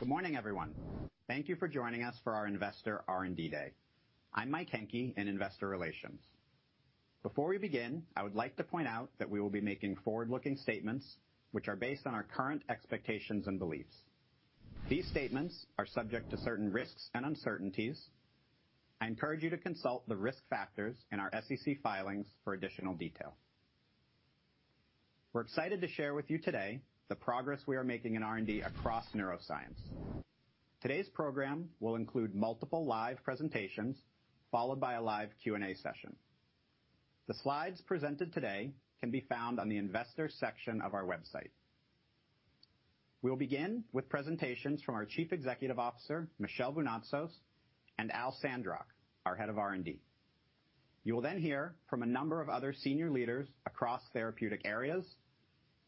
Good morning, everyone. Thank you for joining us for our Investor R&D Day. I'm Mike Hencke in Investor Relations. Before we begin, I would like to point out that we will be making forward-looking statements, which are based on our current expectations and beliefs. These statements are subject to certain risks and uncertainties. I encourage you to consult the risk factors in our SEC filings for additional detail. We're excited to share with you today the progress we are making in R&D across neuroscience. Today's program will include multiple live presentations, followed by a live Q&A session. The slides presented today can be found on the investor section of our website. We'll begin with presentations from our Chief Executive Officer, Michel Vounatsos, and Al Sandrock, our Head of R&D. You will then hear from a number of other senior leaders across therapeutic areas,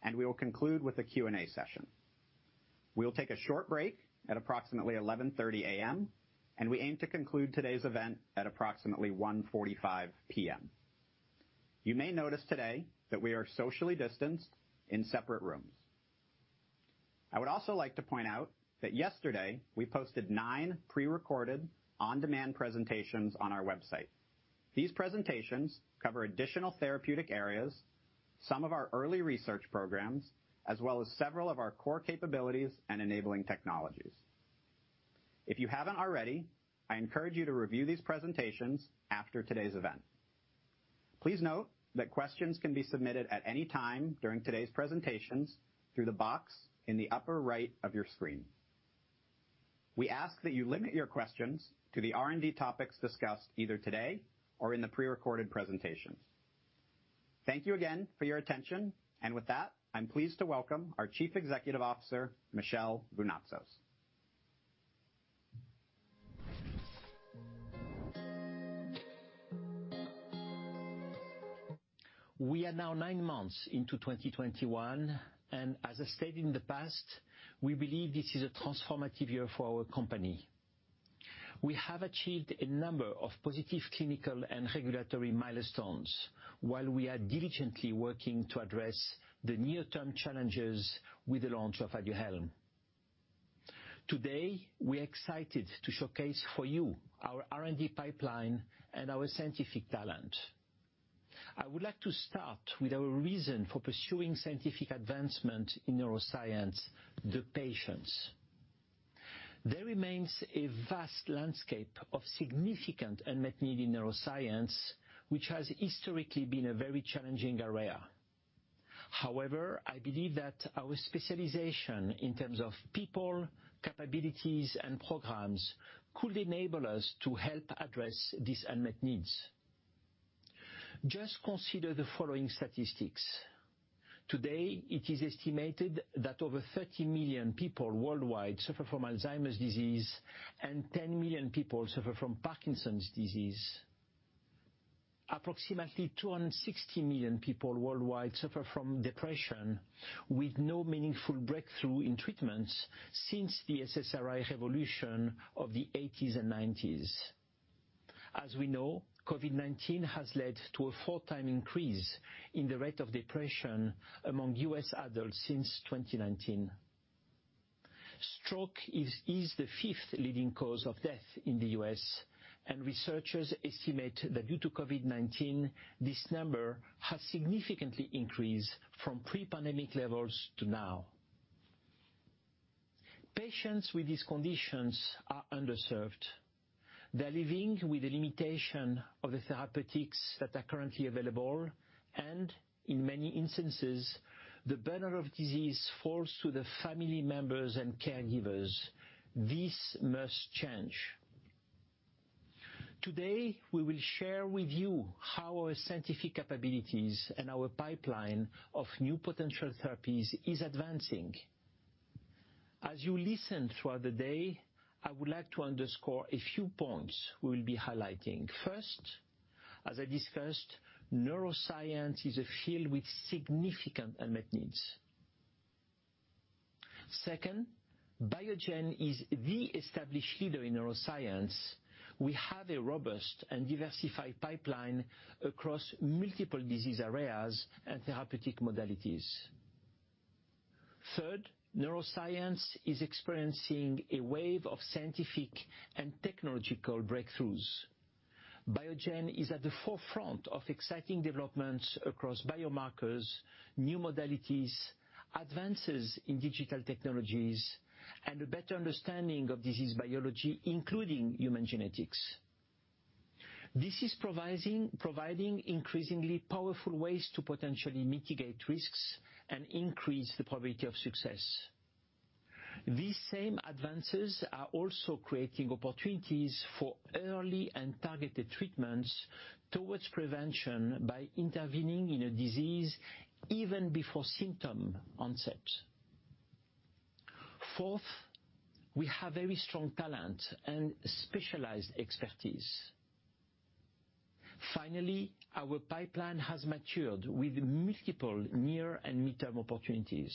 and we will conclude with a Q&A session. We'll take a short break at approximately 11:30 A.M., and we aim to conclude today's event at approximately 1:45 P.M. You may notice today that we are socially distanced in separate rooms. I would also like to point out that yesterday we posted nine pre-recorded on-demand presentations on our website. These presentations cover additional therapeutic areas, some of our early research programs, as well as several of our core capabilities and enabling technologies. If you haven't already, I encourage you to review these presentations after today's event. Please note that questions can be submitted at any time during today's presentations through the box in the upper right of your screen. We ask that you limit your questions to the R&D topics discussed either today or in the pre-recorded presentations. Thank you again for your attention, and with that, I'm pleased to welcome our Chief Executive Officer, Michel Vounatsos. We are now nine months into 2021. As I stated in the past, we believe this is a transformative year for our company. We have achieved a number of positive clinical and regulatory milestones while we are diligently working to address the near-term challenges with the launch of Aduhelm. Today, we're excited to showcase for you our R&D pipeline and our scientific talent. I would like to start with our reason for pursuing scientific advancement in neuroscience, the patients. There remains a vast landscape of significant unmet need in neuroscience, which has historically been a very challenging area. However, I believe that our specialization in terms of people, capabilities, and programs could enable us to help address these unmet needs. Just consider the following statistics. Today, it is estimated that over 30 million people worldwide suffer from Alzheimer's disease and 10 million people suffer from Parkinson's disease. Approximately 260 million people worldwide suffer from depression with no meaningful breakthrough in treatments since the SSRI revolution of the '80s and '90s. As we know, COVID-19 has led to a four-time increase in the rate of depression among U.S. adults since 2019. Stroke is the fifth leading cause of death in the U.S. Researchers estimate that due to COVID-19, this number has significantly increased from pre-pandemic levels to now. Patients with these conditions are underserved. They're living with the limitation of the therapeutics that are currently available. In many instances, the burden of disease falls to the family members and caregivers. This must change. Today, we will share with you how our scientific capabilities and our pipeline of new potential therapies is advancing. As you listen throughout the day, I would like to underscore a few points we will be highlighting. First, as I discussed, neuroscience is a field with significant unmet needs. Second, Biogen is the established leader in neuroscience. We have a robust and diversified pipeline across multiple disease areas and therapeutic modalities. Third, neuroscience is experiencing a wave of scientific and technological breakthroughs. Biogen is at the forefront of exciting developments across biomarkers, new modalities, advances in digital technologies, and a better understanding of disease biology, including human genetics. This is providing increasingly powerful ways to potentially mitigate risks and increase the probability of success. These same advances are also creating opportunities for early and targeted treatments towards prevention by intervening in a disease even before symptom onset. Fourth, we have very strong talent and specialized expertise. Finally, our pipeline has matured with multiple near and midterm opportunities.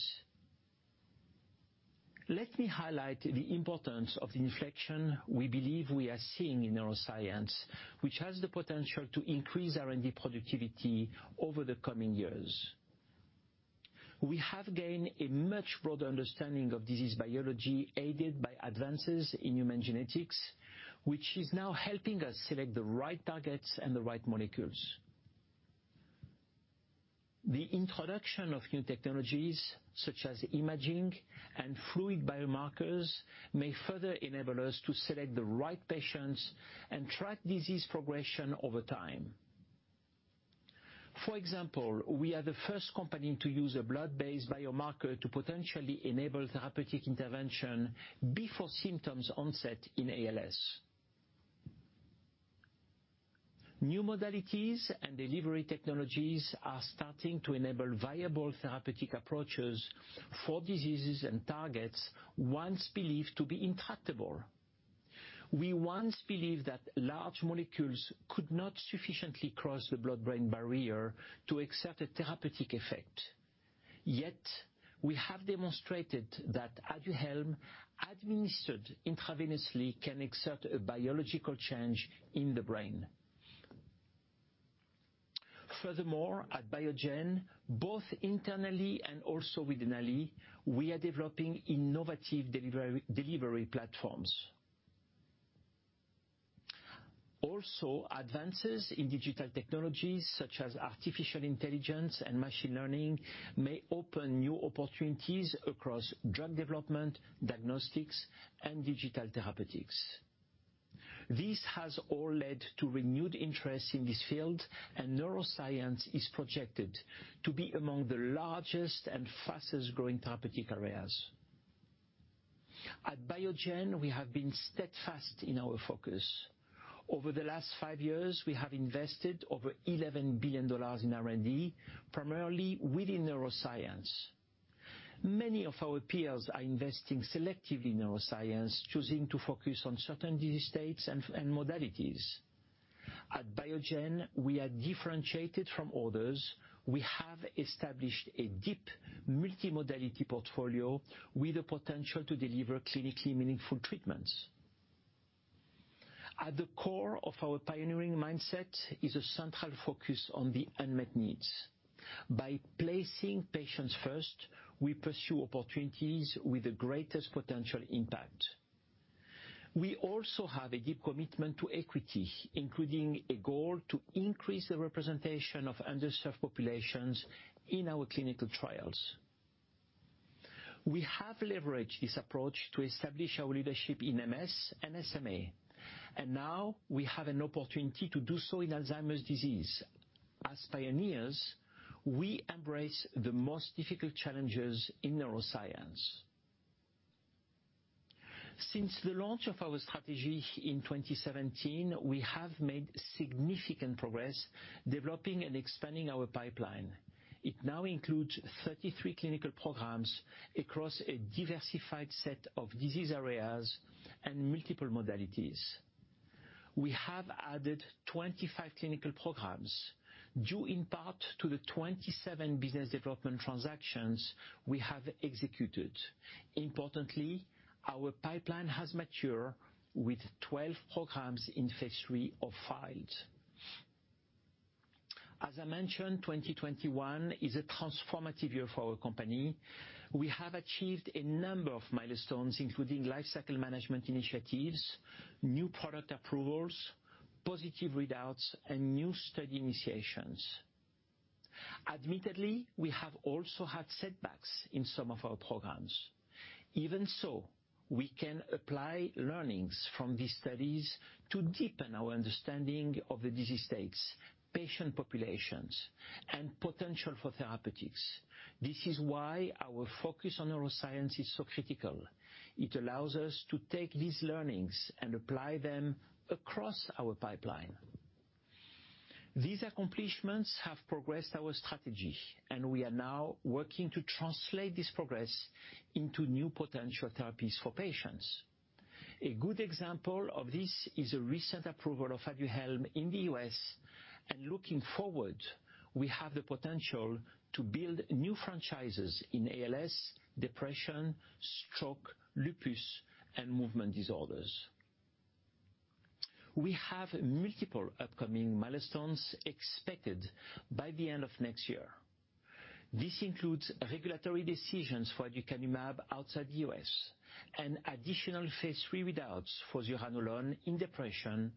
Let me highlight the importance of the inflection we believe we are seeing in neuroscience, which has the potential to increase R&D productivity over the coming years. We have gained a much broader understanding of disease biology aided by advances in human genetics, which is now helping us select the right targets and the right molecules. The introduction of new technologies such as imaging and fluid biomarkers may further enable us to select the right patients and track disease progression over time. For example, we are the first company to use a blood-based biomarker to potentially enable therapeutic intervention before symptoms onset in ALS. New modalities and delivery technologies are starting to enable viable therapeutic approaches for diseases and targets once believed to be intractable. We once believed that large molecules could not sufficiently cross the blood-brain barrier to exert a therapeutic effect. Yet, we have demonstrated that Aduhelm, administered intravenously, can exert a biological change in the brain. At Biogen, both internally and also with Denali Therapeutics, we are developing innovative delivery platforms. Advances in digital technologies such as artificial intelligence and machine learning may open new opportunities across drug development, diagnostics, and digital therapeutics. This has all led to renewed interest in this field, and neuroscience is projected to be among the largest and fastest-growing therapeutic areas. At Biogen, we have been steadfast in our focus. Over the last five years, we have invested over $11 billion in R&D, primarily within neuroscience. Many of our peers are investing selectively in neuroscience, choosing to focus on certain disease states and modalities. At Biogen, we are differentiated from others. We have established a deep multimodality portfolio with the potential to deliver clinically meaningful treatments. At the core of our pioneering mindset is a central focus on the unmet needs. By placing patients first, we pursue opportunities with the greatest potential impact. We also have a deep commitment to equity, including a goal to increase the representation of underserved populations in our clinical trials. We have leveraged this approach to establish our leadership in MS and SMA, and now we have an opportunity to do so in Alzheimer's disease. As pioneers, we embrace the most difficult challenges in neuroscience. Since the launch of our strategy in 2017, we have made significant progress developing and expanding our pipeline. It now includes 33 clinical programs across a diversified set of disease areas and multiple modalities. We have added 25 clinical programs due in part to the 27 business development transactions we have executed. Importantly, our pipeline has matured with 12 programs in phase III or filed. As I mentioned, 2021 is a transformative year for our company. We have achieved a number of milestones, including lifecycle management initiatives, new product approvals, positive readouts, and new study initiations. Admittedly, we have also had setbacks in some of our programs. Even so, we can apply learnings from these studies to deepen our understanding of the disease states, patient populations, and potential for therapeutics. This is why our focus on neuroscience is so critical. It allows us to take these learnings and apply them across our pipeline. These accomplishments have progressed our strategy, and we are now working to translate this progress into new potential therapies for patients. A good example of this is a recent approval of Aduhelm in the U.S., and looking forward, we have the potential to build new franchises in ALS, depression, stroke, lupus, and movement disorders. We have multiple upcoming milestones expected by the end of next year. This includes regulatory decisions for aducanumab outside the U.S., additional phase III readouts for zuranolone in depression,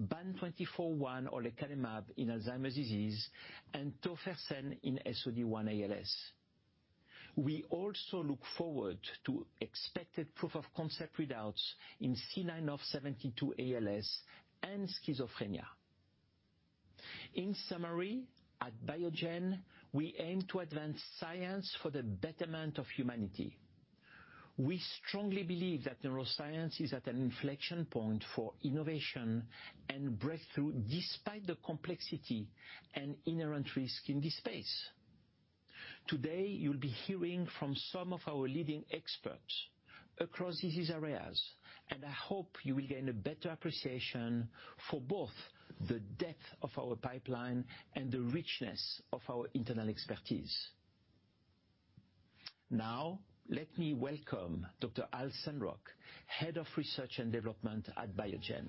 BAN2401 or lecanemab in Alzheimer's disease, and tofersen in SOD1 ALS. We also look forward to expected proof of concept readouts in C9orf72 ALS and schizophrenia. In summary, at Biogen, we aim to advance science for the betterment of humanity. We strongly believe that neuroscience is at an inflection point for innovation and breakthrough, despite the complexity and inherent risk in this space. Today, you'll be hearing from some of our leading experts across disease areas. I hope you will gain a better appreciation for both the depth of our pipeline and the richness of our internal expertise. Now, let me welcome Dr. Al Sandrock, Head of Research and Development at Biogen.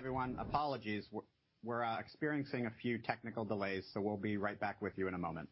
Hi, everyone. Apologies. We're experiencing a few technical delays, so we'll be right back with you in a moment.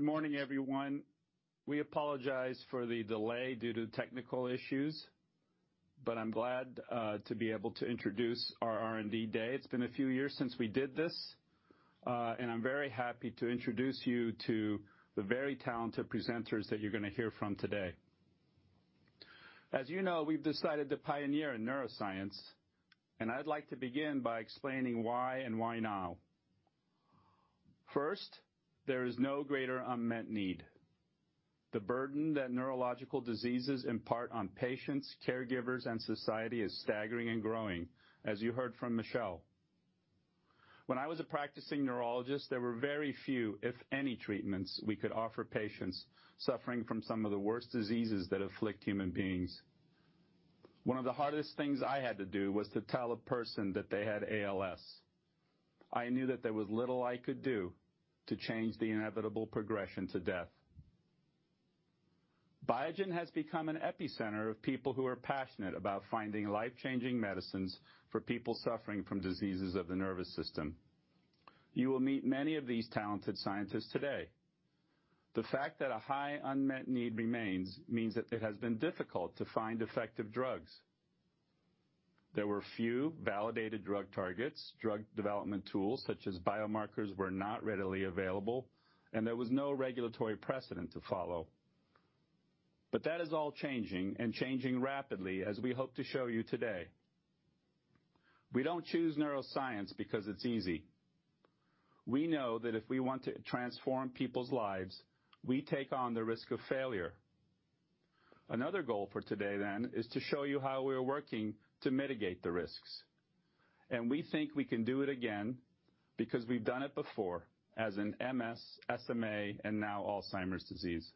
Good morning, everyone. We apologize for the delay due to technical issues, but I'm glad to be able to introduce our R&D Day. It's been a few years since we did this, and I'm very happy to introduce you to the very talented presenters that you're going to hear from today. As you know, we've decided to pioneer in neuroscience, and I'd like to begin by explaining why and why now. First, there is no greater unmet need. The burden that neurological diseases impart on patients, caregivers, and society is staggering and growing, as you heard from Michel. When I was a practicing neurologist, there were very few, if any, treatments we could offer patients suffering from some of the worst diseases that afflict human beings. One of the hardest things I had to do was to tell a person that they had ALS. I knew that there was little I could do to change the inevitable progression to death. Biogen has become an epicenter of people who are passionate about finding life-changing medicines for people suffering from diseases of the nervous system. You will meet many of these talented scientists today. The fact that a high unmet need remains means that it has been difficult to find effective drugs. There were few validated drug targets. Drug development tools such as biomarkers were not readily available. There was no regulatory precedent to follow. That is all changing. Changing rapidly, as we hope to show you today. We don't choose neuroscience because it's easy. We know that if we want to transform people's lives, we take on the risk of failure. Another goal for today is to show you how we are working to mitigate the risks. We think we can do it again because we've done it before, as in MS, SMA, and now Alzheimer's disease.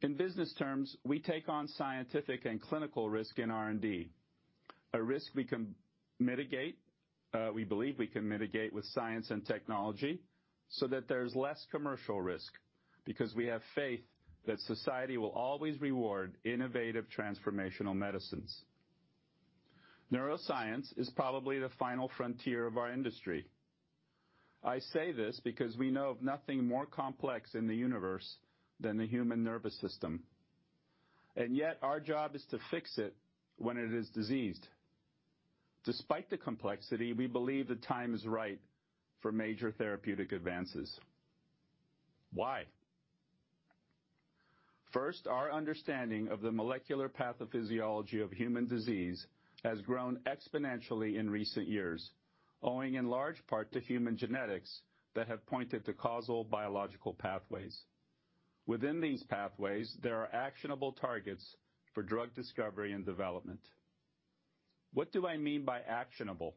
In business terms, we take on scientific and clinical risk in R&D. A risk we believe we can mitigate with science and technology so that there's less commercial risk, because we have faith that society will always reward innovative transformational medicines. Neuroscience is probably the final frontier of our industry. I say this because we know of nothing more complex in the universe than the human nervous system. Yet our job is to fix it when it is diseased. Despite the complexity, we believe the time is right for major therapeutic advances. Why? First, our understanding of the molecular pathophysiology of human disease has grown exponentially in recent years, owing in large part to human genetics that have pointed to causal biological pathways. Within these pathways, there are actionable targets for drug discovery and development. What do I mean by actionable?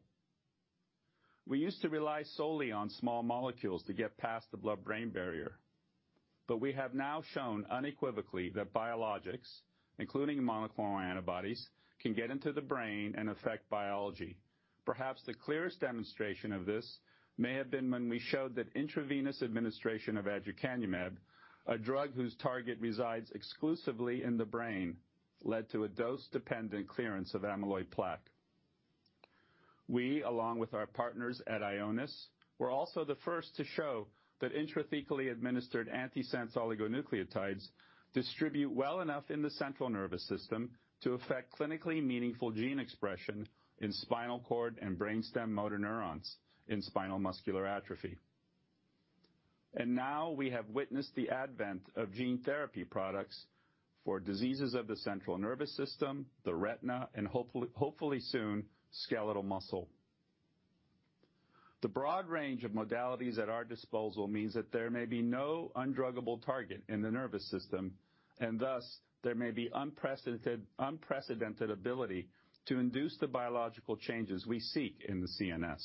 We used to rely solely on small molecules to get past the blood-brain barrier. We have now shown unequivocally that biologics, including monoclonal antibodies, can get into the brain and affect biology. Perhaps the clearest demonstration of this may have been when we showed that intravenous administration of aducanumab, a drug whose target resides exclusively in the brain, led to a dose-dependent clearance of amyloid plaque. We, along with our partners at Ionis, were also the first to show that intrathecally administered antisense oligonucleotides distribute well enough in the central nervous system to affect clinically meaningful gene expression in spinal cord and brain stem motor neurons in spinal muscular atrophy. Now we have witnessed the advent of gene therapy products for diseases of the central nervous system, the retina, and hopefully soon, skeletal muscle. The broad range of modalities at our disposal means that there may be no undruggable target in the nervous system, and thus, there may be unprecedented ability to induce the biological changes we seek in the CNS.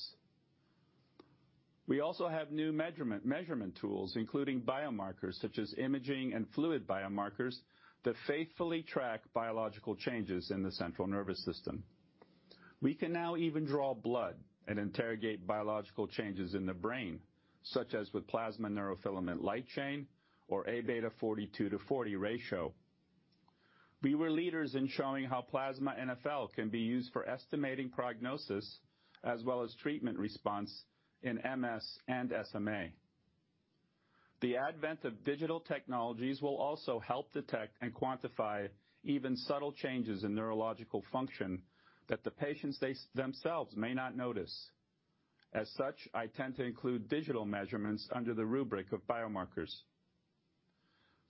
We also have new measurement tools, including biomarkers such as imaging and fluid biomarkers, that faithfully track biological changes in the central nervous system. We can now even draw blood and interrogate biological changes in the brain, such as with plasma neurofilament light chain or Aβ42/40 ratio. We were leaders in showing how plasma NfL can be used for estimating prognosis as well as treatment response in MS and SMA. The advent of digital technologies will also help detect and quantify even subtle changes in neurological function that the patients themselves may not notice. As such, I tend to include digital measurements under the rubric of biomarkers.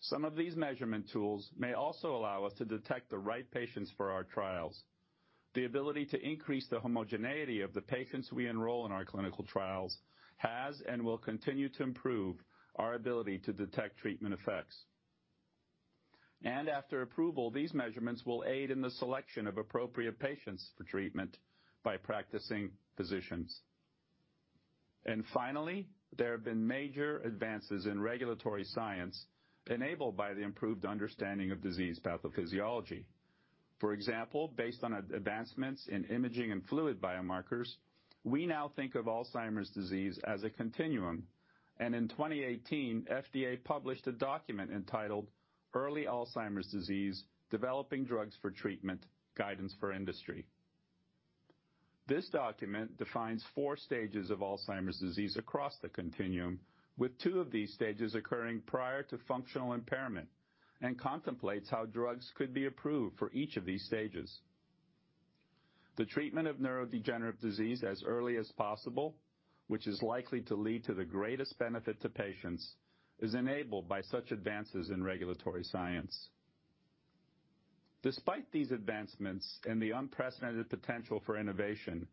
Some of these measurement tools may also allow us to detect the right patients for our trials. The ability to increase the homogeneity of the patients we enroll in our clinical trials has and will continue to improve our ability to detect treatment effects. After approval, these measurements will aid in the selection of appropriate patients for treatment by practicing physicians. Finally, there have been major advances in regulatory science enabled by the improved understanding of disease pathophysiology. For example, based on advancements in imaging and fluid biomarkers, we now think of Alzheimer's disease as a continuum. In 2018, FDA published a document entitled "Early Alzheimer's Disease: Developing Drugs for Treatment, Guidance for Industry." This document defines 4 stages of Alzheimer's disease across the continuum, with two of these stages occurring prior to functional impairment, and contemplates how drugs could be approved for each of these stages. The treatment of neurodegenerative disease as early as possible, which is likely to lead to the greatest benefit to patients, is enabled by such advances in regulatory science. Despite these advancements and the unprecedented potential for innovation,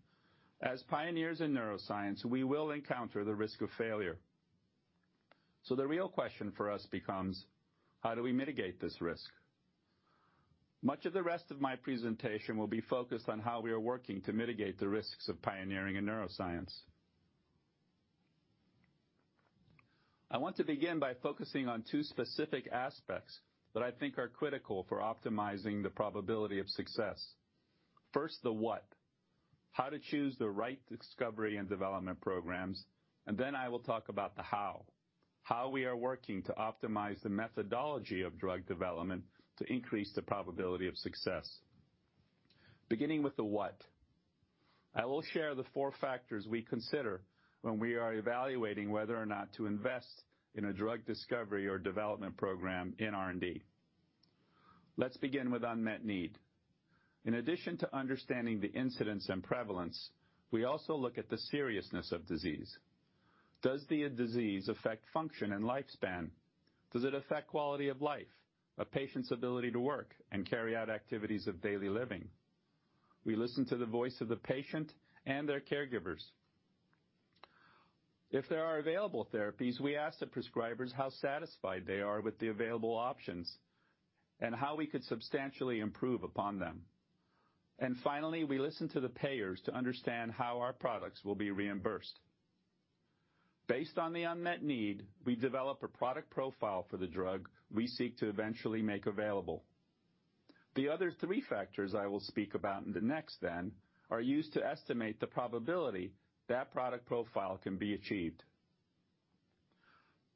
as pioneers in neuroscience, we will encounter the risk of failure. The real question for us becomes, how do we mitigate this risk? Much of the rest of my presentation will be focused on how we are working to mitigate the risks of pioneering in neuroscience. I want to begin by focusing on two specific aspects that I think are critical for optimizing the probability of success. First, the what, how to choose the right discovery and development programs, and then I will talk about the how we are working to optimize the methodology of drug development to increase the probability of success. Beginning with the what, I will share the four factors we consider when we are evaluating whether or not to invest in a drug discovery or development program in R&D. Let's begin with unmet need. In addition to understanding the incidence and prevalence, we also look at the seriousness of disease. Does the disease affect function and lifespan? Does it affect quality of life, a patient's ability to work and carry out activities of daily living? We listen to the voice of the patient and their caregivers. If there are available therapies, we ask the prescribers how satisfied they are with the available options and how we could substantially improve upon them. Finally, we listen to the payers to understand how our products will be reimbursed. Based on the unmet need, we develop a product profile for the drug we seek to eventually make available. The other three factors I will speak about in the next then are used to estimate the probability that product profile can be achieved.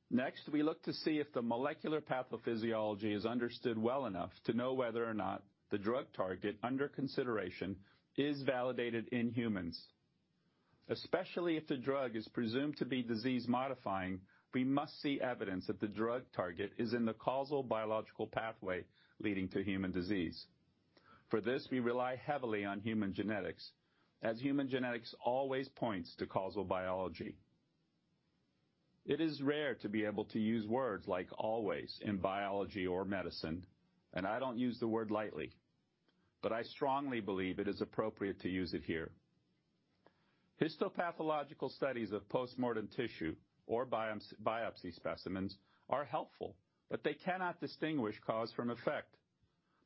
Next, we look to see if the molecular pathophysiology is understood well enough to know whether or not the drug target under consideration is validated in humans. Especially if the drug is presumed to be disease-modifying, we must see evidence that the drug target is in the causal biological pathway leading to human disease. For this, we rely heavily on human genetics, as human genetics always points to causal biology. It is rare to be able to use words like always in biology or medicine, and I don't use the word lightly, but I strongly believe it is appropriate to use it here. Histopathological studies of postmortem tissue or biopsy specimens are helpful, but they cannot distinguish cause from effect.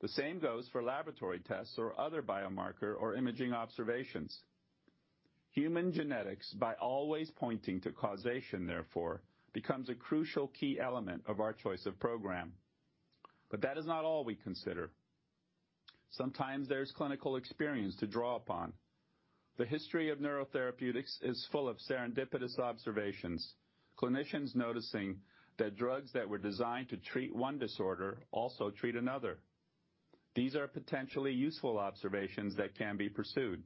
The same goes for laboratory tests or other biomarker or imaging observations. Human genetics, by always pointing to causation, therefore, becomes a crucial key element of our choice of program. That is not all we consider. Sometimes there's clinical experience to draw upon. The history of neurotherapeutics is full of serendipitous observations, clinicians noticing that drugs that were designed to treat one disorder also treat another. These are potentially useful observations that can be pursued.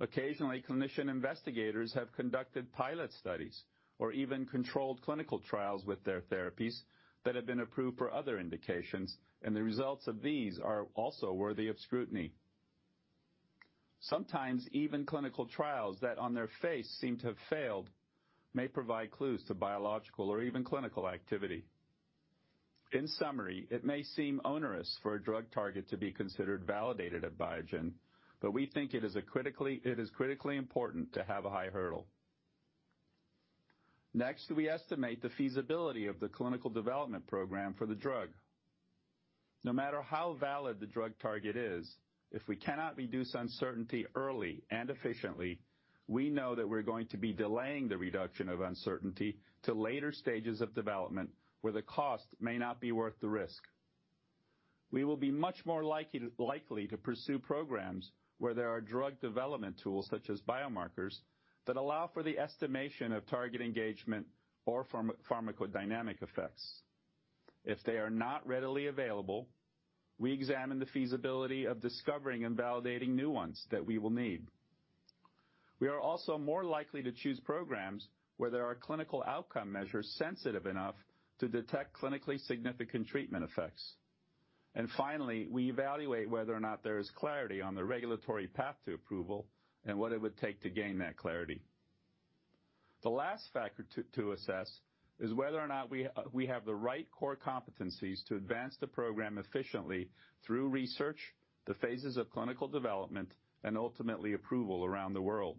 Occasionally, clinician investigators have conducted pilot studies or even controlled clinical trials with their therapies that have been approved for other indications, and the results of these are also worthy of scrutiny. Sometimes even clinical trials that on their face seem to have failed may provide clues to biological or even clinical activity. In summary, it may seem onerous for a drug target to be considered validated at Biogen, but we think it is critically important to have a high hurdle. Next, we estimate the feasibility of the clinical development program for the drug. No matter how valid the drug target is, if we cannot reduce uncertainty early and efficiently, we know that we're going to be delaying the reduction of uncertainty to later stages of development where the cost may not be worth the risk. We will be much more likely to pursue programs where there are drug development tools such as biomarkers that allow for the estimation of target engagement or pharmacodynamic effects. If they are not readily available, we examine the feasibility of discovering and validating new ones that we will need. We are also more likely to choose programs where there are clinical outcome measures sensitive enough to detect clinically significant treatment effects. Finally, we evaluate whether or not there is clarity on the regulatory path to approval and what it would take to gain that clarity. The last factor to assess is whether or not we have the right core competencies to advance the program efficiently through research, the phases of clinical development, and ultimately approval around the world.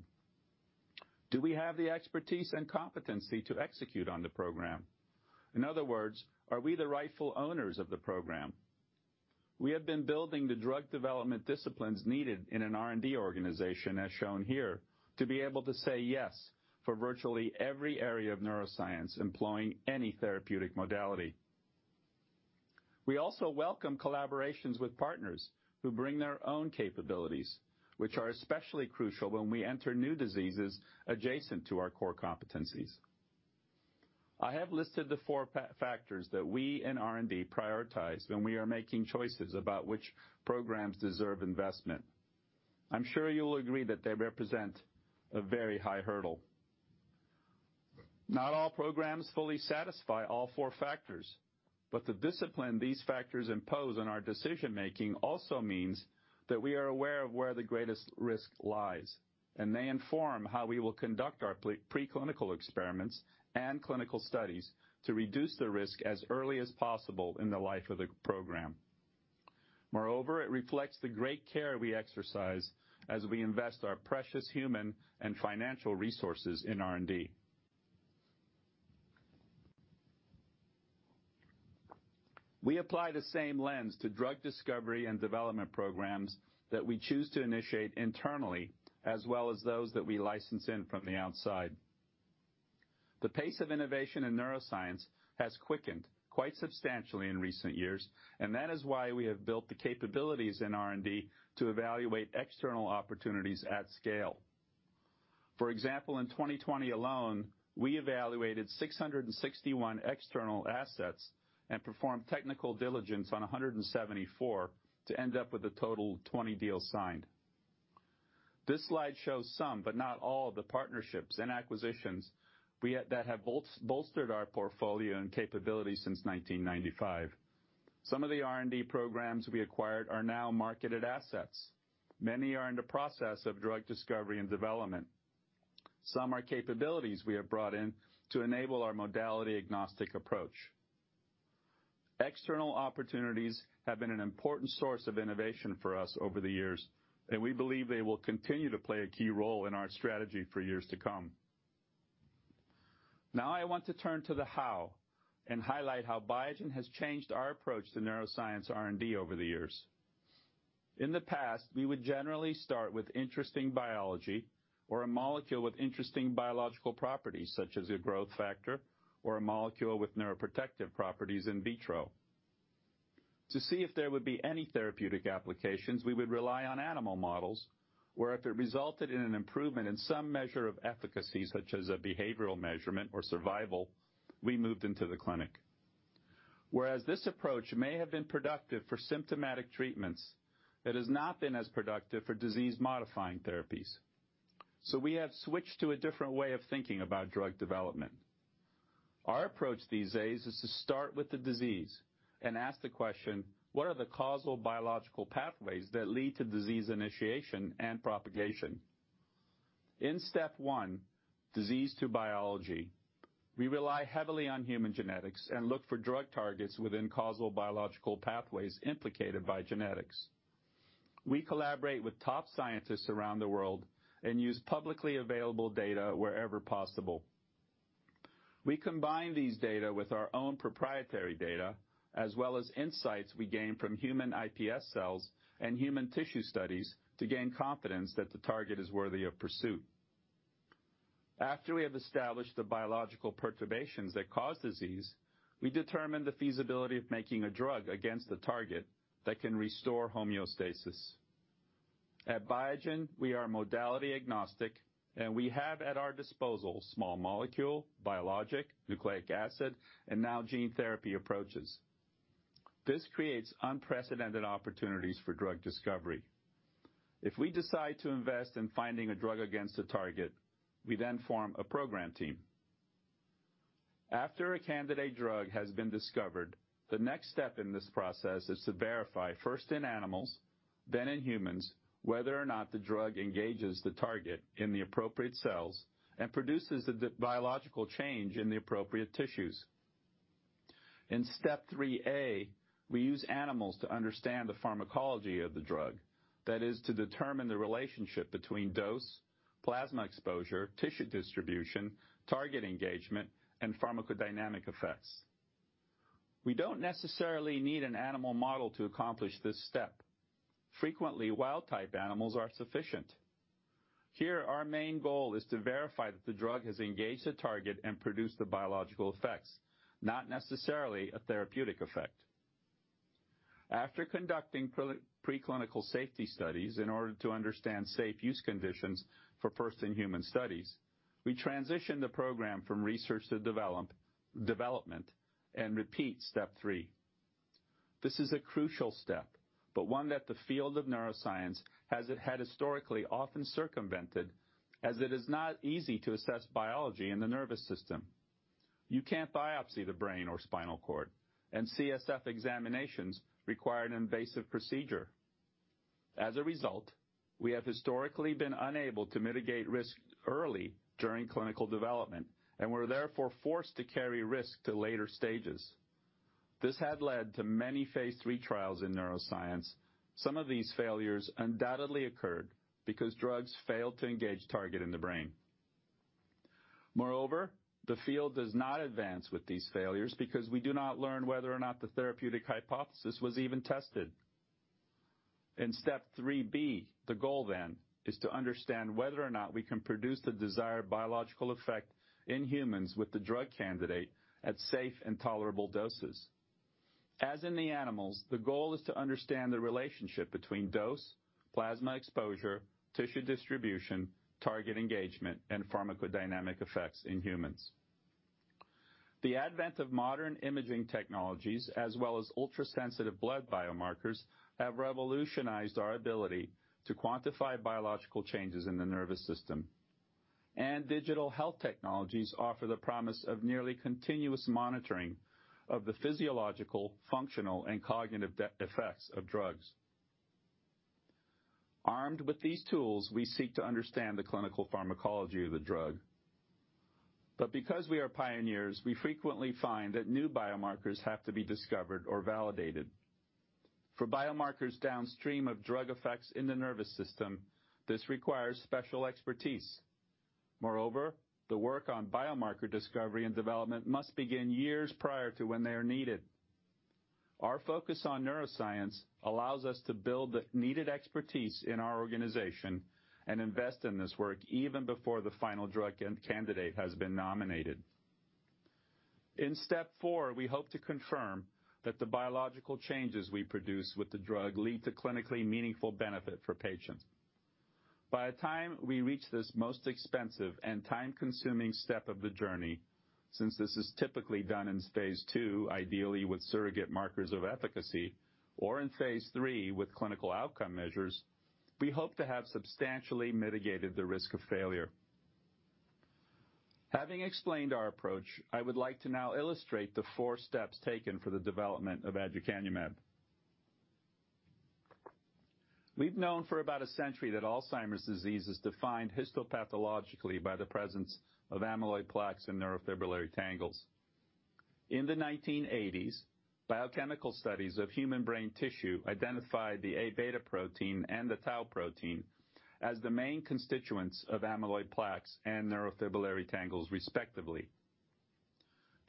Do we have the expertise and competency to execute on the program? In other words, are we the rightful owners of the program? We have been building the drug development disciplines needed in an R&D organization, as shown here, to be able to say yes for virtually every area of neuroscience employing any therapeutic modality. We also welcome collaborations with partners who bring their own capabilities, which are especially crucial when we enter new diseases adjacent to our core competencies. I have listed the four factors that we in R&D prioritize when we are making choices about which programs deserve investment. I'm sure you'll agree that they represent a very high hurdle. Not all programs fully satisfy all four factors, but the discipline these factors impose on our decision-making also means that we are aware of where the greatest risk lies, and they inform how we will conduct our preclinical experiments and clinical studies to reduce the risk as early as possible in the life of the program. Moreover, it reflects the great care we exercise as we invest our precious human and financial resources in R&D. We apply the same lens to drug discovery and development programs that we choose to initiate internally, as well as those that we license in from the outside. The pace of innovation in neuroscience has quickened quite substantially in recent years, and that is why we have built the capabilities in R&D to evaluate external opportunities at scale. For example, in 2020 alone, we evaluated 661 external assets and performed technical diligence on 174 to end up with a total of 20 deals signed. This slide shows some, but not all, of the partnerships and acquisitions that have bolstered our portfolio and capabilities since 1995. Some of the R&D programs we acquired are now marketed assets. Many are in the process of drug discovery and development. Some are capabilities we have brought in to enable our modality-agnostic approach. External opportunities have been an important source of innovation for us over the years, and we believe they will continue to play a key role in our strategy for years to come. I want to turn to the how and highlight how Biogen has changed our approach to neuroscience R&D over the years. In the past, we would generally start with interesting biology or a molecule with interesting biological properties, such as a growth factor or a molecule with neuroprotective properties in vitro. To see if there would be any therapeutic applications, we would rely on animal models, where if it resulted in an improvement in some measure of efficacy, such as a behavioral measurement or survival, we moved into the clinic. Whereas this approach may have been productive for symptomatic treatments, it has not been as productive for disease-modifying therapies. We have switched to a different way of thinking about drug development. Our approach these days is to start with the disease and ask the question: what are the causal biological pathways that lead to disease initiation and propagation? In step one, disease to biology, we rely heavily on human genetics and look for drug targets within causal biological pathways implicated by genetics. We collaborate with top scientists around the world and use publicly available data wherever possible. We combine these data with our own proprietary data, as well as insights we gain from human iPS cells and human tissue studies to gain confidence that the target is worthy of pursuit. After we have established the biological perturbations that cause disease, we determine the feasibility of making a drug against the target that can restore homeostasis. At Biogen, we are modality agnostic, and we have at our disposal small molecule, biologic, nucleic acid, and now gene therapy approaches. This creates unprecedented opportunities for drug discovery. If we decide to invest in finding a drug against a target, we then form a program team. After a candidate drug has been discovered, the next step in this process is to verify, first in animals, then in humans, whether or not the drug engages the target in the appropriate cells and produces the biological change in the appropriate tissues. In step 3A, we use animals to understand the pharmacology of the drug. That is, to determine the relationship between dose, plasma exposure, tissue distribution, target engagement, and pharmacodynamic effects. We don't necessarily need an animal model to accomplish this step. Frequently, wild-type animals are sufficient. Here, our main goal is to verify that the drug has engaged the target and produced the biological effects, not necessarily a therapeutic effect. After conducting preclinical safety studies in order to understand safe use conditions for first-in-human studies, we transition the program from research to development and repeat step 3. This is a crucial step, but one that the field of neuroscience has historically often circumvented, as it is not easy to assess biology in the nervous system. You can't biopsy the brain or spinal cord, and CSF examinations require an invasive procedure. As a result, we have historically been unable to mitigate risk early during clinical development and were therefore forced to carry risk to later stages. This had led to many phase III trials in neuroscience. Some of these failures undoubtedly occurred because drugs failed to engage target in the brain. Moreover, the field does not advance with these failures because we do not learn whether or not the therapeutic hypothesis was even tested. In step 3B, the goal then is to understand whether or not we can produce the desired biological effect in humans with the drug candidate at safe and tolerable doses. As in the animals, the goal is to understand the relationship between dose, plasma exposure, tissue distribution, target engagement, and pharmacodynamic effects in humans. The advent of modern imaging technologies, as well as ultrasensitive blood biomarkers, have revolutionized our ability to quantify biological changes in the nervous system. Digital health technologies offer the promise of nearly continuous monitoring of the physiological, functional, and cognitive effects of drugs. Armed with these tools, we seek to understand the clinical pharmacology of the drug. Because we are pioneers, we frequently find that new biomarkers have to be discovered or validated. For biomarkers downstream of drug effects in the nervous system, this requires special expertise. Moreover, the work on biomarker discovery and development must begin years prior to when they are needed. Our focus on neuroscience allows us to build the needed expertise in our organization and invest in this work even before the final drug candidate has been nominated. In step four, we hope to confirm that the biological changes we produce with the drug lead to clinically meaningful benefit for patients. By the time we reach this most expensive and time-consuming step of the journey, since this is typically done in phase II, ideally with surrogate markers of efficacy, or in phase III with clinical outcome measures, we hope to have substantially mitigated the risk of failure. Having explained our approach, I would like to now illustrate the four steps taken for the development of aducanumab. We've known for about a century that Alzheimer's disease is defined histopathologically by the presence of amyloid plaques and neurofibrillary tangles. In the 1980s, biochemical studies of human brain tissue identified the Aβ protein and the tau protein as the main constituents of amyloid plaques and neurofibrillary tangles, respectively.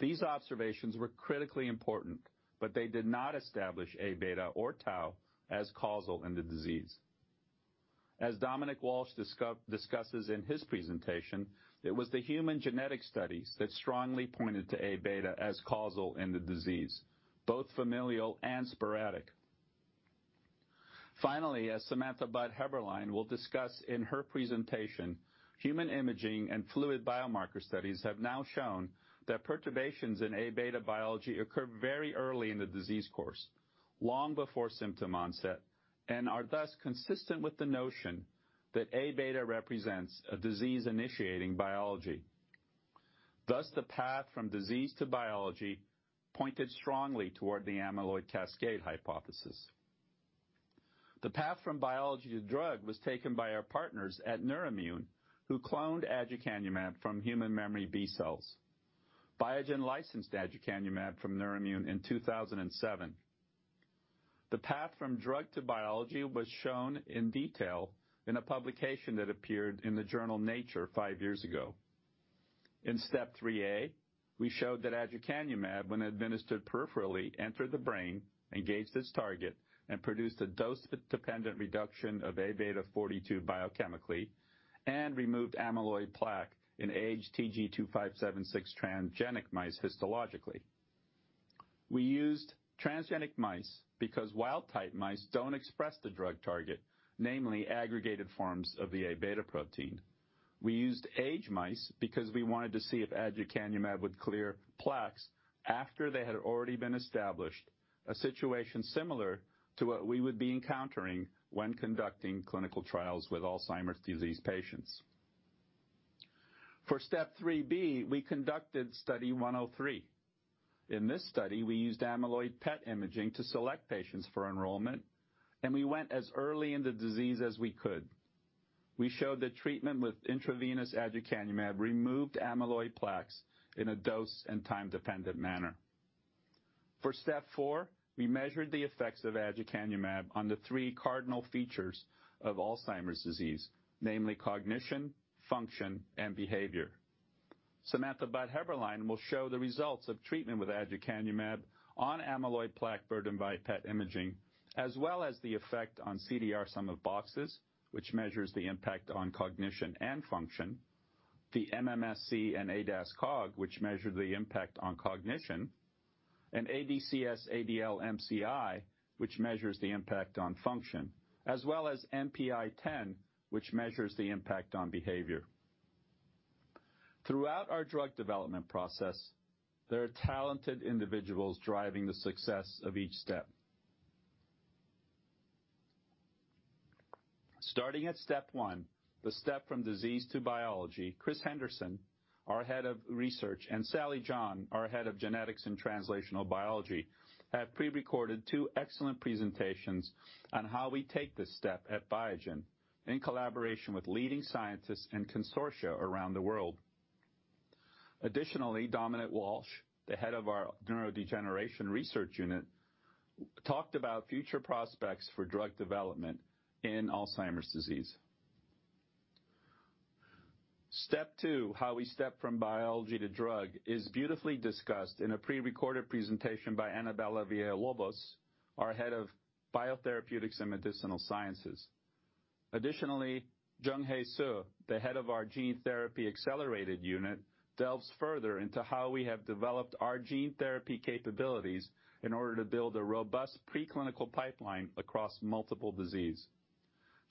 These observations were critically important, but they did not establish Aβ or tau as causal in the disease. As Dominic Walsh discusses in his presentation, it was the human genetic studies that strongly pointed to Aβ as causal in the disease, both familial and sporadic. Finally, as Samantha Budd Haeberlein will discuss in her presentation, human imaging and fluid biomarker studies have now shown that perturbations in Aβ biology occur very early in the disease course, long before symptom onset, and are thus consistent with the notion that Aβ represents a disease-initiating biology. Thus, the path from disease to biology pointed strongly toward the amyloid cascade hypothesis. The path from biology to drug was taken by our partners at Neurimmune, who cloned aducanumab from human memory B cells. Biogen licensed aducanumab from Neurimmune in 2007. The path from drug to biology was shown in detail in a publication that appeared in the journal "Nature" five years ago. In step 3A, we showed that aducanumab, when administered peripherally, entered the brain, engaged its target, and produced a dose-dependent reduction of A-beta 42 biochemically, and removed amyloid plaque in aged Tg2576 transgenic mice histologically. We used transgenic mice because wild-type mice don't express the drug target, namely aggregated forms of the A-beta protein. We used aged mice because we wanted to see if aducanumab would clear plaques after they had already been established, a situation similar to what we would be encountering when conducting clinical trials with Alzheimer's disease patients. For step 3B, we conducted Study 103. In this study, we used amyloid PET imaging to select patients for enrollment, and we went as early in the disease as we could. We showed that treatment with intravenous aducanumab removed amyloid plaques in a dose and time-dependent manner. For step 4, we measured the effects of aducanumab on the three cardinal features of Alzheimer's disease, namely cognition, function, and behavior. Samantha Budd Haeberlein will show the results of treatment with aducanumab on amyloid plaque burden by PET imaging, as well as the effect on CDR Sum of Boxes, which measures the impact on cognition and function. The MMSE and ADAS-Cog, which measure the impact on cognition, and ADCS-ADL-MCI, which measures the impact on function, as well as NPI 10, which measures the impact on behavior. Throughout our drug development process, there are talented individuals driving the success of each step. Starting at step one, the step from disease to biology, Chris Henderson, our Head of Research, and Sally John, our Head of Genetics and Translational Biology, have pre-recorded two excellent presentations on how we take this step at Biogen in collaboration with leading scientists and consortia around the world. Dominic Walsh, the Head of our Neurodegeneration Research Unit, talked about future prospects for drug development in Alzheimer's disease. Step two, how we step from biology to drug, is beautifully discussed in a pre-recorded presentation by Anabella Villalobos, our Head of Biotherapeutics and Medicinal Sciences. Junghae Suh, the Head of our Gene Therapy Accelerator Unit, delves further into how we have developed our gene therapy capabilities in order to build a robust preclinical pipeline across multiple disease.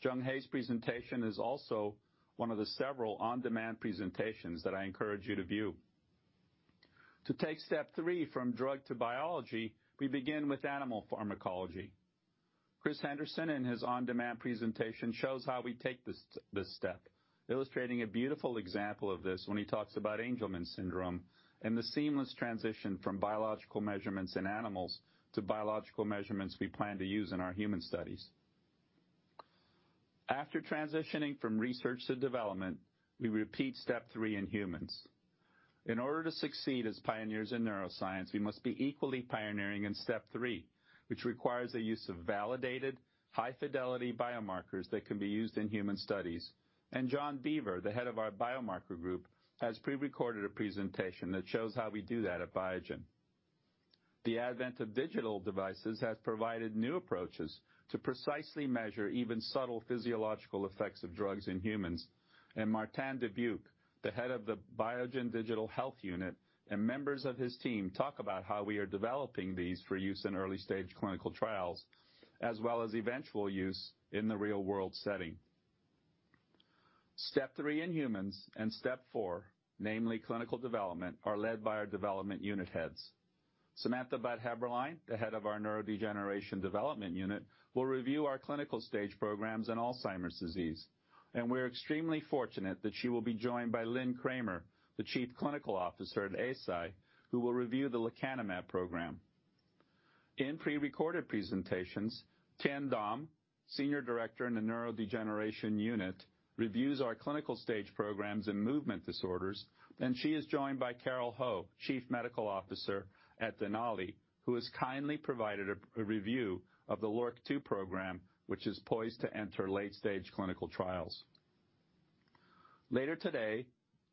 Junghae's presentation is also one of the several on-demand presentations that I encourage you to view. To take step 3 from drug to biology, we begin with animal pharmacology. Chris Henderson, in his on-demand presentation, shows how we take this step, illustrating a beautiful example of this when he talks about Angelman syndrome and the seamless transition from biological measurements in animals to biological measurements we plan to use in our human studies. After transitioning from research to development, we repeat step 3 in humans. In order to succeed as pioneers in neuroscience, we must be equally pioneering in step 3, which requires the use of validated, high-fidelity biomarkers that can be used in human studies. John Beaver, the head of our biomarker group, has pre-recorded a presentation that shows how we do that at Biogen. The advent of digital devices has provided new approaches to precisely measure even subtle physiological effects of drugs in humans. Martin Dubuc, the Head of the Biogen digital health unit, and members of his team talk about how we are developing these for use in early-stage clinical trials, as well as eventual use in the real-world setting. Step 3 in humans and Step 4, namely clinical development, are led by our development unit heads. Samantha Budd Haeberlein, the Head of our neurodegeneration development unit, will review our clinical stage programs in Alzheimer's disease. We are extremely fortunate that she will be joined by Lynn Kramer, the Chief Clinical Officer at Eisai, who will review the lecanemab program. In pre-recorded presentations, Tien Dam, Senior Director in the neurodegeneration unit, reviews our clinical stage programs in movement disorders, and she is joined by Carole Ho, Chief Medical Officer at Denali, who has kindly provided a review of the LRRK2 program, which is poised to enter late-stage clinical trials. Later today,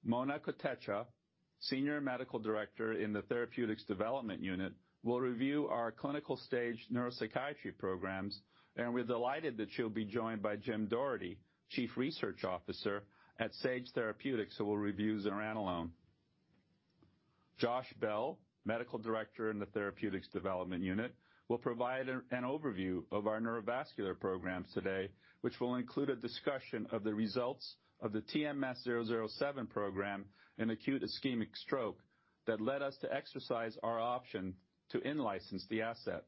Mona Kotecha, senior medical director in the therapeutics development unit, will review our clinical stage neuropsychiatry programs, and we're delighted that she'll be joined by Jim Doherty, chief research officer at Sage Therapeutics, who will review zuranolone. Josh Bell, medical director in the therapeutics development unit, will provide an overview of our neurovascular programs today, which will include a discussion of the results of the TMS-007 program in acute ischemic stroke that led us to exercise our option to in-license the asset.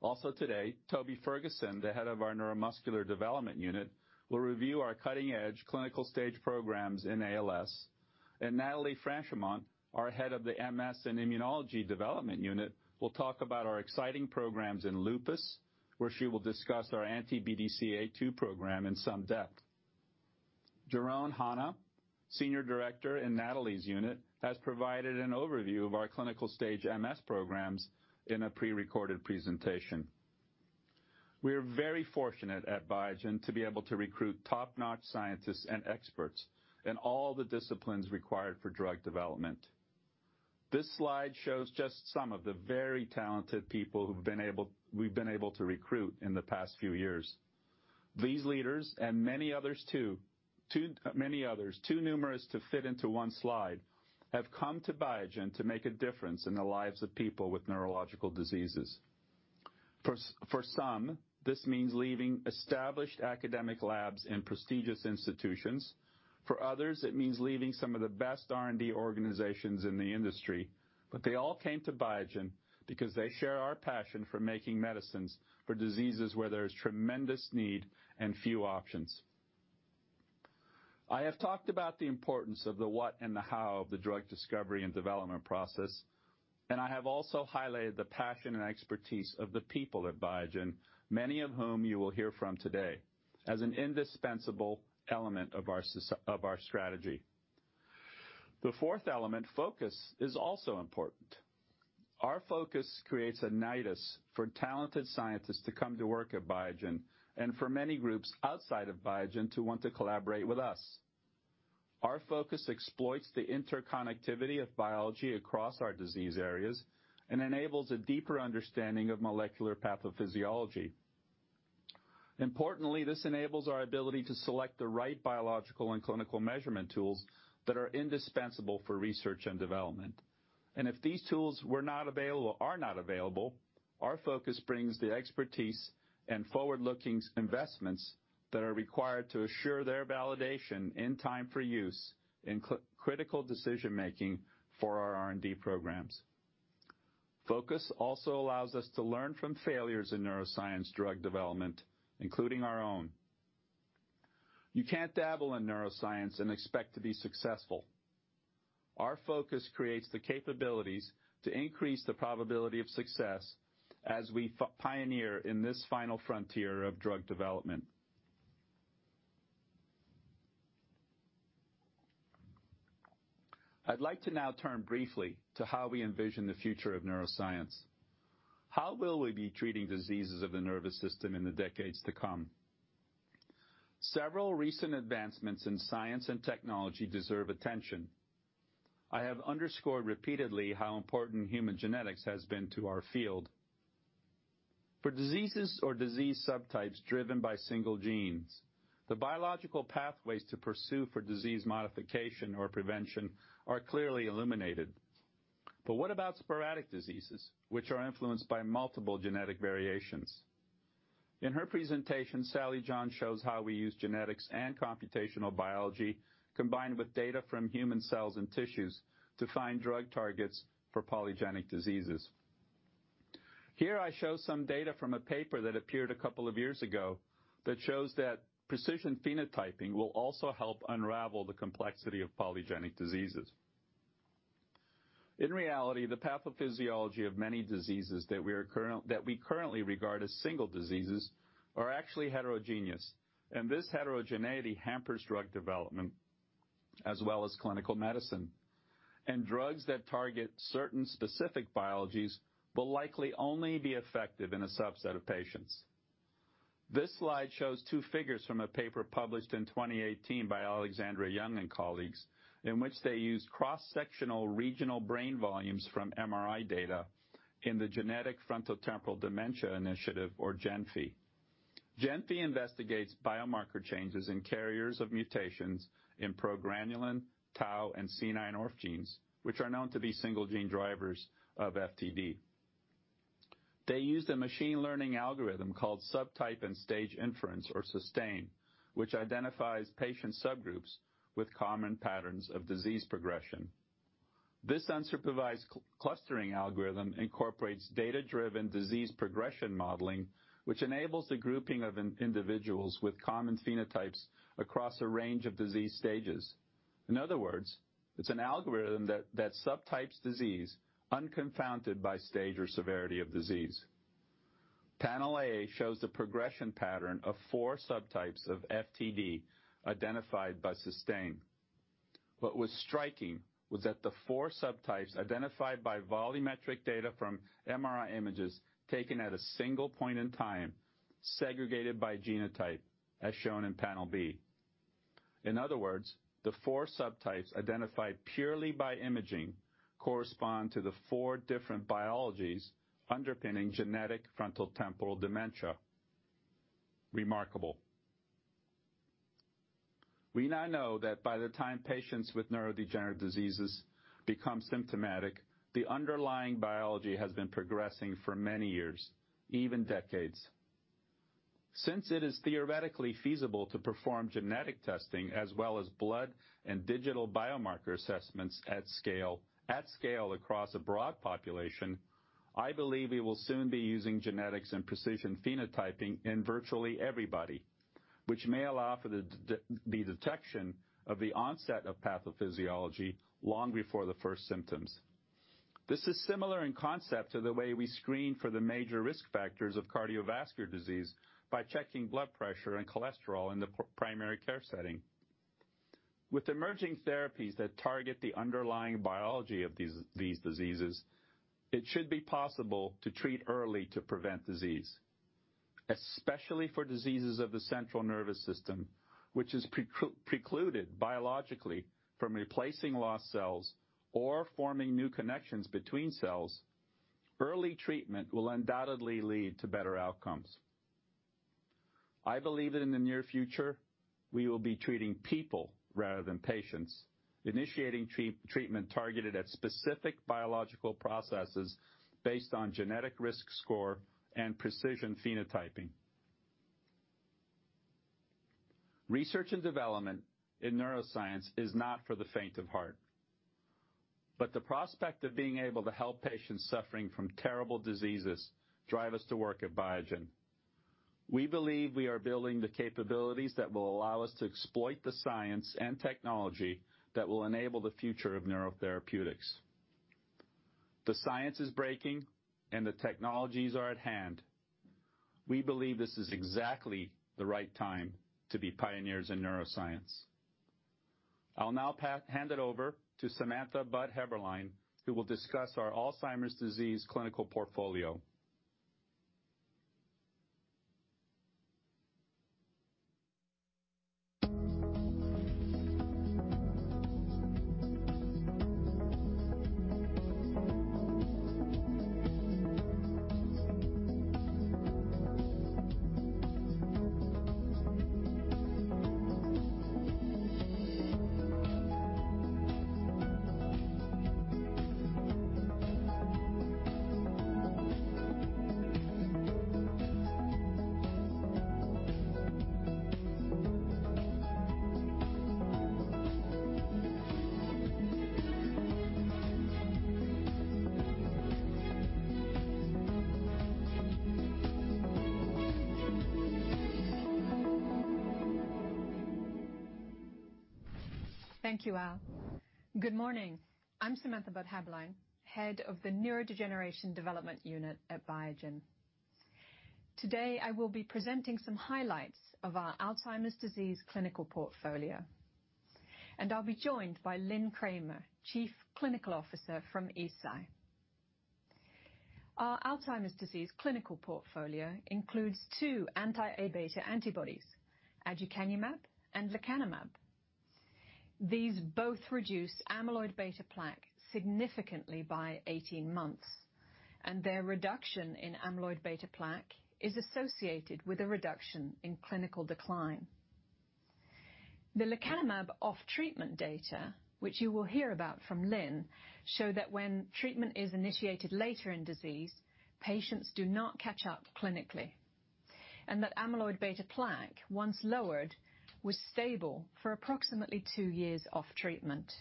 Also today, Toby Ferguson, the head of our neuromuscular development unit, will review our cutting-edge clinical stage programs in ALS. Nathalie Franchimont, our head of the MS and immunology development unit, will talk about our exciting programs in lupus, where she will discuss our anti-BDCA2 program in some depth. Jerome Hanna, senior director in Nathalie's unit, has provided an overview of our clinical stage MS programs in a pre-recorded presentation. We are very fortunate at Biogen to be able to recruit top-notch scientists and experts in all the disciplines required for drug development. This slide shows just some of the very talented people we've been able to recruit in the past few years. These leaders and many others too numerous to fit into one slide, have come to Biogen to make a difference in the lives of people with neurological diseases. For some, this means leaving established academic labs in prestigious institutions. For others, it means leaving some of the best R&D organizations in the industry. They all came to Biogen because they share our passion for making medicines for diseases where there's tremendous need and few options. I have talked about the importance of the what and the how of the drug discovery and development process. I have also highlighted the passion and expertise of the people at Biogen, many of whom you will hear from today, as an indispensable element of our strategy. The fourth element, focus, is also important. Our focus creates an impetus for talented scientists to come to work at Biogen, and for many groups outside of Biogen to want to collaborate with us. Our focus exploits the interconnectivity of biology across our disease areas and enables a deeper understanding of molecular pathophysiology. Importantly, this enables our ability to select the right biological and clinical measurement tools that are indispensable for research and development. If these tools are not available, our focus brings the expertise and forward-looking investments that are required to assure their validation in time for use in critical decision-making for our R&D programs. Focus also allows us to learn from failures in neuroscience drug development, including our own. You can't dabble in neuroscience and expect to be successful. Our focus creates the capabilities to increase the probability of success as we pioneer in this final frontier of drug development. I'd like to now turn briefly to how we envision the future of neuroscience. How will we be treating diseases of the nervous system in the decades to come? Several recent advancements in science and technology deserve attention. I have underscored repeatedly how important human genetics has been to our field. For diseases or disease subtypes driven by single genes, the biological pathways to pursue for disease modification or prevention are clearly illuminated. What about sporadic diseases, which are influenced by multiple genetic variations? In her presentation, Sally John shows how we use genetics and computational biology, combined with data from human cells and tissues, to find drug targets for polygenic diseases. Here I show some data from a paper that appeared 2 years ago that shows that precision phenotyping will also help unravel the complexity of polygenic diseases. In reality, the pathophysiology of many diseases that we currently regard as single diseases are actually heterogeneous. This heterogeneity hampers drug development as well as clinical medicine. Drugs that target certain specific biologies will likely only be effective in a subset of patients. This slide shows two figures from a paper published in 2018 by Alexandra Young and colleagues, in which they used cross-sectional regional brain volumes from MRI data in the Genetic Frontotemporal Dementia Initiative, or GENFI. GENFI investigates biomarker changes in carriers of mutations in progranulin, tau, and C9orf genes, which are known to be single gene drivers of FTD. They used a machine learning algorithm called Subtype and Stage Inference, or SuStaIn, which identifies patient subgroups with common patterns of disease progression. This unsupervised clustering algorithm incorporates data-driven disease progression modeling, which enables the grouping of individuals with common phenotypes across a range of disease stages. In other words, it's an algorithm that subtypes disease unconfounded by stage or severity of disease. Panel A shows the progression pattern of four subtypes of FTD identified by SuStaIn. What was striking was that the 4 subtypes identified by volumetric data from MRI images taken at a single point in time segregated by genotype, as shown in panel B. In other words, the 4 subtypes identified purely by imaging correspond to the 4 different biologies underpinning genetic frontotemporal dementia. Remarkable. We now know that by the time patients with neurodegenerative diseases become symptomatic, the underlying biology has been progressing for many years, even decades. Since it is theoretically feasible to perform genetic testing as well as blood and digital biomarker assessments at scale across a broad population, I believe we will soon be using genetics and precision phenotyping in virtually everybody, which may allow for the detection of the onset of pathophysiology long before the first symptoms. This is similar in concept to the way we screen for the major risk factors of cardiovascular disease by checking blood pressure and cholesterol in the primary care setting. With emerging therapies that target the underlying biology of these diseases, it should be possible to treat early to prevent disease. Especially for diseases of the central nervous system, which is precluded biologically from replacing lost cells or forming new connections between cells, early treatment will undoubtedly lead to better outcomes. I believe that in the near future, we will be treating people rather than patients, initiating treatment targeted at specific biological processes based on genetic risk score and precision phenotyping. Research and development in neuroscience is not for the faint of heart. The prospect of being able to help patients suffering from terrible diseases drive us to work at Biogen. We believe we are building the capabilities that will allow us to exploit the science and technology that will enable the future of neurotherapeutics. The science is breaking and the technologies are at hand. We believe this is exactly the right time to be pioneers in neuroscience. I'll now hand it over to Samantha Budd Haeberlein, who will discuss our Alzheimer's disease clinical portfolio. Thank you, Al. Good morning. I'm Samantha Budd Haeberlein, head of the Neurodegeneration Development Unit at Biogen. Today, I will be presenting some highlights of our Alzheimer's disease clinical portfolio, and I'll be joined by Lynn Kramer, Chief Clinical Officer from Eisai. Our Alzheimer's disease clinical portfolio includes two anti-Aβ antibodies, aducanumab and lecanemab. These both reduce amyloid beta plaque significantly by 18 months, and their reduction in amyloid beta plaque is associated with a reduction in clinical decline. The lecanemab off-treatment data, which you will hear about from Lynn, show that when treatment is initiated later in disease, patients do not catch up clinically, and that amyloid beta plaque, once lowered, was stable for approximately two years off treatment.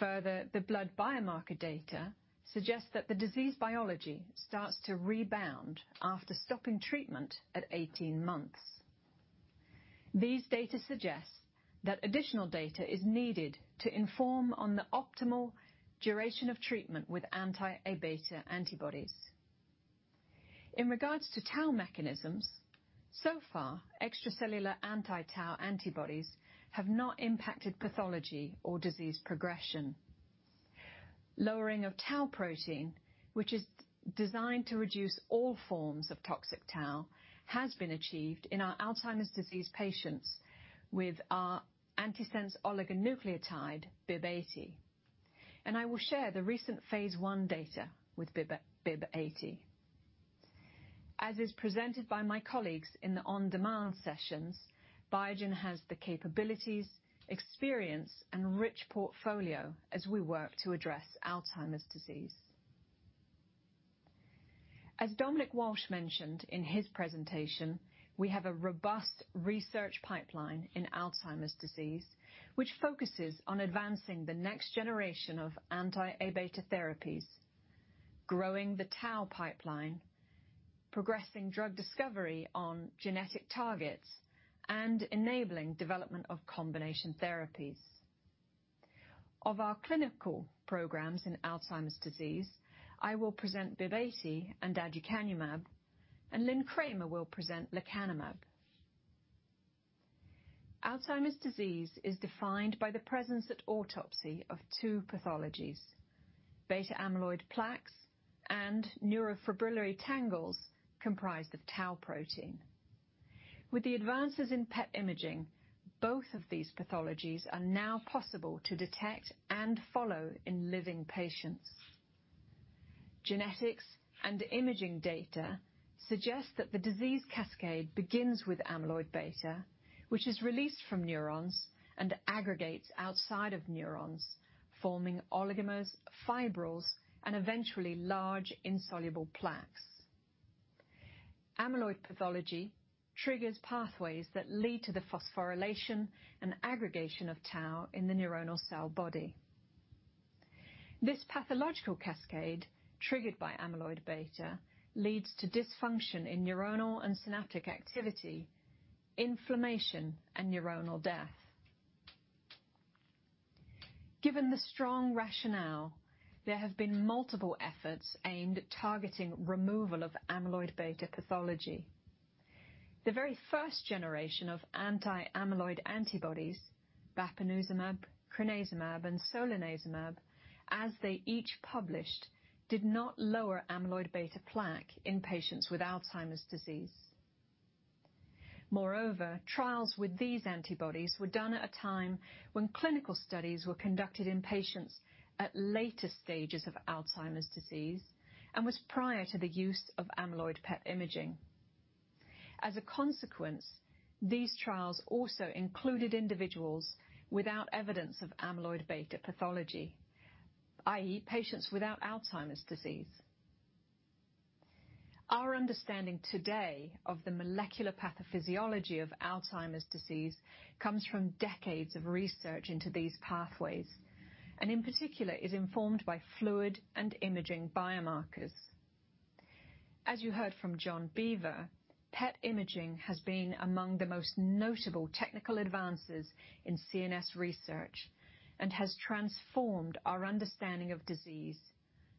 The blood biomarker data suggests that the disease biology starts to rebound after stopping treatment at 18 months. These data suggest that additional data is needed to inform on the optimal duration of treatment with anti-Aβ antibodies. In regards to tau mechanisms, so far, extracellular anti-tau antibodies have not impacted pathology or disease progression. Lowering of tau protein, which is designed to reduce all forms of toxic tau, has been achieved in our Alzheimer's disease patients with our antisense oligonucleotide, BIIB080. I will share the recent phase I data with BIIB080. As is presented by my colleagues in the on-demand sessions, Biogen has the capabilities, experience, and rich portfolio as we work to address Alzheimer's disease. As Dominic Walsh mentioned in his presentation, we have a robust research pipeline in Alzheimer's disease, which focuses on advancing the next generation of anti-Aβ therapies, growing the tau pipeline, progressing drug discovery on genetic targets, and enabling development of combination therapies. Of our clinical programs in Alzheimer's disease, I will present BIIB080 and aducanumab, and Lynn Kramer will present lecanemab. Alzheimer's disease is defined by the presence at autopsy of two pathologies, beta amyloid plaques and neurofibrillary tangles comprised of tau protein. With the advances in PET imaging, both of these pathologies are now possible to detect and follow in living patients. Genetics and imaging data suggest that the disease cascade begins with amyloid beta, which is released from neurons and aggregates outside of neurons, forming oligomers, fibrils, and eventually large insoluble plaques. Amyloid pathology triggers pathways that lead to the phosphorylation and aggregation of tau in the neuronal cell body. This pathological cascade, triggered by amyloid beta, leads to dysfunction in neuronal and synaptic activity, inflammation, and neuronal death. Given the strong rationale, there have been multiple efforts aimed at targeting removal of amyloid beta pathology. The very first generation of anti-amyloid antibodies, bapineuzumab, crenezumab, and solanezumab, as they each published, did not lower amyloid beta plaque in patients with Alzheimer's disease. Moreover, trials with these antibodies were done at a time when clinical studies were conducted in patients at later stages of Alzheimer's disease and was prior to the use of amyloid PET imaging. As a consequence, these trials also included individuals without evidence of amyloid beta pathology, i.e., patients without Alzheimer's disease. Our understanding today of the molecular pathophysiology of Alzheimer's disease comes from decades of research into these pathways, and in particular, is informed by fluid and imaging biomarkers. As you heard from John Beaver, PET imaging has been among the most notable technical advances in CNS research and has transformed our understanding of disease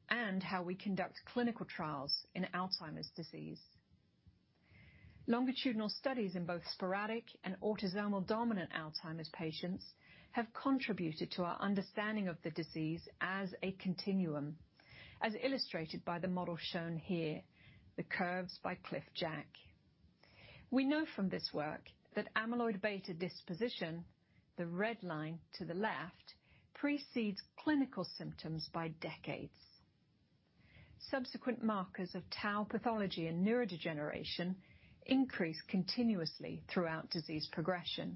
and how we conduct clinical trials in Alzheimer's disease. Longitudinal studies in both sporadic and autosomal dominant Alzheimer's patients have contributed to our understanding of the disease as a continuum, as illustrated by the model shown here, the curves by Cliff Jack. We know from this work that Aβ deposition, the red line to the left, precedes clinical symptoms by decades. Subsequent markers of tau pathology and neurodegeneration increase continuously throughout disease progression.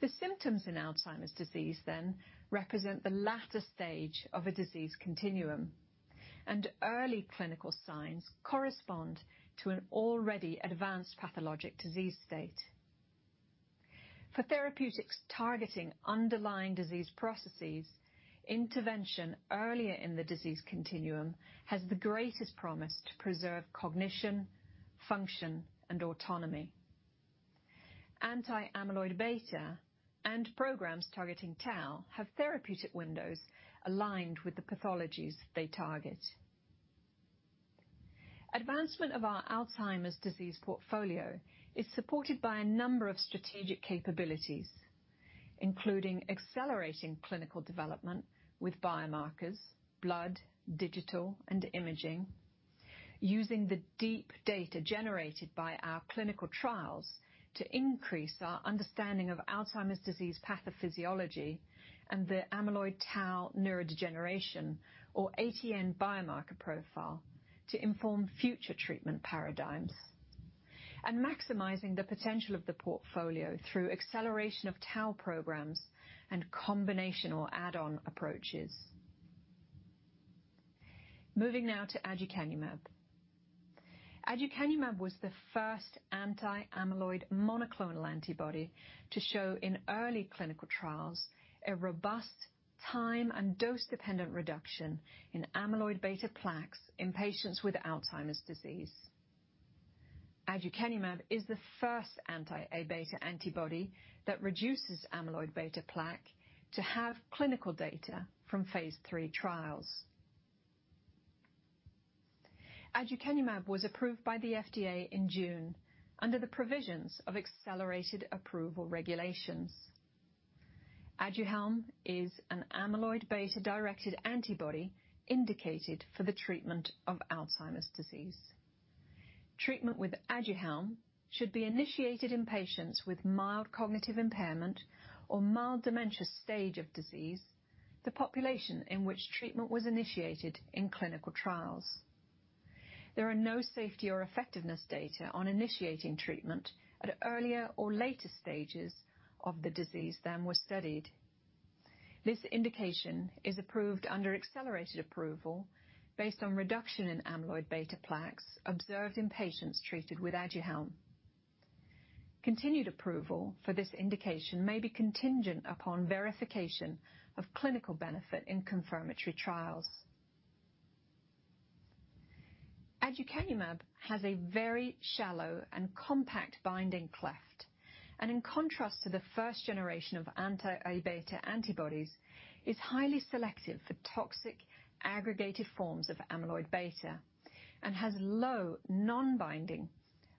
The symptoms in Alzheimer's disease then represent the latter stage of a disease continuum, and early clinical signs correspond to an already advanced pathologic disease state. For therapeutics targeting underlying disease processes, intervention earlier in the disease continuum has the greatest promise to preserve cognition, function, and autonomy. Anti-amyloid beta and programs targeting tau have therapeutic windows aligned with the pathologies they target. Advancement of our Alzheimer's disease portfolio is supported by a number of strategic capabilities, including accelerating clinical development with biomarkers, blood, digital, and imaging. Using the deep data generated by our clinical trials to increase our understanding of Alzheimer's disease pathophysiology and the amyloid tau neurodegeneration or ATN biomarker profile to inform future treatment paradigms. Maximizing the potential of the portfolio through acceleration of tau programs and combination or add-on approaches. Moving now to aducanumab. aducanumab was the first anti-amyloid monoclonal antibody to show in early clinical trials a robust-Time and dose-dependent reduction in amyloid beta plaques in patients with Alzheimer's disease. aducanumab is the first anti-A beta antibody that reduces amyloid beta plaque to have clinical data from phase III trials. aducanumab was approved by the FDA in June under the provisions of accelerated approval regulations. Aduhelm is an amyloid beta-directed antibody indicated for the treatment of Alzheimer's disease. Treatment with Aduhelm should be initiated in patients with mild cognitive impairment or mild dementia stage of disease, the population in which treatment was initiated in clinical trials. There are no safety or effectiveness data on initiating treatment at earlier or later stages of the disease than were studied. This indication is approved under accelerated approval based on reduction in amyloid beta plaques observed in patients treated with Aduhelm. Continued approval for this indication may be contingent upon verification of clinical benefit in confirmatory trials. aducanumab has a very shallow and compact binding cleft, and in contrast to the first generation of anti-Aβ antibodies, is highly selective for toxic aggregated forms of amyloid beta and has low binding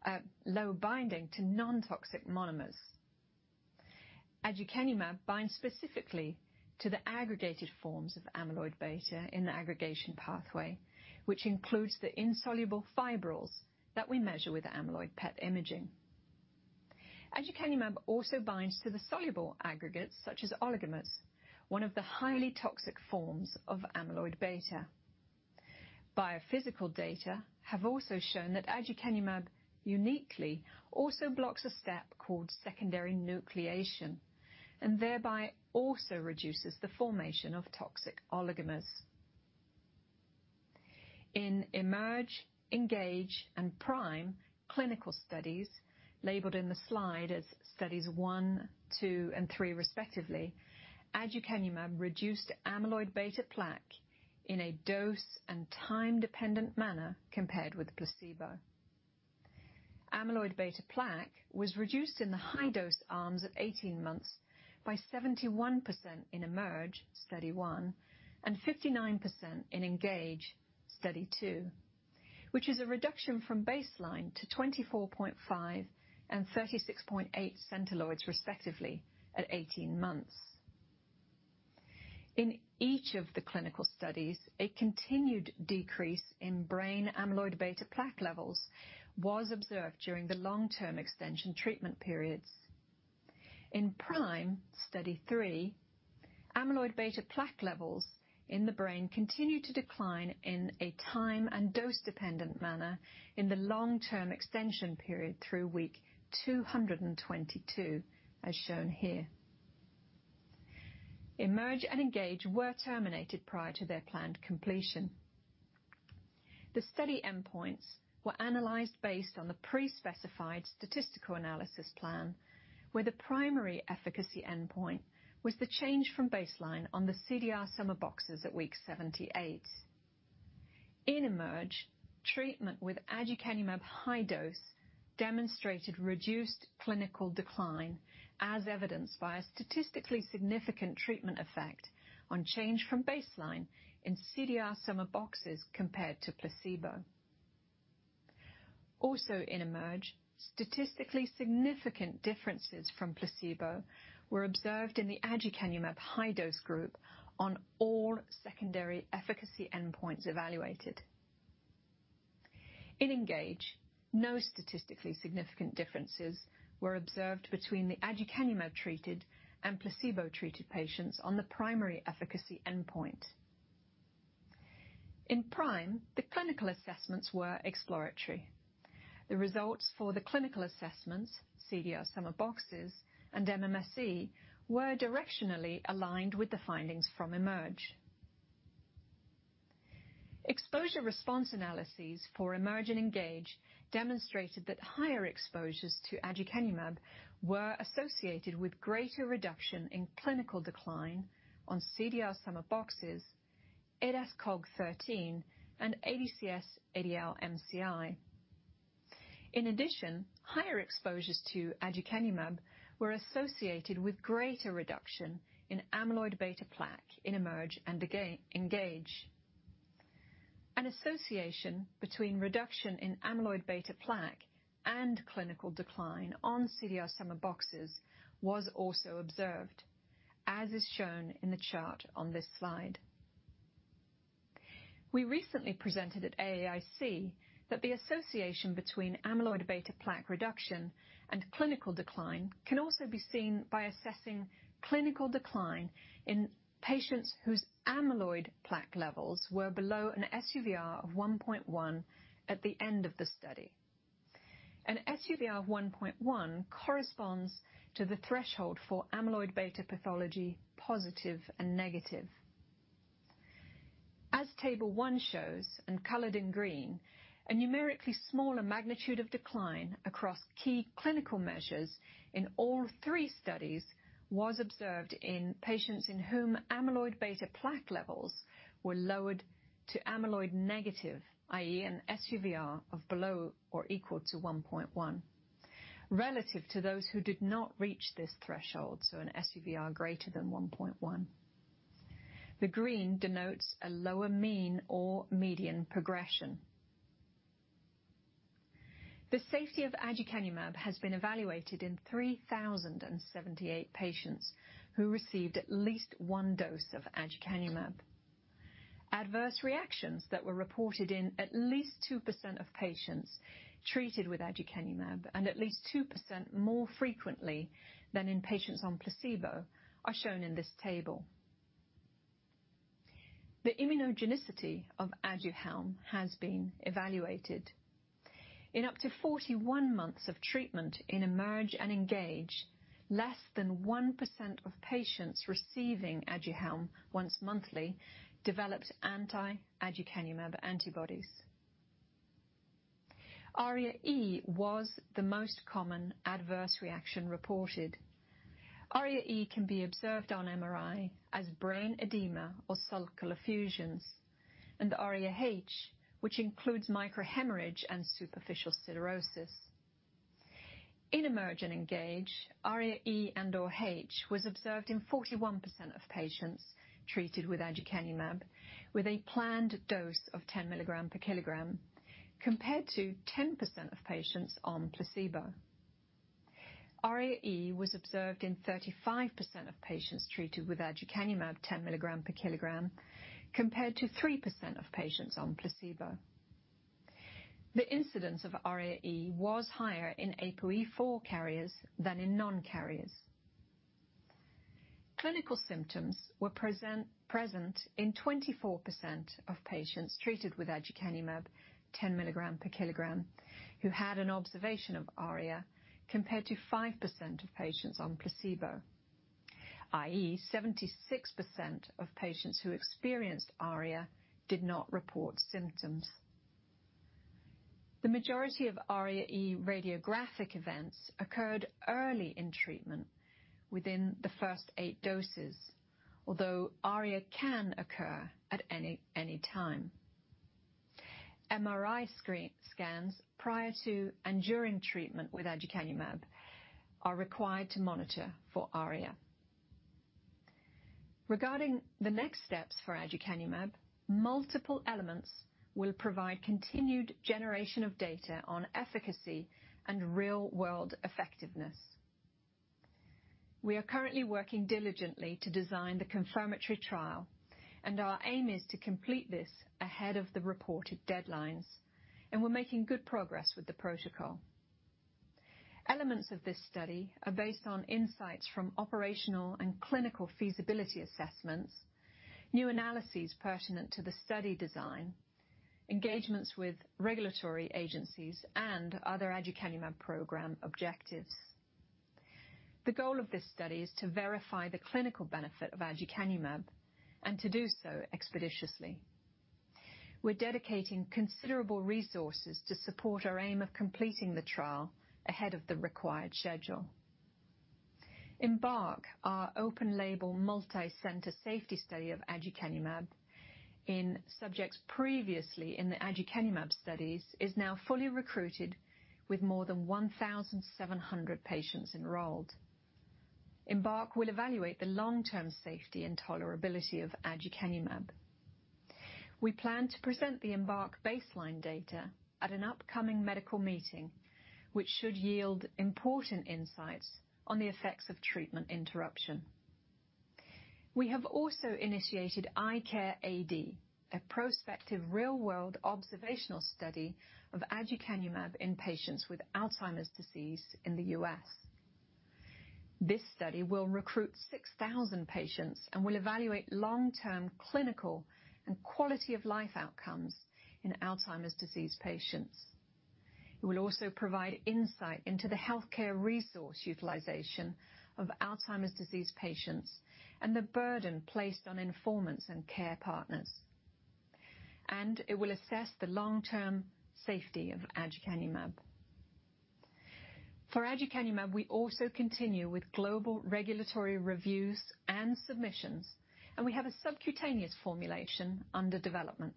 to non-toxic monomers. aducanumab binds specifically to the aggregated forms of amyloid beta in the aggregation pathway, which includes the insoluble fibrils that we measure with amyloid PET imaging. aducanumab also binds to the soluble aggregates such as oligomers, one of the highly toxic forms of amyloid beta. Biophysical data have also shown that aducanumab uniquely also blocks a step called secondary nucleation, and thereby also reduces the formation of toxic oligomers. In EMERGE, ENGAGE, and PRIME clinical studies, labeled in the slide as Studies 1, 2, and 3, respectively, aducanumab reduced amyloid beta plaque in a dose and time-dependent manner compared with placebo. Amyloid beta plaque was reduced in the high-dose arms at 18 months by 71% in EMERGE, Study 1, and 59% in ENGAGE, Study 2, which is a reduction from baseline to 24.5 and 36.8 centiloids, respectively, at 18 months. In each of the clinical studies, a continued decrease in brain amyloid beta plaque levels was observed during the long-term extension treatment periods. In PRIME, Study 3, amyloid beta plaque levels in the brain continued to decline in a time and dose-dependent manner in the long-term extension period through week 222, as shown here. EMERGE and ENGAGE were terminated prior to their planned completion. The study endpoints were analyzed based on the pre-specified statistical analysis plan, where the primary efficacy endpoint was the change from baseline on the CDR Sum of Boxes at week 78. In EMERGE, treatment with aducanumab high dose demonstrated reduced clinical decline, as evidenced by a statistically significant treatment effect on change from baseline in CDR Sum of Boxes compared to placebo. Also in EMERGE, statistically significant differences from placebo were observed in the aducanumab high-dose group on all secondary efficacy endpoints evaluated. In ENGAGE, no statistically significant differences were observed between the aducanumab-treated and placebo-treated patients on the primary efficacy endpoint. In PRIME, the clinical assessments were exploratory. The results for the clinical assessments, CDR Sum of Boxes and MMSE, were directionally aligned with the findings from EMERGE. Exposure response analyses for EMERGE and ENGAGE demonstrated that higher exposures to aducanumab were associated with greater reduction in clinical decline on CDR Sum of Boxes, ADAS-Cog 13, and ADCS-ADL-MCI. In addition, higher exposures to aducanumab were associated with greater reduction in amyloid beta plaque in EMERGE and ENGAGE. An association between reduction in amyloid beta plaque and clinical decline on CDR Sum of Boxes was also observed, as is shown in the chart on this slide. We recently presented at AAIC that the association between amyloid beta plaque reduction and clinical decline can also be seen by assessing clinical decline in patients whose amyloid plaque levels were below an SUVr of 1.1 at the end of the study. An SUVr of 1.1 corresponds to the threshold for amyloid beta pathology positive and negative. As Table 1 shows, and colored in green, a numerically smaller magnitude of decline across key clinical measures in all three studies was observed in patients in whom amyloid beta plaque levels were lowered to amyloid negative, i.e., an SUVr of below or equal to 1.1, relative to those who did not reach this threshold, so an SUVr greater than 1.1. The green denotes a lower mean or median progression. The safety of aducanumab has been evaluated in 3,078 patients who received at least one dose of aducanumab. Adverse reactions that were reported in at least 2% of patients treated with aducanumab, and at least 2% more frequently than in patients on placebo, are shown in this table. The immunogenicity of Aduhelm has been evaluated. In up to 41 months of treatment in EMERGE and ENGAGE, less than 1% of patients receiving Aduhelm once monthly developed anti-aducanumab antibodies. ARIA-E was the most common adverse reaction reported. ARIA-E can be observed on MRI as brain edema or sulcal effusions, and ARIA-H, which includes microhemorrhage and superficial siderosis. In EMERGE and ENGAGE, ARIA-E and/or H was observed in 41% of patients treated with aducanumab, with a planned dose of 10 milligram per kilogram, compared to 10% of patients on placebo. ARIA-E was observed in 35% of patients treated with aducanumab 10 milligram per kilogram, compared to 3% of patients on placebo. The incidence of ARIA-E was higher in APOE4 carriers than in non-carriers. Clinical symptoms were present in 24% of patients treated with aducanumab 10 milligram per kilogram, who had an observation of ARIA, compared to 5% of patients on placebo, i.e., 76% of patients who experienced ARIA did not report symptoms. The majority of ARIA-E radiographic events occurred early in treatment within the first 8 doses, although ARIA can occur at any time. MRI scans prior to and during treatment with aducanumab are required to monitor for ARIA. Regarding the next steps for aducanumab, multiple elements will provide continued generation of data on efficacy and real-world effectiveness. We are currently working diligently to design the confirmatory trial, and our aim is to complete this ahead of the reported deadlines, and we're making good progress with the protocol. Elements of this study are based on insights from operational and clinical feasibility assessments, new analyses pertinent to the study design, engagements with regulatory agencies, and other aducanumab program objectives. The goal of this study is to verify the clinical benefit of aducanumab and to do so expeditiously. We're dedicating considerable resources to support our aim of completing the trial ahead of the required schedule. EMBARK, our open-label, multi-center safety study of aducanumab in subjects previously in the aducanumab studies, is now fully recruited with more than 1,700 patients enrolled. EMBARK will evaluate the long-term safety and tolerability of aducanumab. We plan to present the EMBARK baseline data at an upcoming medical meeting, which should yield important insights on the effects of treatment interruption. We have also initiated ICARE AD, a prospective real-world observational study of aducanumab in patients with Alzheimer's disease in the U.S. This study will recruit 6,000 patients and will evaluate long-term clinical and quality-of-life outcomes in Alzheimer's disease patients. It will also provide insight into the healthcare resource utilization of Alzheimer's disease patients and the burden placed on informants and care partners. It will assess the long-term safety of aducanumab. For aducanumab, we also continue with global regulatory reviews and submissions, and we have a subcutaneous formulation under development.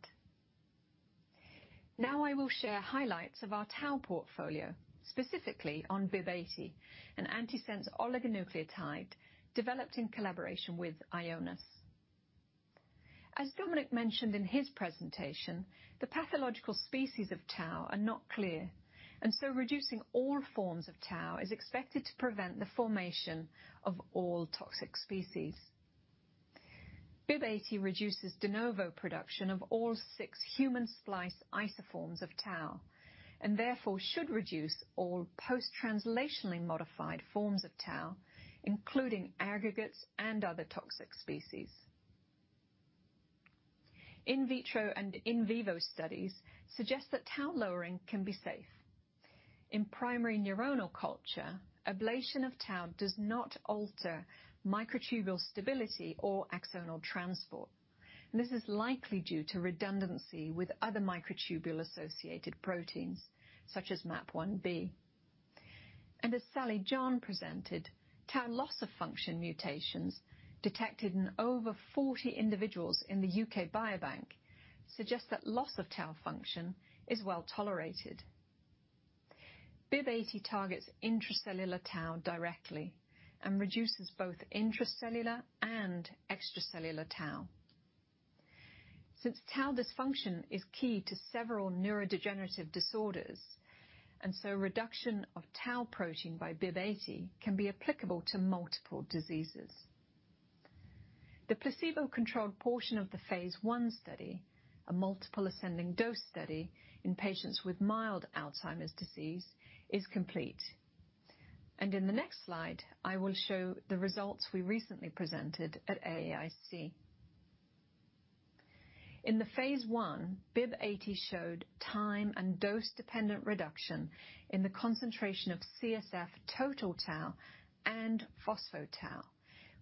Now I will share highlights of our tau portfolio, specifically on BIIB080, an antisense oligonucleotide developed in collaboration with Ionis. As Dominic mentioned in his presentation, the pathological species of tau are not clear, and so reducing all forms of tau is expected to prevent the formation of all toxic species. BIIB080 reduces de novo production of all six human splice isoforms of tau, and therefore should reduce all post-translationally modified forms of tau, including aggregates and other toxic species. In vitro and in vivo studies suggest that tau lowering can be safe. In primary neuronal culture, ablation of tau does not alter microtubule stability or axonal transport. This is likely due to redundancy with other microtubule-associated proteins, such as MAP1B. As Sally John presented, tau loss-of-function mutations detected in over 40 individuals in the U.K. Biobank suggest that loss of tau function is well-tolerated. BIIB080 targets intracellular tau directly and reduces both intracellular and extracellular tau. Since tau dysfunction is key to several neurodegenerative disorders, reduction of tau protein by BIIB080 can be applicable to multiple diseases. The placebo-controlled portion of the phase I study, a multiple ascending dose study in patients with mild Alzheimer's disease, is complete. In the next slide, I will show the results we recently presented at AAIC. In the phase I, BIIB080 showed time and dose-dependent reduction in the concentration of CSF total tau and phospho-tau,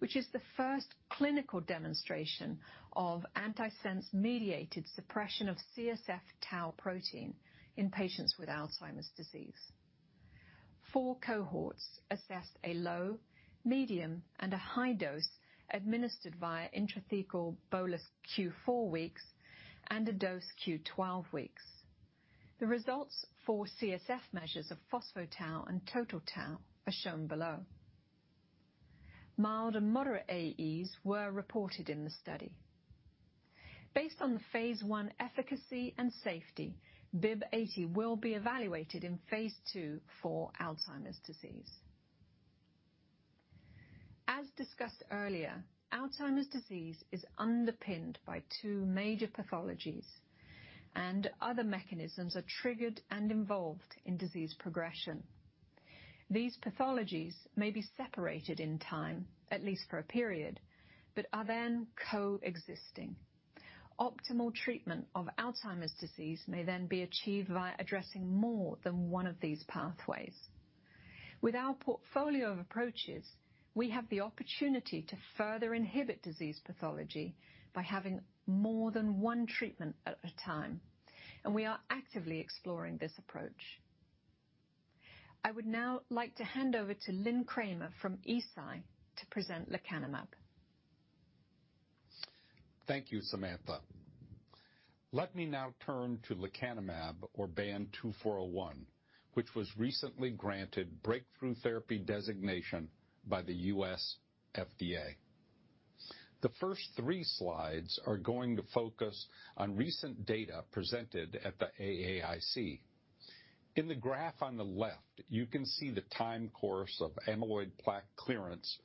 which is the first clinical demonstration of antisense-mediated suppression of CSF tau protein in patients with Alzheimer's disease. Four cohorts assessed a low, medium, and a high dose administered via intrathecal bolus Q4 weeks and a dose Q12 weeks. The results for CSF measures of phospho-tau and total tau are shown below. Mild and moderate AEs were reported in the study. Based on the phase I efficacy and safety, BIIB080 will be evaluated in phase II for Alzheimer's disease. As discussed earlier, Alzheimer's disease is underpinned by 2 major pathologies, and other mechanisms are triggered and involved in disease progression. These pathologies may be separated in time, at least for a period, but are then coexisting. Optimal treatment of Alzheimer's disease may be achieved via addressing more than one of these pathways. With our portfolio of approaches, we have the opportunity to further inhibit disease pathology by having more than one treatment at a time, and we are actively exploring this approach. I would now like to hand over to Lynn Kramer from Eisai to present lecanemab. Thank you, Samantha. Let me now turn to lecanemab, or BAN2401, which was recently granted breakthrough therapy designation by the U.S. FDA. The first three slides are going to focus on recent data presented at the AAIC. In the graph on the left, you can see the time course of amyloid plaque clearance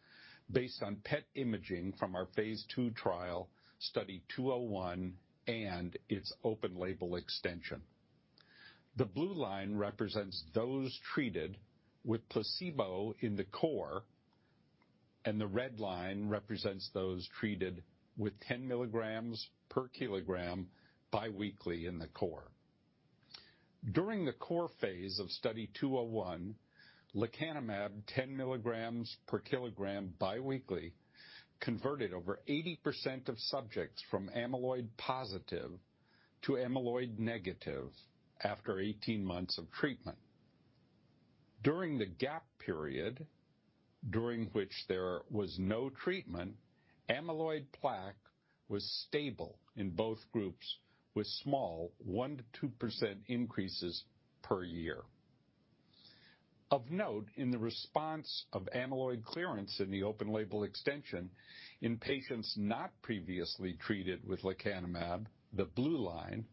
based on PET imaging from our phase II trial, Study 201, and its open label extension. The blue line represents those treated with placebo in the core, and the red line represents those treated with 10 milligrams per kilogram biweekly in the core. During the core phase of Study 201, lecanemab 10 milligrams per kilogram biweekly converted over 80% of subjects from amyloid-positive to amyloid-negative after 18 months of treatment. During the gap period, during which there was no treatment, amyloid plaque was stable in both groups with small 1%-2% increases per year. Of note, in the response of amyloid clearance in the open label extension in patients not previously treated with lecanemab, the blue line,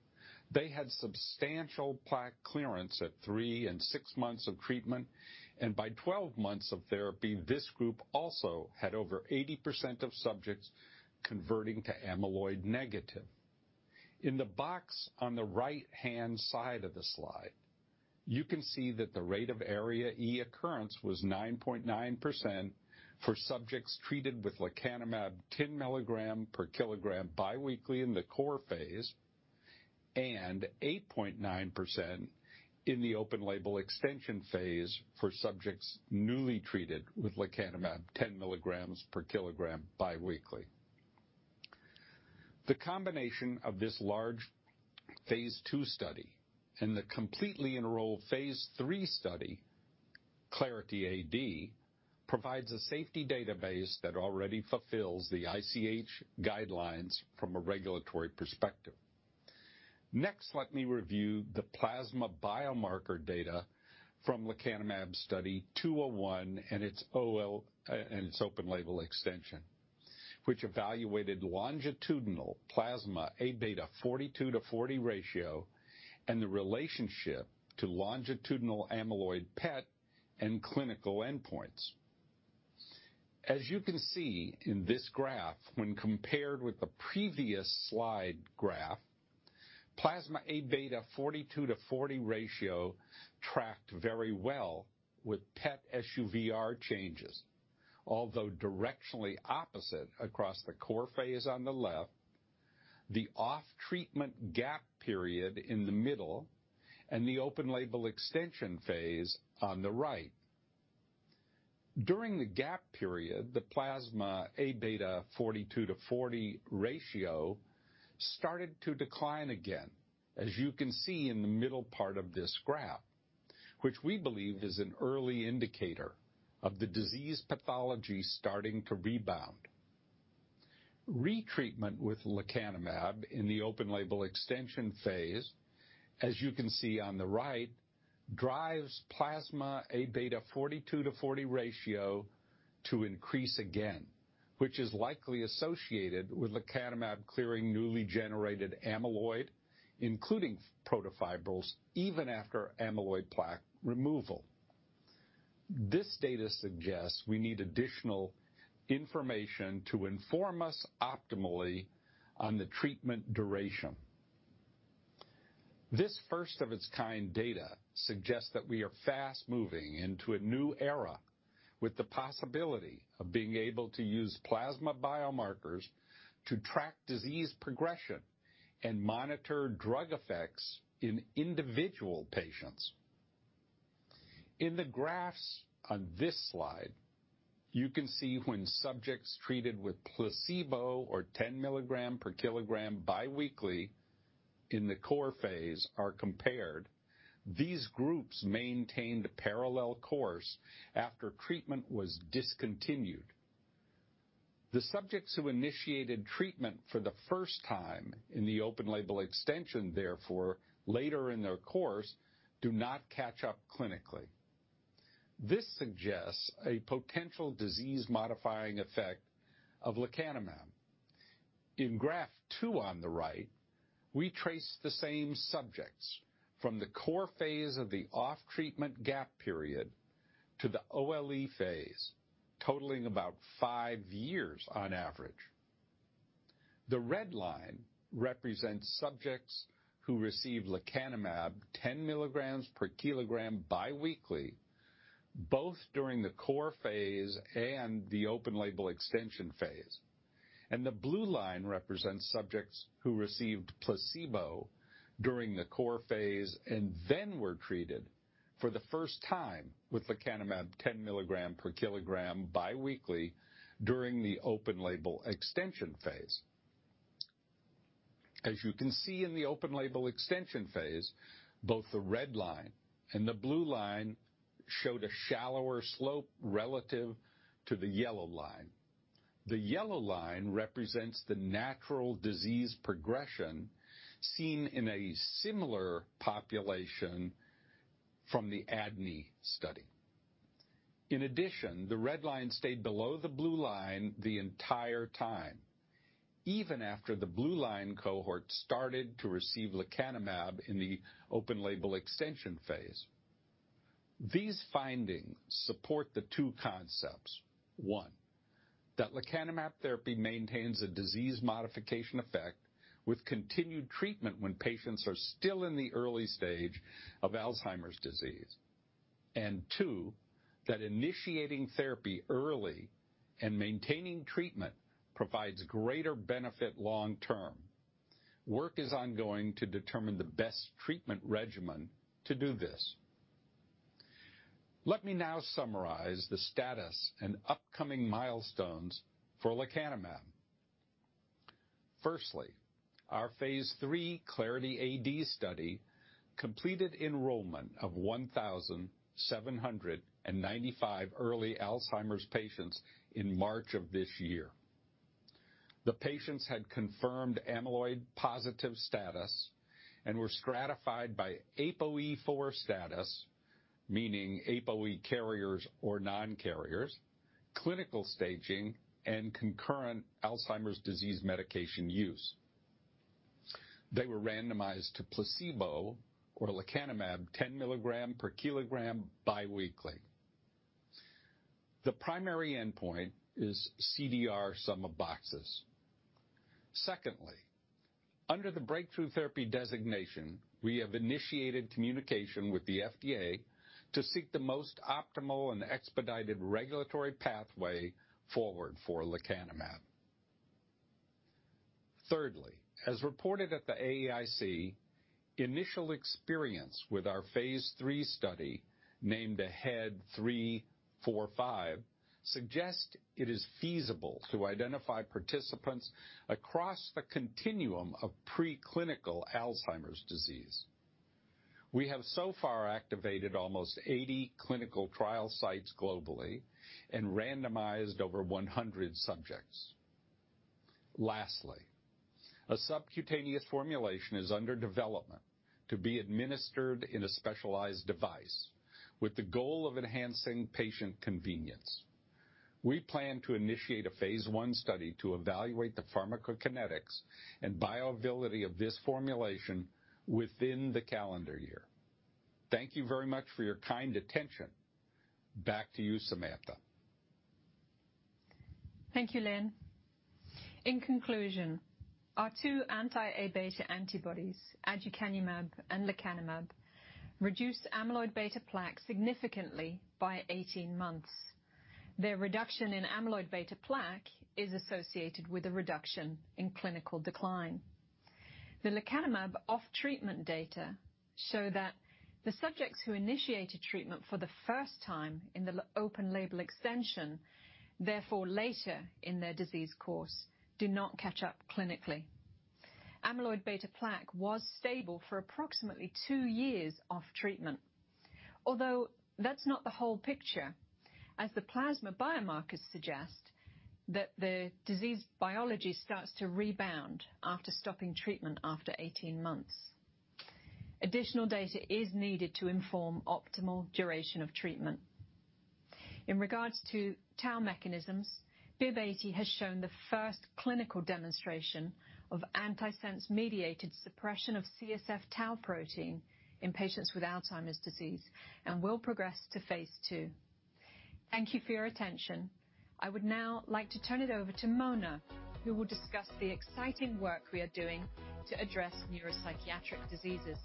they had substantial plaque clearance at 3 and 6 months of treatment. By 12 months of therapy, this group also had over 80% of subjects converting to amyloid negative. In the box on the right-hand side of the slide, you can see that the rate of ARIA-E occurrence was 9.9% for subjects treated with lecanemab 10 mg per kilogram biweekly in the core phase and 8.9% in the open label extension phase for subjects newly treated with lecanemab 10 mg per kilogram biweekly. The combination of this large phase II study and the completely enrolled phase III study, Clarity AD, provides a safety database that already fulfills the ICH guidelines from a regulatory perspective. Next, let me review the plasma biomarker data from lecanemab Study 201 and its open label extension, which evaluated longitudinal plasma Aβ 42 to 40 ratio and the relationship to longitudinal amyloid PET and clinical endpoints. As you can see in this graph, when compared with the previous slide graph, plasma Aβ 42 to 40 ratio tracked very well with PET SUVR changes, although directionally opposite across the core phase on the left. The off-treatment gap period in the middle, and the open label extension phase on the right. During the gap period, the plasma Aβ 42 to 40 ratio started to decline again, as you can see in the middle part of this graph, which we believe is an early indicator of the disease pathology starting to rebound. Retreatment with lecanemab in the open label extension phase, as you can see on the right, drives plasma Aβ42/40 ratio to increase again, which is likely associated with lecanemab clearing newly generated amyloid, including protofibrils, even after amyloid plaque removal. This data suggests we need additional information to inform us optimally on the treatment duration. This first of its kind data suggests that we are fast moving into a new era with the possibility of being able to use plasma biomarkers to track disease progression and monitor drug effects in individual patients. In the graphs on this slide, you can see when subjects treated with placebo or 10 mg per kilogram biweekly in the core phase are compared. These groups maintain the parallel course after treatment was discontinued. The subjects who initiated treatment for the first time in the open label extension, therefore later in their course, do not catch up clinically. This suggests a potential disease modifying effect of lecanemab. In graph two on the right, we trace the same subjects from the core phase of the off-treatment gap period to the OLE phase, totaling about five years on average. The red line represents subjects who receive lecanemab 10 mg/kg biweekly, both during the core phase and the open label extension phase. The blue line represents subjects who received placebo during the core phase and then were treated for the first time with lecanemab 10 mg/kg biweekly during the open label extension phase. As you can see in the open label extension phase, both the red line and the blue line showed a shallower slope relative to the yellow line. The yellow line represents the natural disease progression seen in a similar population from the ADNI study. In addition, the red line stayed below the blue line the entire time, even after the blue line cohort started to receive lecanemab in the open label extension phase. These findings support the two concepts. One, that lecanemab therapy maintains a disease modification effect with continued treatment when patients are still in the early stage of Alzheimer's disease. Two, that initiating therapy early and maintaining treatment provides greater benefit long term. Work is ongoing to determine the best treatment regimen to do this. Let me now summarize the status and upcoming milestones for lecanemab. Our phase III CLARITY AD study completed enrollment of 1,795 early Alzheimer's patients in March of this year. The patients had confirmed amyloid positive status and were stratified by APOE4 status, meaning APOE carriers or non-carriers, clinical staging, and concurrent Alzheimer's disease medication use. They were randomized to placebo or lecanemab 10 mg/kg biweekly. The primary endpoint is CDR sum of boxes. Secondly, under the breakthrough therapy designation, we have initiated communication with the FDA to seek the most optimal and expedited regulatory pathway forward for lecanemab. Thirdly, as reported at the AAIC, initial experience with our phase III study, named AHEAD 3-45, suggest it is feasible to identify participants across the continuum of preclinical Alzheimer's disease. We have so far activated almost 80 clinical trial sites globally and randomized over 100 subjects. Lastly, a subcutaneous formulation is under development to be administered in a specialized device with the goal of enhancing patient convenience. We plan to initiate a phase I study to evaluate the pharmacokinetics and bioavailability of this formulation within the calendar year. Thank you very much for your kind attention. Back to you, Samantha. Thank you, Lynn. In conclusion, our two anti-Aβ antibodies, aducanumab and lecanemab, reduced amyloid beta plaque significantly by 18 months. Their reduction in amyloid beta plaque is associated with a reduction in clinical decline. The lecanemab off-treatment data show that the subjects who initiated treatment for the first time in the open-label extension, therefore later in their disease course, do not catch up clinically. Amyloid beta plaque was stable for approximately two years off-treatment. Although that's not the whole picture, as the plasma biomarkers suggest that the disease biology starts to rebound after stopping treatment after 18 months. Additional data is needed to inform optimal duration of treatment. In regards to tau mechanisms, BIIB080 has shown the first clinical demonstration of antisense-mediated suppression of CSF tau protein in patients with Alzheimer's disease and will progress to phase II. Thank you for your attention. I would now like to turn it over to Mona, who will discuss the exciting work we are doing to address neuropsychiatric diseases.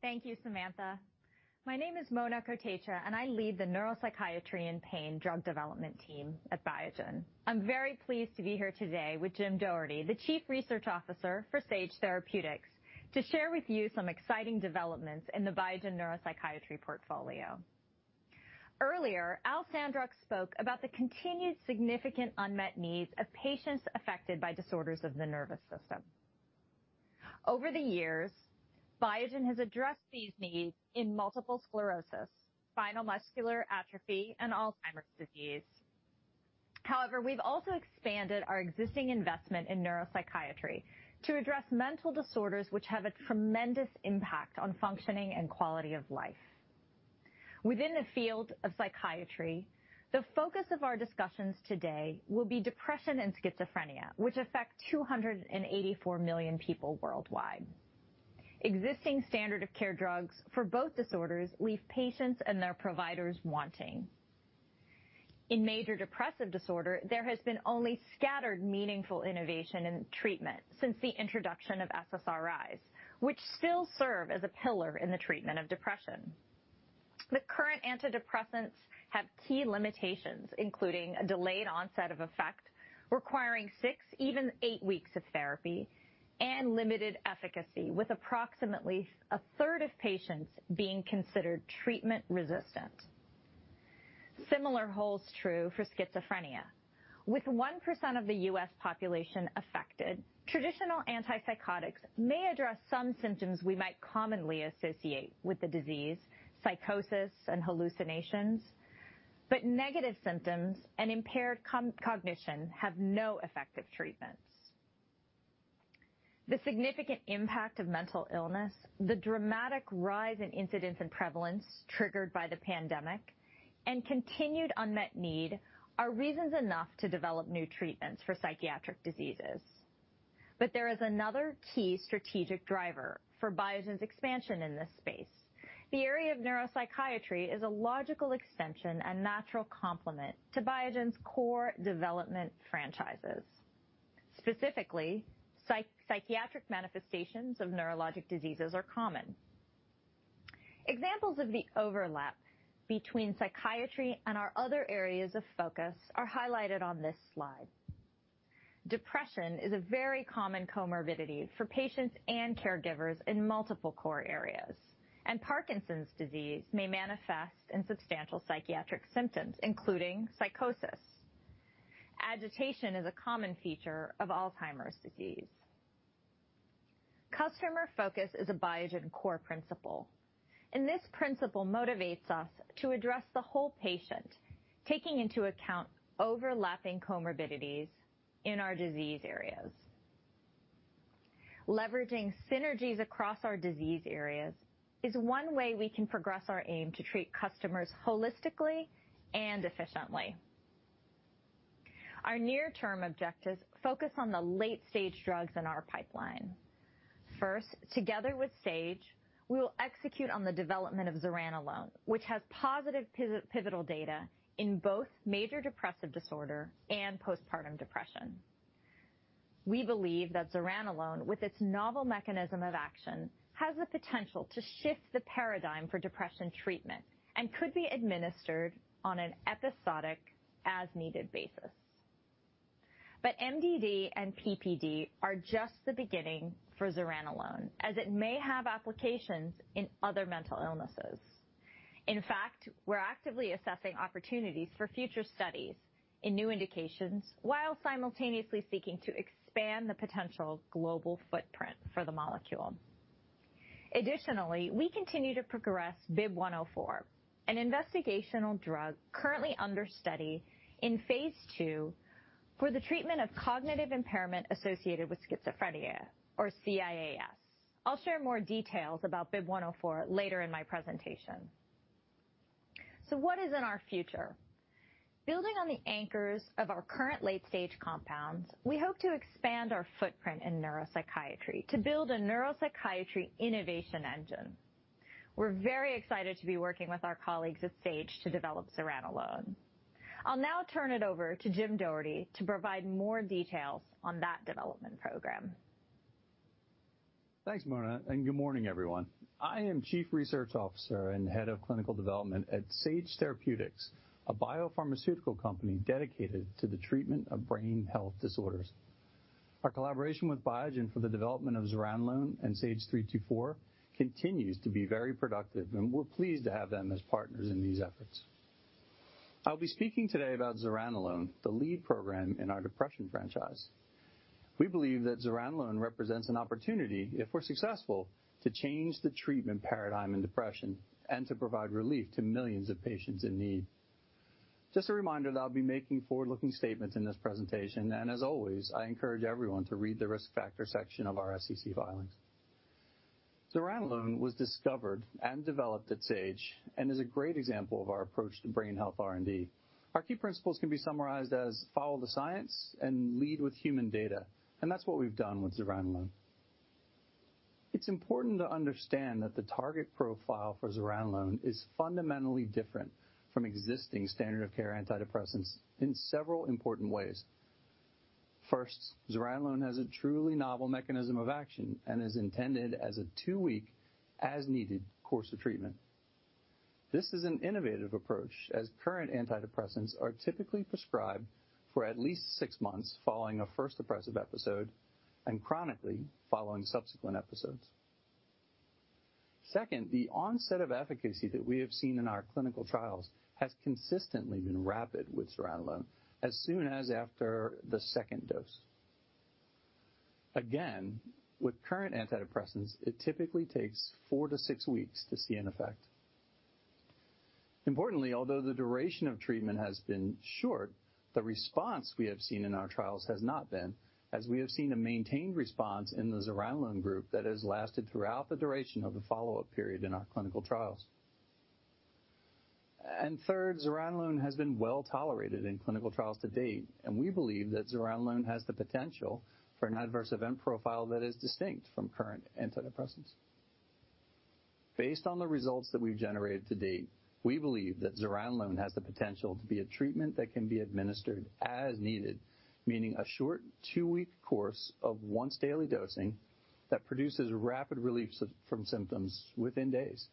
Thank you, Samantha. My name is Mona Kotecha, I lead the Neuropsychiatry and Pain Drug Development team at Biogen. I'm very pleased to be here today with Jim Doherty, the Chief Research Officer for Sage Therapeutics, to share with you some exciting developments in the Biogen neuropsychiatry portfolio. Earlier, Al Sandrock spoke about the continued significant unmet needs of patients affected by disorders of the nervous system. Over the years, Biogen has addressed these needs in multiple sclerosis, spinal muscular atrophy, and Alzheimer's disease. We've also expanded our existing investment in neuropsychiatry to address mental disorders, which have a tremendous impact on functioning and quality of life. Within the field of psychiatry, the focus of our discussions today will be depression and schizophrenia, which affect 284 million people worldwide. Existing standard of care drugs for both disorders leave patients and their providers wanting. In major depressive disorder, there has been only scattered meaningful innovation in treatment since the introduction of SSRIs, which still serve as a pillar in the treatment of depression. The current antidepressants have key limitations, including a delayed onset of effect requiring six even eight weeks of therapy and limited efficacy, with approximately a third of patients being considered treatment-resistant. Similar holds true for schizophrenia. With 1% of the U.S. population affected, traditional antipsychotics may address some symptoms we might commonly associate with the disease, psychosis and hallucinations, but negative symptoms and impaired cognition have no effective treatments. The significant impact of mental illness, the dramatic rise in incidence and prevalence triggered by the pandemic, and continued unmet need are reasons enough to develop new treatments for psychiatric diseases. There is another key strategic driver for Biogen's expansion in this space. The area of neuropsychiatry is a logical extension and natural complement to Biogen's core development franchises. Specifically, psychiatric manifestations of neurologic diseases are common. Examples of the overlap between psychiatry and our other areas of focus are highlighted on this slide. Depression is a very common comorbidity for patients and caregivers in multiple core areas, and Parkinson's disease may manifest in substantial psychiatric symptoms, including psychosis. Agitation is a common feature of Alzheimer's disease. Customer focus is a Biogen core principle, and this principle motivates us to address the whole patient, taking into account overlapping comorbidities in our disease areas. Leveraging synergies across our disease areas is one way we can progress our aim to treat customers holistically and efficiently. Our near-term objectives focus on the late-stage drugs in our pipeline. First, together with Sage, we will execute on the development of zuranolone, which has positive pivotal data in both Major Depressive Disorder and Postpartum Depression. We believe that zuranolone, with its novel mechanism of action, has the potential to shift the paradigm for depression treatment and could be administered on an episodic as-needed basis. MDD and PPD are just the beginning for zuranolone, as it may have applications in other mental illnesses. In fact, we're actively assessing opportunities for future studies in new indications, while simultaneously seeking to expand the potential global footprint for the molecule. Additionally, we continue to progress BIIB104, an investigational drug currently under study in phase II for the treatment of cognitive impairment associated with schizophrenia or CIAS. I'll share more details about BIIB104 later in my presentation. What is in our future? Building on the anchors of our current late-stage compounds, we hope to expand our footprint in neuropsychiatry to build a neuropsychiatry innovation engine. We're very excited to be working with our colleagues at Sage to develop zuranolone. I'll now turn it over to Jim Doherty to provide more details on that development program. Thanks, Mona. Good morning, everyone. I am Chief Research Officer and Head of Clinical Development at Sage Therapeutics, a biopharmaceutical company dedicated to the treatment of brain health disorders. Our collaboration with Biogen for the development of zuranolone and SAGE-324 continues to be very productive. We're pleased to have them as partners in these efforts. I'll be speaking today about zuranolone, the lead program in our depression franchise. We believe that zuranolone represents an opportunity, if we're successful, to change the treatment paradigm in depression and to provide relief to millions of patients in need. Just a reminder that I'll be making forward-looking statements in this presentation. As always, I encourage everyone to read the risk factor section of our SEC filings. zuranolone was discovered and developed at Sage and is a great example of our approach to brain health R&D. Our key principles can be summarized as follow the science and lead with human data, and that's what we've done with zuranolone. It's important to understand that the target profile for zuranolone is fundamentally different from existing standard of care antidepressants in several important ways. First, zuranolone has a truly novel mechanism of action and is intended as a two-week, as-needed course of treatment. This is an innovative approach, as current antidepressants are typically prescribed for at least six months following a first depressive episode and chronically following subsequent episodes. Second, the onset of efficacy that we have seen in our clinical trials has consistently been rapid with zuranolone as soon as after the second dose. Again, with current antidepressants, it typically takes four to six weeks to see an effect. Importantly, although the duration of treatment has been short, the response we have seen in our trials has not been, as we have seen a maintained response in the zuranolone group that has lasted throughout the duration of the follow-up period in our clinical trials. Third, zuranolone has been well-tolerated in clinical trials to date, and we believe that zuranolone has the potential for an adverse event profile that is distinct from current antidepressants. Based on the results that we've generated to date, we believe that zuranolone has the potential to be a treatment that can be administered as needed, meaning a short two-week course of once-daily dosing that produces rapid relief from symptoms within days.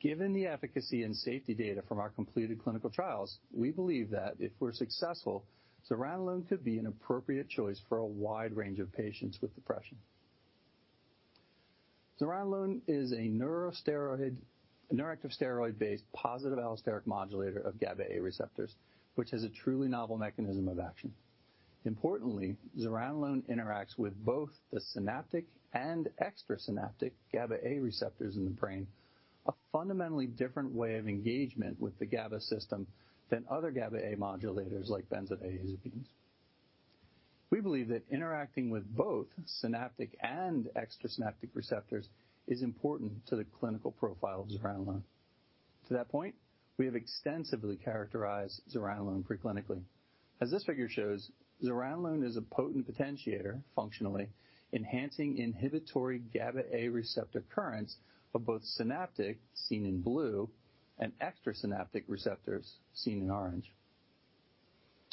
Given the efficacy and safety data from our completed clinical trials, we believe that if we're successful, zuranolone could be an appropriate choice for a wide range of patients with depression. zuranolone is a neuroactive steroid-based positive allosteric modulator of GABA A receptors, which is a truly novel mechanism of action. Importantly, zuranolone interacts with both the synaptic and extrasynaptic GABA A receptors in the brain, a fundamentally different way of engagement with the GABA system than other GABA A modulators like benzodiazepines. We believe that interacting with both synaptic and extrasynaptic receptors is important to the clinical profile of zuranolone. To that point, we have extensively characterized zuranolone preclinically. As this figure shows, zuranolone is a potent potentiator, functionally, enhancing inhibitory GABA A receptor currents of both synaptic, seen in blue, and extrasynaptic receptors, seen in orange.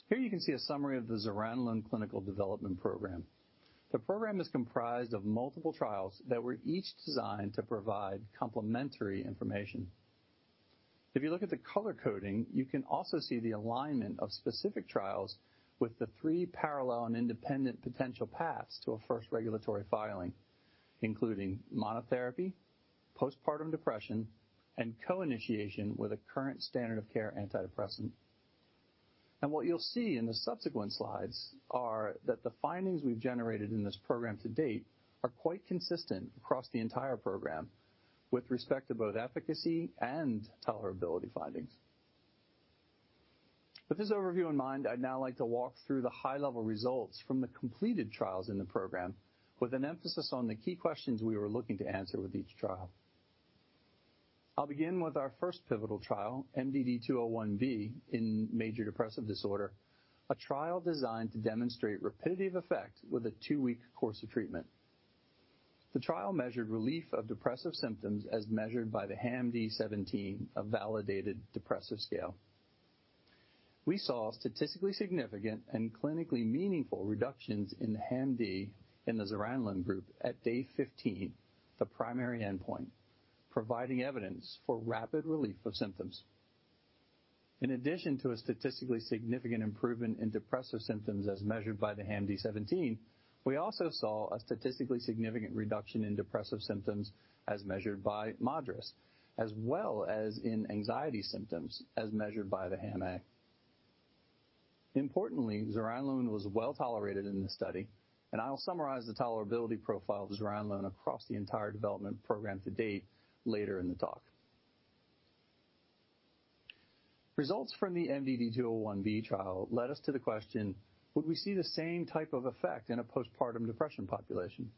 Here you can see a summary of the zuranolone clinical development program. The program is comprised of multiple trials that were each designed to provide complementary information. If you look at the color coding, you can also see the alignment of specific trials with the three parallel and independent potential paths to a first regulatory filing, including monotherapy, postpartum depression, and co-initiation with a current standard of care antidepressant. What you'll see in the subsequent slides are that the findings we've generated in this program to date are quite consistent across the entire program with respect to both efficacy and tolerability findings. With this overview in mind, I'd now like to walk through the high-level results from the completed trials in the program with an emphasis on the key questions we were looking to answer with each trial. I'll begin with our first pivotal trial, MDD201-B in major depressive disorder, a trial designed to demonstrate repetitive effect with a two-week course of treatment. The trial measured relief of depressive symptoms as measured by the HAM-D17, a validated depressive scale. We saw statistically significant and clinically meaningful reductions in the HAM-D in the zuranolone group at day 15, the primary endpoint, providing evidence for rapid relief of symptoms. In addition to a statistically significant improvement in depressive symptoms as measured by the HAM-D17, we also saw a statistically significant reduction in depressive symptoms as measured by MADRS, as well as in anxiety symptoms as measured by the HAM-A. Importantly, zuranolone was well-tolerated in this study, and I will summarize the tolerability profile of zuranolone across the entire development program to date later in the talk. Results from the MDD201-B trial led us to the question: Would we see the same type of effect in a postpartum depression population?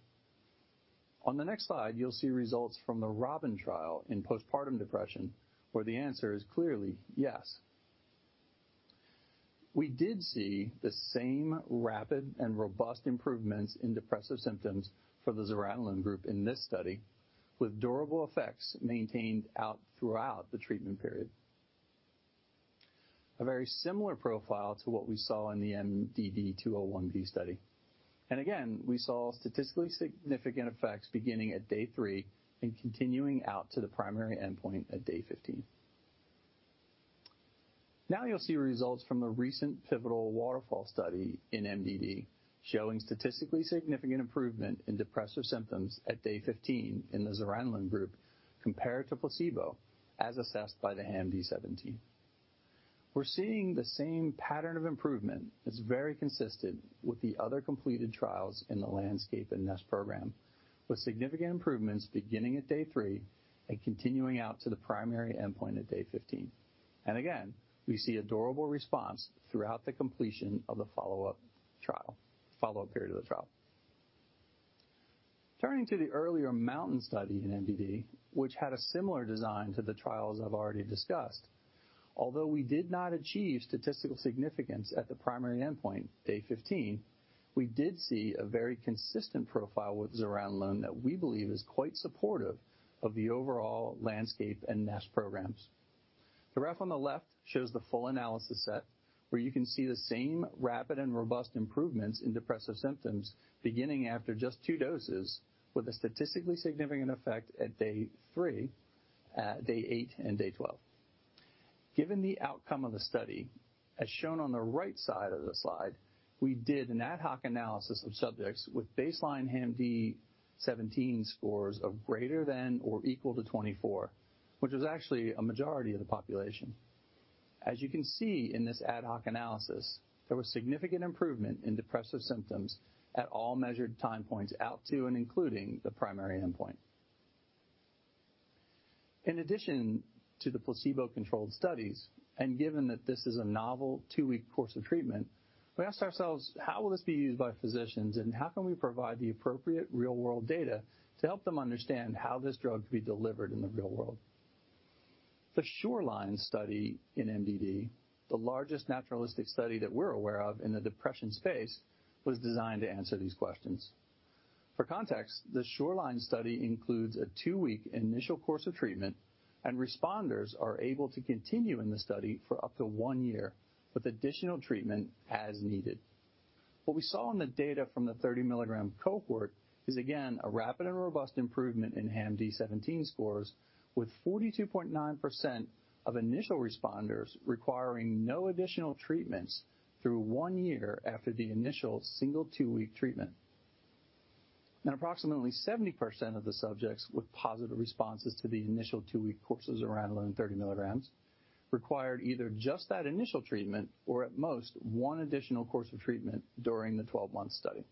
On the next slide, you'll see results from the ROBIN trial in postpartum depression, where the answer is clearly yes. We did see the same rapid and robust improvements in depressive symptoms for the zuranolone group in this study, with durable effects maintained out throughout the treatment period. A very similar profile to what we saw in the MDD201-B study. Again, we saw statistically significant effects beginning at day three and continuing out to the primary endpoint at day 15. Now you'll see results from the recent pivotal WATERFALL study in MDD, showing statistically significant improvement in depressive symptoms at day 15 in the zuranolone group compared to placebo, as assessed by the HAM-D17. We're seeing the same pattern of improvement that's very consistent with the other completed trials in the LANDSCAPE and NEST program, with significant improvements beginning at day three and continuing out to the primary endpoint at day 15. Again, we see a durable response throughout the completion of the follow-up period of the trial. Turning to the earlier MOUNTAIN study in MDD, which had a similar design to the trials I've already discussed. Although we did not achieve statistical significance at the primary endpoint, day 15, we did see a very consistent profile with zuranolone that we believe is quite supportive of the overall LANDSCAPE and NEST programs. The graph on the left shows the full analysis set, where you can see the same rapid and robust improvements in depressive symptoms beginning after just two doses, with a statistically significant effect at day three, at day eight, and day 12. Given the outcome of the study, as shown on the right side of the slide, we did an ad hoc analysis of subjects with baseline HAM-D17 scores of greater than or equal to 24, which was actually a majority of the population. As you can see in this ad hoc analysis, there was significant improvement in depressive symptoms at all measured time points out to and including the primary endpoint. In addition to the placebo-controlled studies, and given that this is a novel one-week course of treatment, we asked ourselves, "How will this be used by physicians, and how can we provide the appropriate real-world data to help them understand how this drug could be delivered in the real world?" The SHORELINE study in MDD, the largest naturalistic study that we're aware of in the depression space, was designed to answer these questions. For context, the SHORELINE study includes a two-week initial course of treatment and responders are able to continue in the study for up to one year with additional treatment as needed. What we saw on the data from the 30 mg cohort is, again, a rapid and robust improvement in HAM-D17 scores, with 42.9% of initial responders requiring no additional treatments through one year after the initial single two-week treatment. Approximately 70% of the subjects with positive responses to the initial two-week course of zuranolone 30 mg required either just that initial treatment or at most one additional course of treatment during the 12-month study.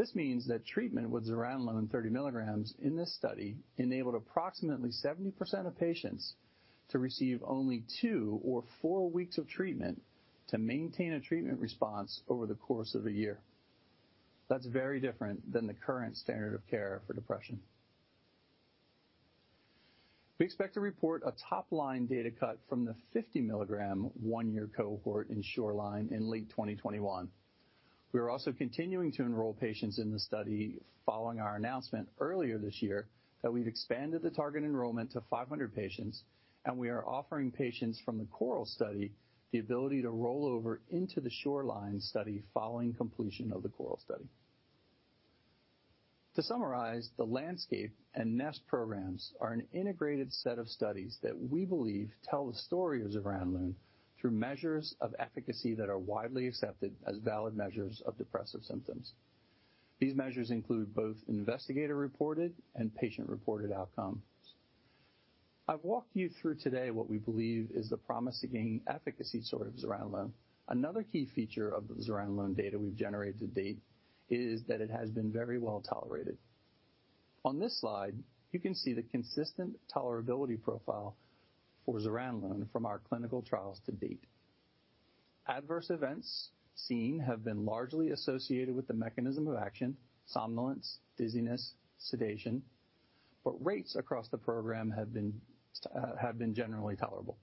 This means that treatment with zuranolone 30 mg in this study enabled approximately 70% of patients to receive only two or four weeks of treatment to maintain a treatment response over the course of a year. That's very different than the current standard of care for depression. We expect to report a top-line data cut from the 50 mg one-year cohort in SHORELINE in late 2021. We are also continuing to enroll patients in the study following our announcement earlier this year that we've expanded the target enrollment to 500 patients. We are offering patients from the CORAL study the ability to roll over into the SHORELINE study following completion of the CORAL study. To summarize, the LANDSCAPE and NEST programs are an integrated set of studies that we believe tell the story of zuranolone through measures of efficacy that are widely accepted as valid measures of depressive symptoms. These measures include both investigator-reported and patient-reported outcomes. I've walked you through today what we believe is the promising efficacy story of zuranolone. Another key feature of the zuranolone data we've generated to date is that it has been very well-tolerated. On this slide, you can see the consistent tolerability profile for zuranolone from our clinical trials to date. Adverse events seen have been largely associated with the mechanism of action, somnolence, dizziness, sedation, but rates across the program have been generally tolerable.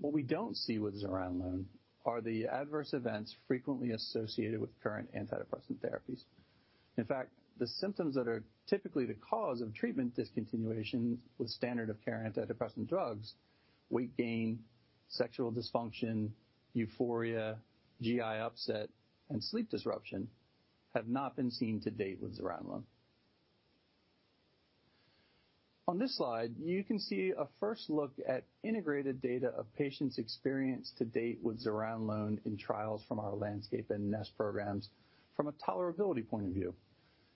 What we don't see with zuranolone are the adverse events frequently associated with current antidepressant therapies. In fact, the symptoms that are typically the cause of treatment discontinuation with standard of care antidepressant drugs, weight gain, sexual dysfunction, euphoria, GI upset, and sleep disruption have not been seen to date with zuranolone. On this slide, you can see a first look at integrated data of patients' experience to date with zuranolone in trials from our LANDSCAPE and NEST programs from a tolerability point of view,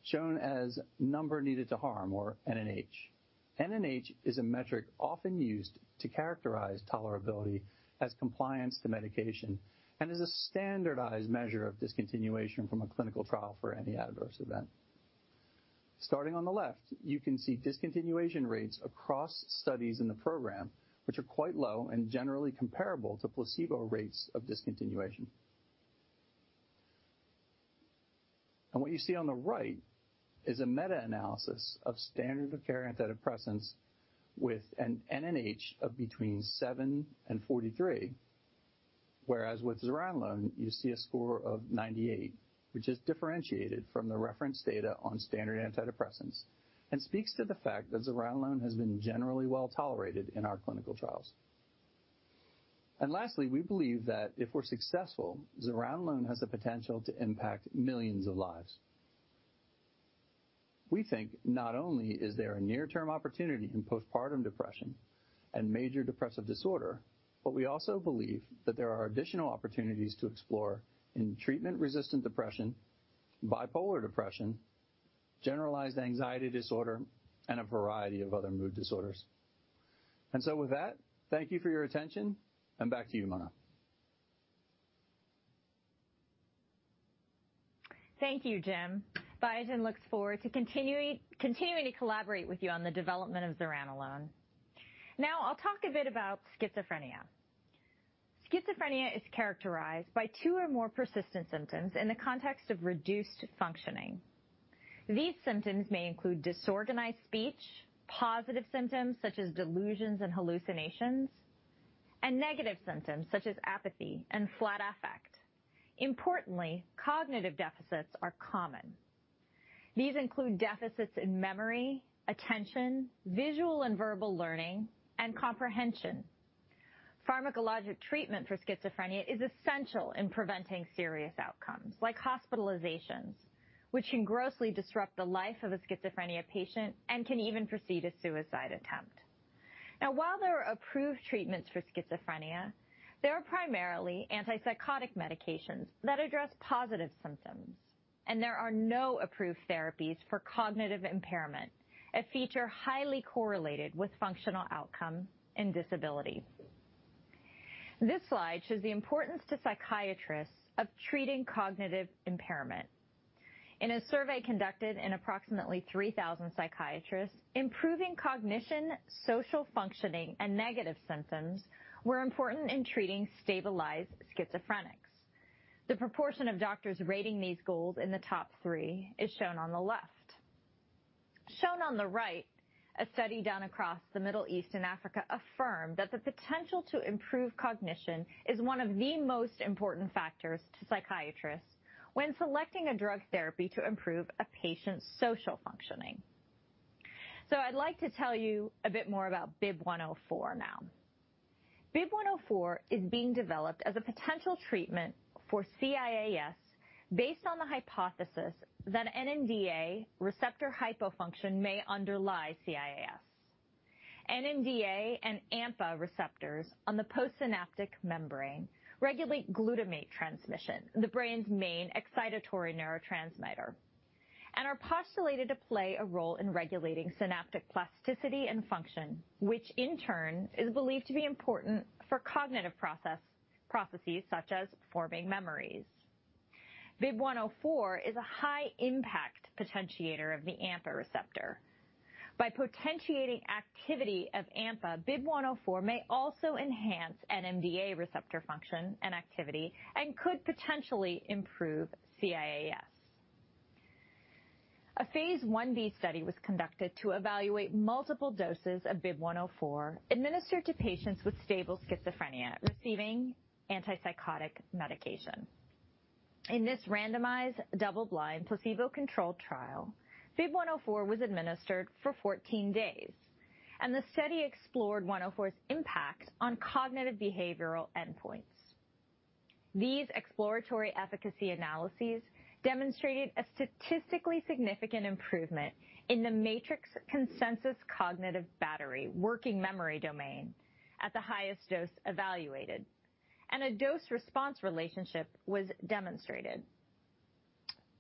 shown as number needed to harm or NNH. NNH is a metric often used to characterize tolerability as compliance to medication and is a standardized measure of discontinuation from a clinical trial for any adverse event. Starting on the left, you can see discontinuation rates across studies in the program, which are quite low and generally comparable to placebo rates of discontinuation. What you see on the right is a meta-analysis of standard of care antidepressants with an NNH of between 7 and 43. Whereas with zuranolone, you see a score of 98, which is differentiated from the reference data on standard antidepressants and speaks to the fact that zuranolone has been generally well-tolerated in our clinical trials. Lastly, we believe that if we're successful, zuranolone has the potential to impact millions of lives. We think not only is there a near-term opportunity in postpartum depression and major depressive disorder, but we also believe that there are additional opportunities to explore in treatment-resistant depression, bipolar depression, generalized anxiety disorder, and a variety of other mood disorders. With that, thank you for your attention, and back to you, Mona. Thank you, Jim. Biogen looks forward to continuing to collaborate with you on the development of zuranolone. I'll talk a bit about schizophrenia. Schizophrenia is characterized by two or more persistent symptoms in the context of reduced functioning. These symptoms may include disorganized speech, positive symptoms such as delusions and hallucinations, and negative symptoms such as apathy and flat affect. Importantly, cognitive deficits are common. These include deficits in memory, attention, visual and verbal learning, and comprehension. Pharmacologic treatment for schizophrenia is essential in preventing serious outcomes like hospitalizations, which can grossly disrupt the life of a schizophrenia patient and can even precede a suicide attempt. While there are approved treatments for schizophrenia, they are primarily antipsychotic medications that address positive symptoms, and there are no approved therapies for cognitive impairment, a feature highly correlated with functional outcome and disability. This slide shows the importance to psychiatrists of treating cognitive impairment. In a survey conducted in approximately 3,000 psychiatrists, improving cognition, social functioning, and negative symptoms were important in treating stabilized schizophrenics. The proportion of doctors rating these goals in the top three is shown on the left. Shown on the right, a study done across the Middle East and Africa affirmed that the potential to improve cognition is one of the most important factors to psychiatrists when selecting a drug therapy to improve a patient's social functioning. I'd like to tell you a bit more about BIIB104 now. BIIB104 is being developed as a potential treatment for CIAS based on the hypothesis that NMDA receptor hypofunction may underlie CIAS. NMDA and AMPA receptors on the postsynaptic membrane regulate glutamate transmission, the brain's main excitatory neurotransmitter, and are postulated to play a role in regulating synaptic plasticity and function, which in turn is believed to be important for cognitive processes such as forming memories. BIIB104 is a high-impact potentiator of the AMPA receptor. By potentiating activity of AMPA, BIIB104 may also enhance NMDA receptor function and activity and could potentially improve CIAS. A phase I-B study was conducted to evaluate multiple doses of BIIB104 administered to patients with stable schizophrenia receiving antipsychotic medication. In this randomized, double-blind, placebo-controlled trial, BIIB104 was administered for 14 days, and the study explored 104's impact on cognitive behavioral endpoints. These exploratory efficacy analyses demonstrated a statistically significant improvement in the MATRICS Consensus Cognitive Battery working memory domain at the highest dose evaluated, and a dose-response relationship was demonstrated.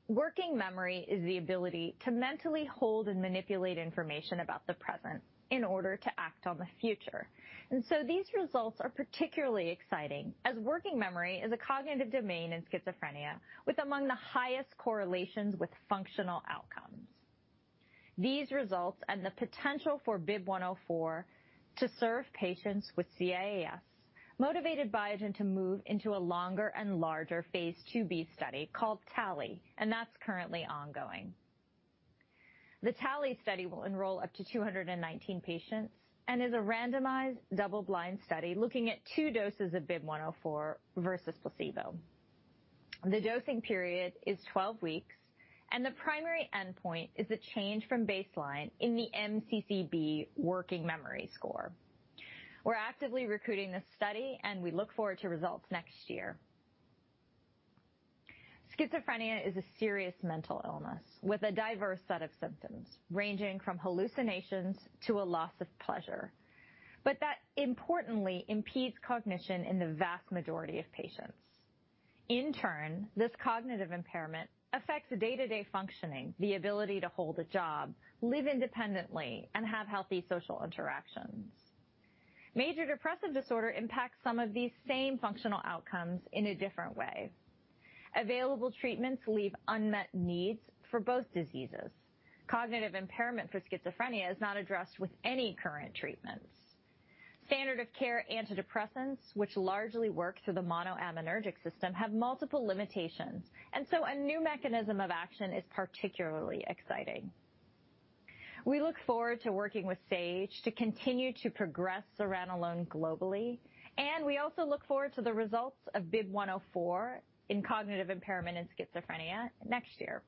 Working memory is the ability to mentally hold and manipulate information about the present in order to act on the future. These results are particularly exciting as working memory is a cognitive domain in schizophrenia with among the highest correlations with functional outcomes. These results and the potential for BIIB104 to serve patients with CIAS motivated Biogen to move into a longer and larger phase I-B study called TALLY, and that's currently ongoing. The TALLY study will enroll up to 219 patients and is a randomized, double-blind study looking at two doses of BIIB104 versus placebo. The dosing period is 12 weeks, and the primary endpoint is a change from baseline in the MCCB working memory score. We're actively recruiting this study, and we look forward to results next year. Schizophrenia is a serious mental illness with a diverse set of symptoms ranging from hallucinations to a loss of pleasure, but that importantly impedes cognition in the vast majority of patients. In turn, this cognitive impairment affects day-to-day functioning, the ability to hold a job, live independently, and have healthy social interactions. Major depressive disorder impacts some of these same functional outcomes in a different way. Available treatments leave unmet needs for both diseases. Cognitive impairment for schizophrenia is not addressed with any current treatments. Standard of care antidepressants, which largely work through the monoaminergic system, have multiple limitations, and so a new mechanism of action is particularly exciting. We look forward to working with Sage to continue to progress zuranolone globally, and we also look forward to the results of BIIB104 in cognitive impairment in schizophrenia next year.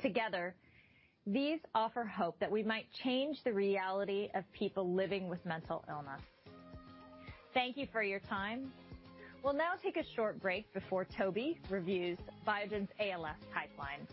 Together, these offer hope that we might change the reality of people living with mental illness. Thank you for your time. We'll now take a short break before Toby reviews Biogen's ALS pipeline.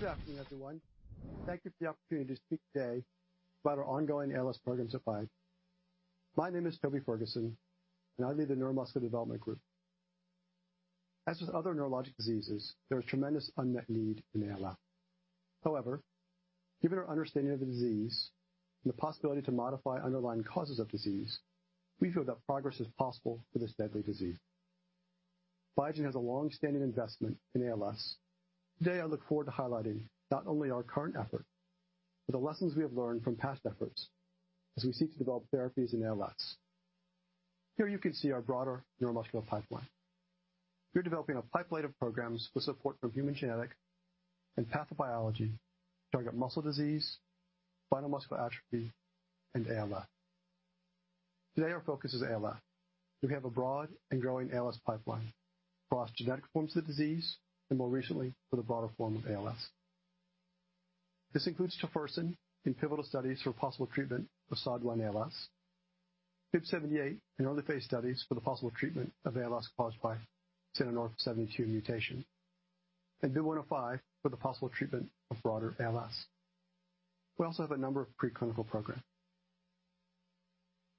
Good afternoon, everyone. Thank you for the opportunity to speak today about our ongoing ALS programs at Biogen. My name is Toby Ferguson. I lead the Neuromuscular Development Group. As with other neurologic diseases, there is tremendous unmet need in ALS. Given our understanding of the disease and the possibility to modify underlying causes of disease, we feel that progress is possible for this deadly disease. Biogen has a long-standing investment in ALS. Today, I look forward to highlighting not only our current effort, but the lessons we have learned from past efforts as we seek to develop therapies in ALS. Here you can see our broader neuromuscular pipeline. We are developing a pipeline of programs with support from human genetic and pathobiology, target muscle disease, spinal muscular atrophy, and ALS. Today, our focus is ALS. We have a broad and growing ALS pipeline across genetic forms of the disease, and more recently, for the broader form of ALS. This includes tofersen in pivotal studies for possible treatment of SOD1 ALS, BIIB078 in early phase studies for the possible treatment of ALS caused by C9orf72 mutation, and BIIB105 for the possible treatment of broader ALS. We also have a number of preclinical programs.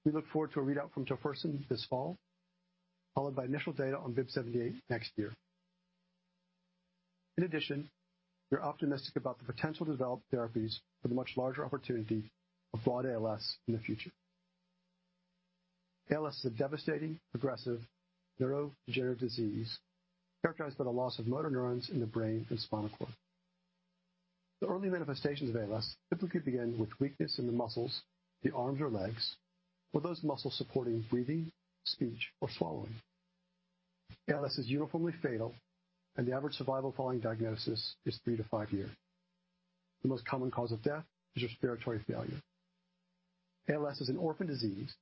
We look forward to a readout from tofersen this fall, followed by initial data on BIIB078 next year. In addition, we're optimistic about the potential to develop therapies for the much larger opportunity of broad ALS in the future. ALS is a devastating, progressive neurodegenerative disease characterized by the loss of motor neurons in the brain and spinal cord. The early manifestations of ALS typically begin with weakness in the muscles, the arms or legs, or those muscles supporting breathing, speech, or swallowing. ALS is uniformly fatal, and the average survival following diagnosis is three to five years. The most common cause of death is respiratory failure. ALS is an orphan disease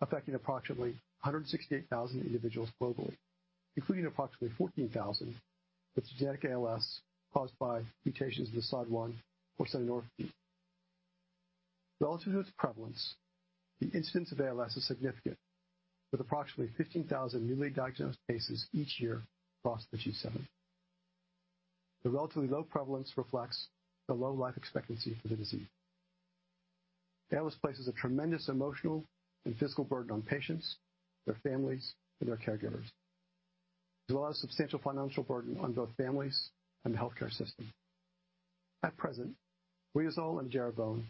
affecting approximately 168,000 individuals globally, including approximately 14,000 with genetic ALS caused by mutations in the SOD1 or C9orf72. Relative to its prevalence, the incidence of ALS is significant, with approximately 15,000 newly diagnosed cases each year across the G7. The relatively low prevalence reflects the low life expectancy for the disease. ALS places a tremendous emotional and physical burden on patients, their families, and their caregivers. There's a lot of substantial financial burden on both families and the healthcare system. At present, Rilutek and edaravone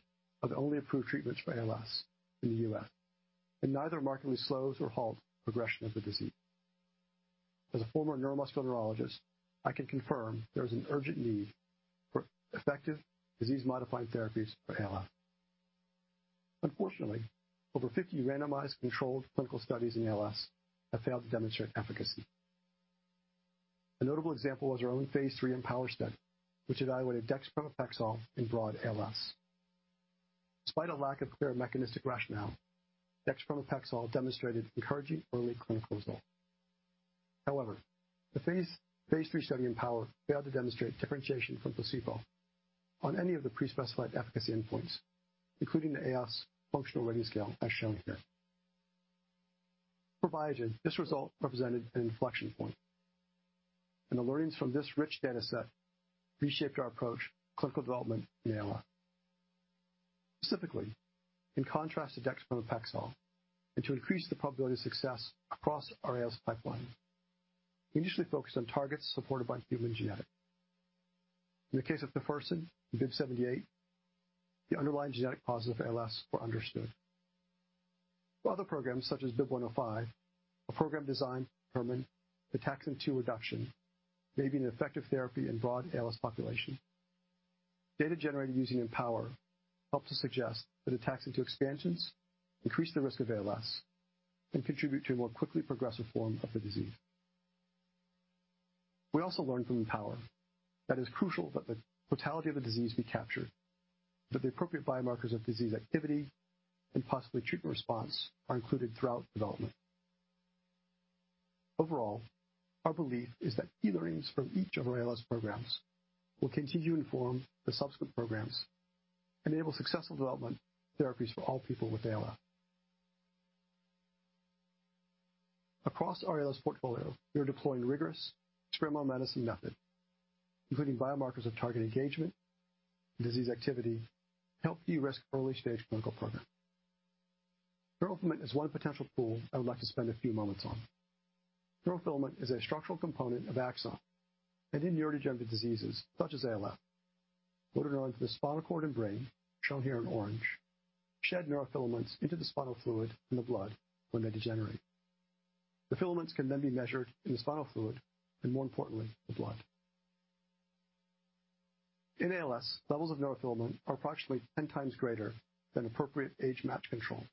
are the only approved treatments for ALS in the U.S., and neither markedly slows or halt progression of the disease. As a former neuromuscular neurologist, I can confirm there is an urgent need for effective disease-modifying therapies for ALS. Unfortunately, over 50 randomized controlled clinical studies in ALS have failed to demonstrate efficacy. A notable example was our own phase III EMPOWER study, which evaluated dexpramipexole in broad ALS. Despite a lack of clear mechanistic rationale, dexpramipexole demonstrated encouraging early clinical results. The phase III study in EMPOWER failed to demonstrate differentiation from placebo on any of the pre-specified efficacy endpoints, including the ALS Functional Rating Scale, as shown here. For Biogen, this result represented an inflection point, and the learnings from this rich data set reshaped our approach to clinical development in ALS. Specifically, in contrast to dexpramipexole, and to increase the probability of success across our ALS pipeline, we initially focused on targets supported by human genetics. In the case of tofersen and BIIB078, the underlying genetic causes of ALS were understood. For other programs such as BIIB105, a program designed to determine the Ataxin-2 reduction may be an effective therapy in broad ALS population. Data generated using EMPOWER helped to suggest that Ataxin-2 expansions increase the risk of ALS and contribute to a more quickly progressive form of the disease. We also learned from EMPOWER that it's crucial that the totality of the disease be captured, that the appropriate biomarkers of disease activity and possibly treatment response are included throughout development. Overall, our belief is that key learnings from each of our ALS programs will continue to inform the subsequent programs, enable successful development therapies for all people with ALS. Across our ALS portfolio, we are deploying rigorous experimental medicine method, including biomarkers of target engagement, disease activity, help de-risk early-stage clinical program. Neurofilament is one potential tool I would like to spend a few moments on. Neurofilament is a structural component of axon, and in neurodegenerative diseases such as ALS, motor neuron to the spinal cord and brain, shown here in orange, shed neurofilaments into the spinal fluid and the blood when they degenerate. The filaments can be measured in the spinal fluid, and more importantly, the blood. In ALS, levels of neurofilament are approximately 10x greater than appropriate age-matched control.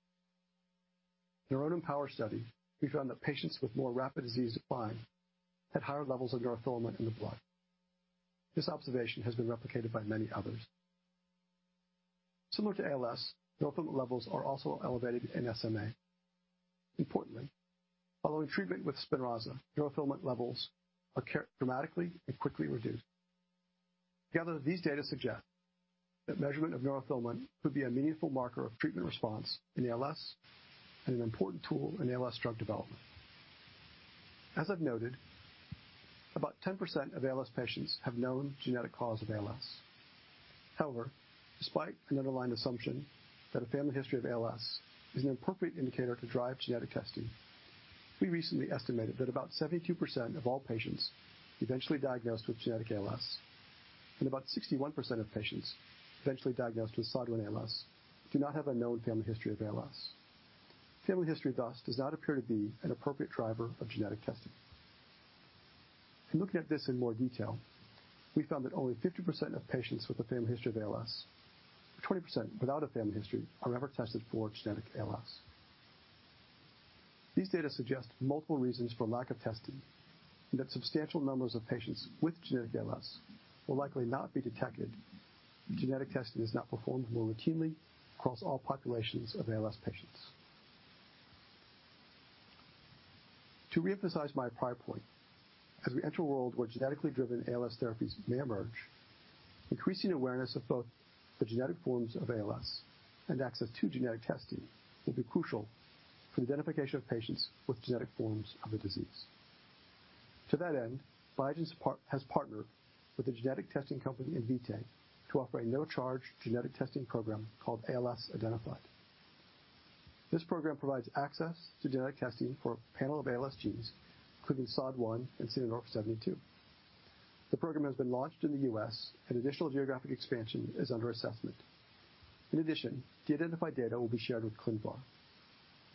In our own EMPOWER study, we found that patients with more rapid disease decline had higher levels of neurofilament in the blood. This observation has been replicated by many others. Similar to ALS, neurofilament levels are also elevated in SMA. Importantly, following treatment with SPINRAZA, neurofilament levels are dramatically and quickly reduced. Together, these data suggest that measurement of neurofilament could be a meaningful marker of treatment response in ALS and an important tool in ALS drug development. As I've noted, about 10% of ALS patients have known genetic cause of ALS. However, despite an underlying assumption that a family history of ALS is an appropriate indicator to drive genetic testing, we recently estimated that about 72% of all patients eventually diagnosed with genetic ALS, and about 61% of patients eventually diagnosed with SOD1 ALS do not have a known family history of ALS. Family history, thus, does not appear to be an appropriate driver of genetic testing. In looking at this in more detail, we found that only 50% of patients with a family history of ALS, 20% without a family history, are ever tested for genetic ALS. These data suggest multiple reasons for lack of testing, and that substantial numbers of patients with genetic ALS will likely not be detected if genetic testing is not performed more routinely across all populations of ALS patients. To reemphasize my prior point, as we enter a world where genetically driven ALS therapies may emerge, increasing awareness of both the genetic forms of ALS and access to genetic testing will be crucial for the identification of patients with genetic forms of the disease. To that end, Biogen has partnered with the genetic testing company, Invitae, to offer a no-charge genetic testing program called ALS Identified. This program provides access to genetic testing for a panel of ALS genes, including SOD1 and C9orf72. The program has been launched in the U.S., and additional geographic expansion is under assessment. In addition, the Identified data will be shared with ClinVar.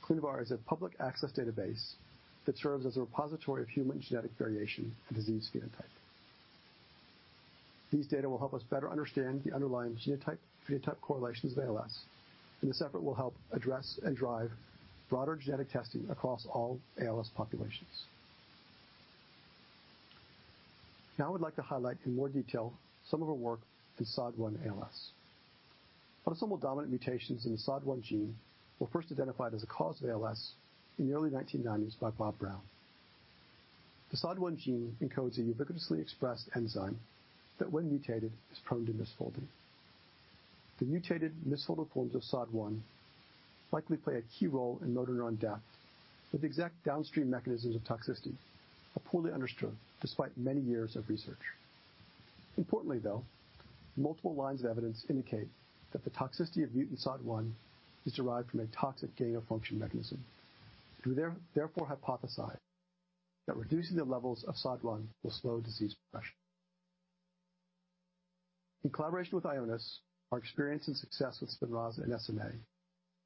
ClinVar is a public access database that serves as a repository of human genetic variation and disease phenotype. These data will help us better understand the underlying genotype-phenotype correlations of ALS, and this effort will help address and drive broader genetic testing across all ALS populations. Now I'd like to highlight in more detail some of our work with SOD1 ALS. Autosomal dominant mutations in the SOD1 gene were first identified as a cause of ALS in the early 1990s by Bob Brown. The SOD1 gene encodes a ubiquitously expressed enzyme that, when mutated, is prone to misfolding. The mutated misfolded forms of SOD1 likely play a key role in motor neuron death, but the exact downstream mechanisms of toxicity are poorly understood, despite many years of research. Importantly, though, multiple lines of evidence indicate that the toxicity of mutant SOD1 is derived from a toxic gain-of-function mechanism. We therefore hypothesize that reducing the levels of SOD1 will slow disease progression. In collaboration with Ionis, our experience and success with SPINRAZA and SMA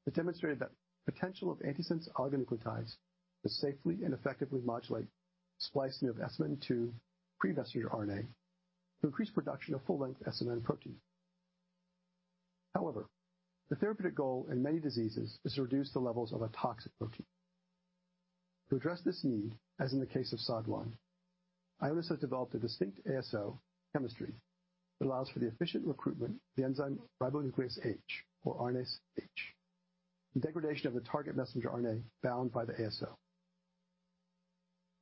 has demonstrated the potential of antisense oligonucleotides to safely and effectively modulate splicing of SMN2 pre-messenger RNA to increase production of full length SMN protein. However, the therapeutic goal in many diseases is to reduce the levels of a toxic protein. To address this need, as in the case of SOD1, Ionis has developed a distinct ASO chemistry that allows for the efficient recruitment of the enzyme ribonuclease H, or RNase H, and degradation of the target messenger RNA bound by the ASO.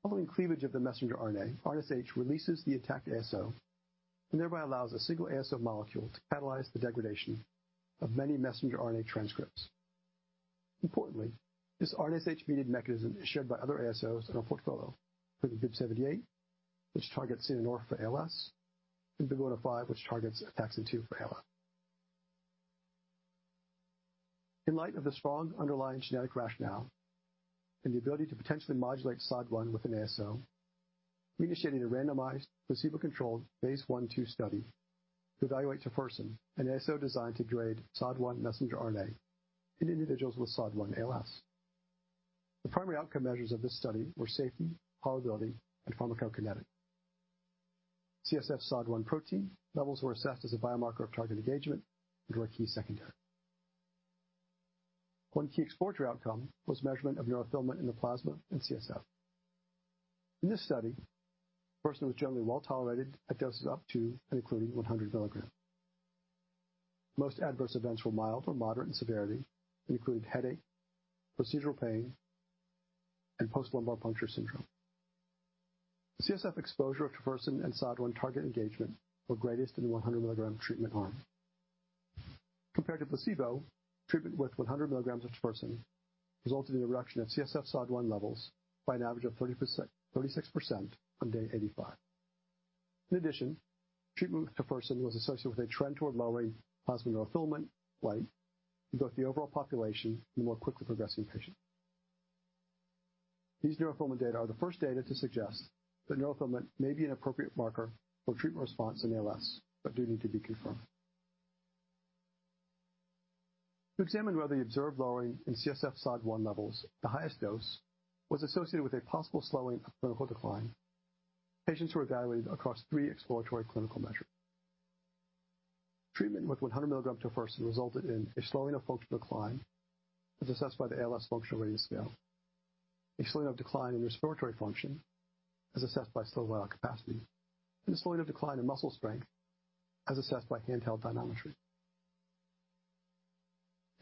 Following cleavage of the messenger RNA, RNase H releases the attacked ASO and thereby allows a single ASO molecule to catalyze the degradation of many messenger RNA transcripts. Importantly, this RNase H-mediated mechanism is shared by other ASOs in our portfolio, including BIIB078, which targets C9orf72 for ALS, and BIIB105, which targets ATXN2 for ALS. In light of the strong underlying genetic rationale and the ability to potentially modulate SOD1 with an ASO, we initiated a randomized, placebo-controlled phase I/II study to evaluate tofersen, an ASO designed to degrade SOD1 messenger RNA in individuals with SOD1 ALS. The primary outcome measures of this study were safety, tolerability, and pharmacokinetics. CSF SOD1 protein levels were assessed as a biomarker of target engagement and were a key secondary. One key exploratory outcome was measurement of neurofilament in the plasma and CSF. In this study, tofersen was generally well-tolerated at doses up to and including 100 milligrams. Most adverse events were mild or moderate in severity and included headache, procedural pain, and post-lumbar puncture syndrome. CSF exposure of tofersen and SOD1 target engagement were greatest in the 100 milligram treatment arm. Compared to placebo, treatment with 100 milligrams of tofersen resulted in a reduction of CSF SOD1 levels by an average of 36% on day 85. In addition, treatment with tofersen was associated with a trend toward lowering plasma neurofilament light in both the overall population and the more quickly progressing patients. These neurofilament data are the first data to suggest that neurofilament may be an appropriate marker for treatment response in ALS, but do need to be confirmed. To examine whether the observed lowering in CSF SOD1 levels at the highest dose was associated with a possible slowing of clinical decline, patients were evaluated across three exploratory clinical measures. Treatment with 100 milligram tofersen resulted in a slowing of functional decline, as assessed by the ALS Functional Rating Scale, a slowing of decline in respiratory function, as assessed by slow vital capacity, and a slowing of decline in muscle strength, as assessed by handheld dynamometry.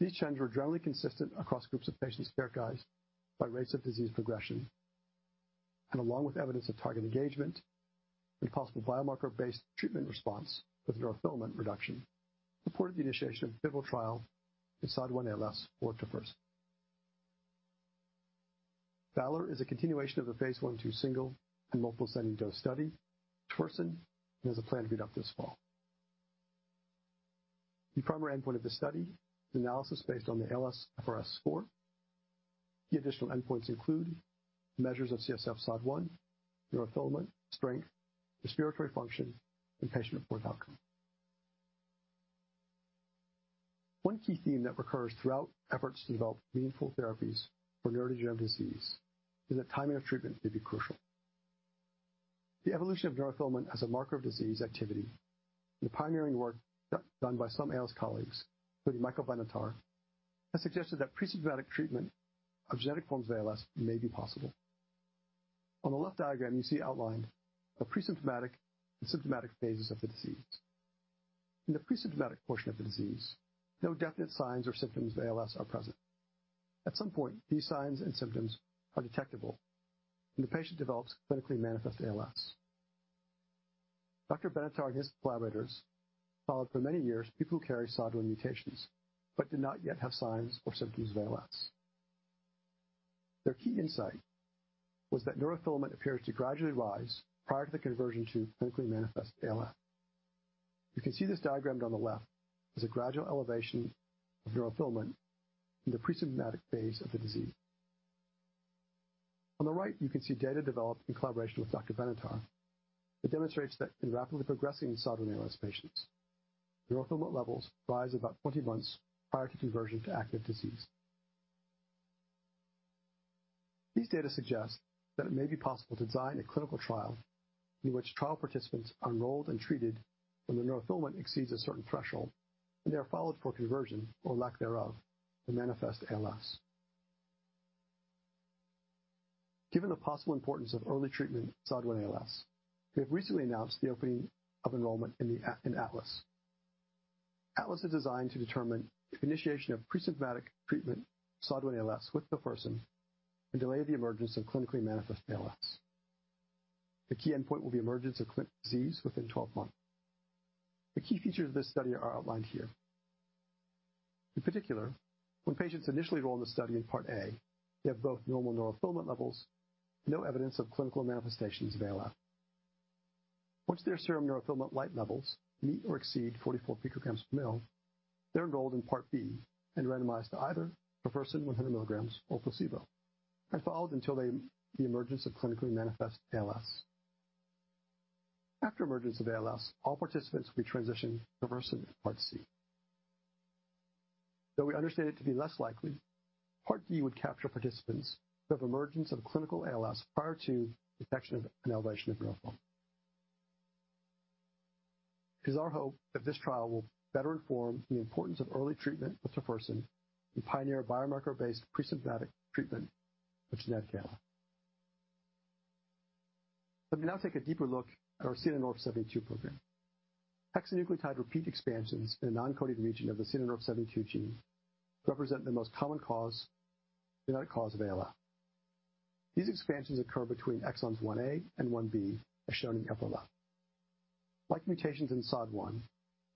These trends were generally consistent across groups of patients characterized by rates of disease progression, and along with evidence of target engagement and possible biomarker-based treatment response with neurofilament reduction, supported the initiation of a pivotal trial in SOD1 ALS with tofersen. VALOR is a continuation of the phase I/II single and multiple ascending-dose study with tofersen and is planned to read up this fall. The primary endpoint of the study is analysis based on the ALSFRS-R score. Key additional endpoints include measures of CSF SOD1, neurofilament, strength, respiratory function, and patient-reported outcome. One key theme that recurs throughout efforts to develop meaningful therapies for neurodegenerative disease is that timing of treatment may be crucial. The evolution of neurofilament as a marker of disease activity and the pioneering work done by some ALS colleagues, including Michael Benatar, has suggested that presymptomatic treatment of genetic forms of ALS may be possible. On the left diagram, you see outlined the presymptomatic and symptomatic phases of the disease. In the presymptomatic portion of the disease, no definite signs or symptoms of ALS are present. At some point, these signs and symptoms are detectable, and the patient develops clinically manifest ALS. Dr. Benatar and his collaborators followed for many years people who carry SOD1 mutations but did not yet have signs or symptoms of ALS. Their key insight was that neurofilament appears to gradually rise prior to the conversion to clinically manifest ALS. You can see this diagrammed on the left as a gradual elevation of neurofilament in the presymptomatic phase of the disease. On the right, you can see data developed in collaboration with Dr. Benatar that demonstrates that in rapidly progressing SOD1 ALS patients, neurofilament levels rise about 20 months prior to conversion to active disease. These data suggest that it may be possible to design a clinical trial in which trial participants are enrolled and treated when the neurofilament exceeds a certain threshold, and they are followed for conversion, or lack thereof, to manifest ALS. Given the possible importance of early treatment in SOD1 ALS, we have recently announced the opening of enrollment in ATLAS. ATLAS is designed to determine if initiation of presymptomatic treatment of SOD1 ALS with tofersen can delay the emergence of clinically manifest ALS. The key endpoint will be emergence of clinical disease within 12 months. The key features of this study are outlined here. In particular, when patients initially enroll in the study in Part A, they have both normal neurofilament levels, no evidence of clinical manifestations of ALS. Once their serum neurofilament light levels meet or exceed 44 picograms per mL, they're enrolled in Part B and randomized to either tofersen 100 mg or placebo, and followed until the emergence of clinically manifest ALS. After emergence of ALS, all participants will be transitioned to tofersen in Part C. Though we understand it to be less likely, Part D would capture participants who have emergence of clinical ALS prior to detection of an elevation of neurofilament. It is our hope that this trial will better inform the importance of early treatment with tofersen and pioneer biomarker-based presymptomatic treatment of genetic ALS. Let me now take a deeper look at our C9orf72 program. Hexanucleotide repeat expansions in a non-coding region of the C9orf72 gene represent the most common genetic cause of ALS. These expansions occur between exons 1A and 1B, as shown in the upper left. Like mutations in SOD1,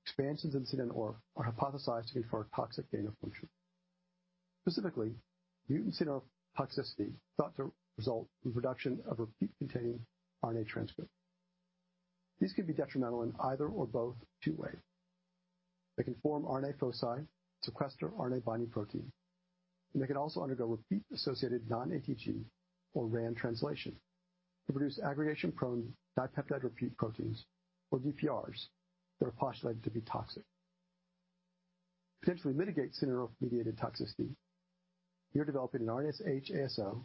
expansions in C9orf are hypothesized to be for a toxic gain of function. Specifically, mutant C9orf toxicity is thought to result from production of a repeat-containing RNA transcript. These can be detrimental in either or both two ways. They can form RNA foci, sequester RNA-binding protein, and they can also undergo RAN translation to produce aggregation-prone dipeptide repeat proteins, or DPRs, that are postulated to be toxic. To potentially mitigate C9orf-mediated toxicity, we are developing an RNase H ASO to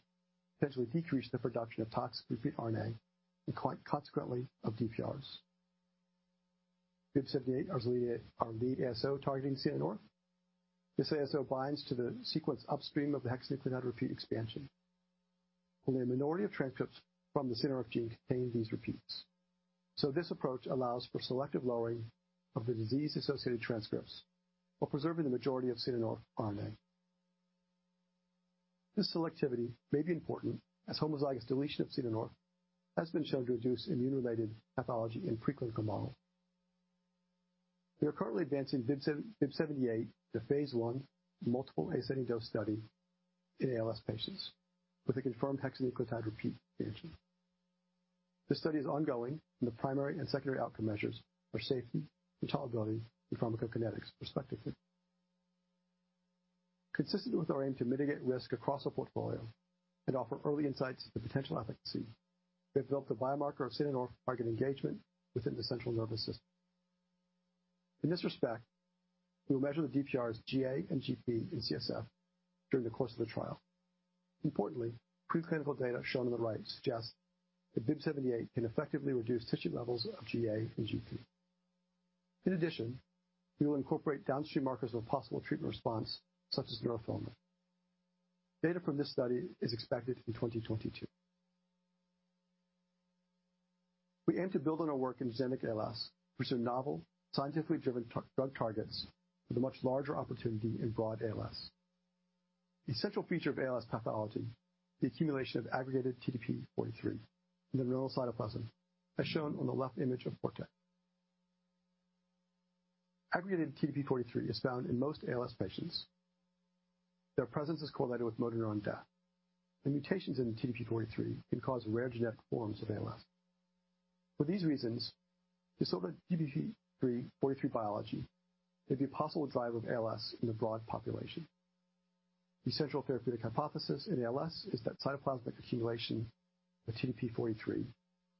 potentially decrease the production of toxic repeat RNA and consequently of DPRs. BIIB078 is our lead ASO targeting C9orf. This ASO binds to the sequence upstream of the hexanucleotide repeat expansion. Only a minority of transcripts from the C9orf gene contain these repeats, this approach allows for selective lowering of the disease-associated transcripts while preserving the majority of C9orf RNA. This selectivity may be important as homozygous deletion of C9orf has been shown to reduce immune-related pathology in preclinical models. We are currently advancing BIIB078 to phase I in multiple ascending dose study in ALS patients with a confirmed hexanucleotide repeat expansion. This study is ongoing, the primary and secondary outcome measures are safety, tolerability, and pharmacokinetics respectively. Consistent with our aim to mitigate risk across our portfolio and offer early insights into potential efficacy, we have built the biomarker of C9orf target engagement within the central nervous system. In this respect, we will measure the DPRs GA and GP in CSF during the course of the trial. Importantly, preclinical data shown on the right suggests that BIIB078 can effectively reduce tissue levels of GA and GP. We will incorporate downstream markers of possible treatment response, such as neurofilament. Data from this study is expected in 2022. We aim to build on our work in genetic ALS, which are novel, scientifically driven drug targets with a much larger opportunity in broad ALS. The essential feature of ALS pathology, the accumulation of aggregated TDP-43 in the neuronal cytoplasm, as shown on the left image of cortex. Aggregated TDP-43 is found in most ALS patients. Their presence is correlated with motor neuron death, mutations in the TDP-43 can cause rare genetic forms of ALS. For these reasons, disordered TDP-43 biology may be a possible driver of ALS in the broad population. The central therapeutic hypothesis in ALS is that cytoplasmic accumulation of TDP-43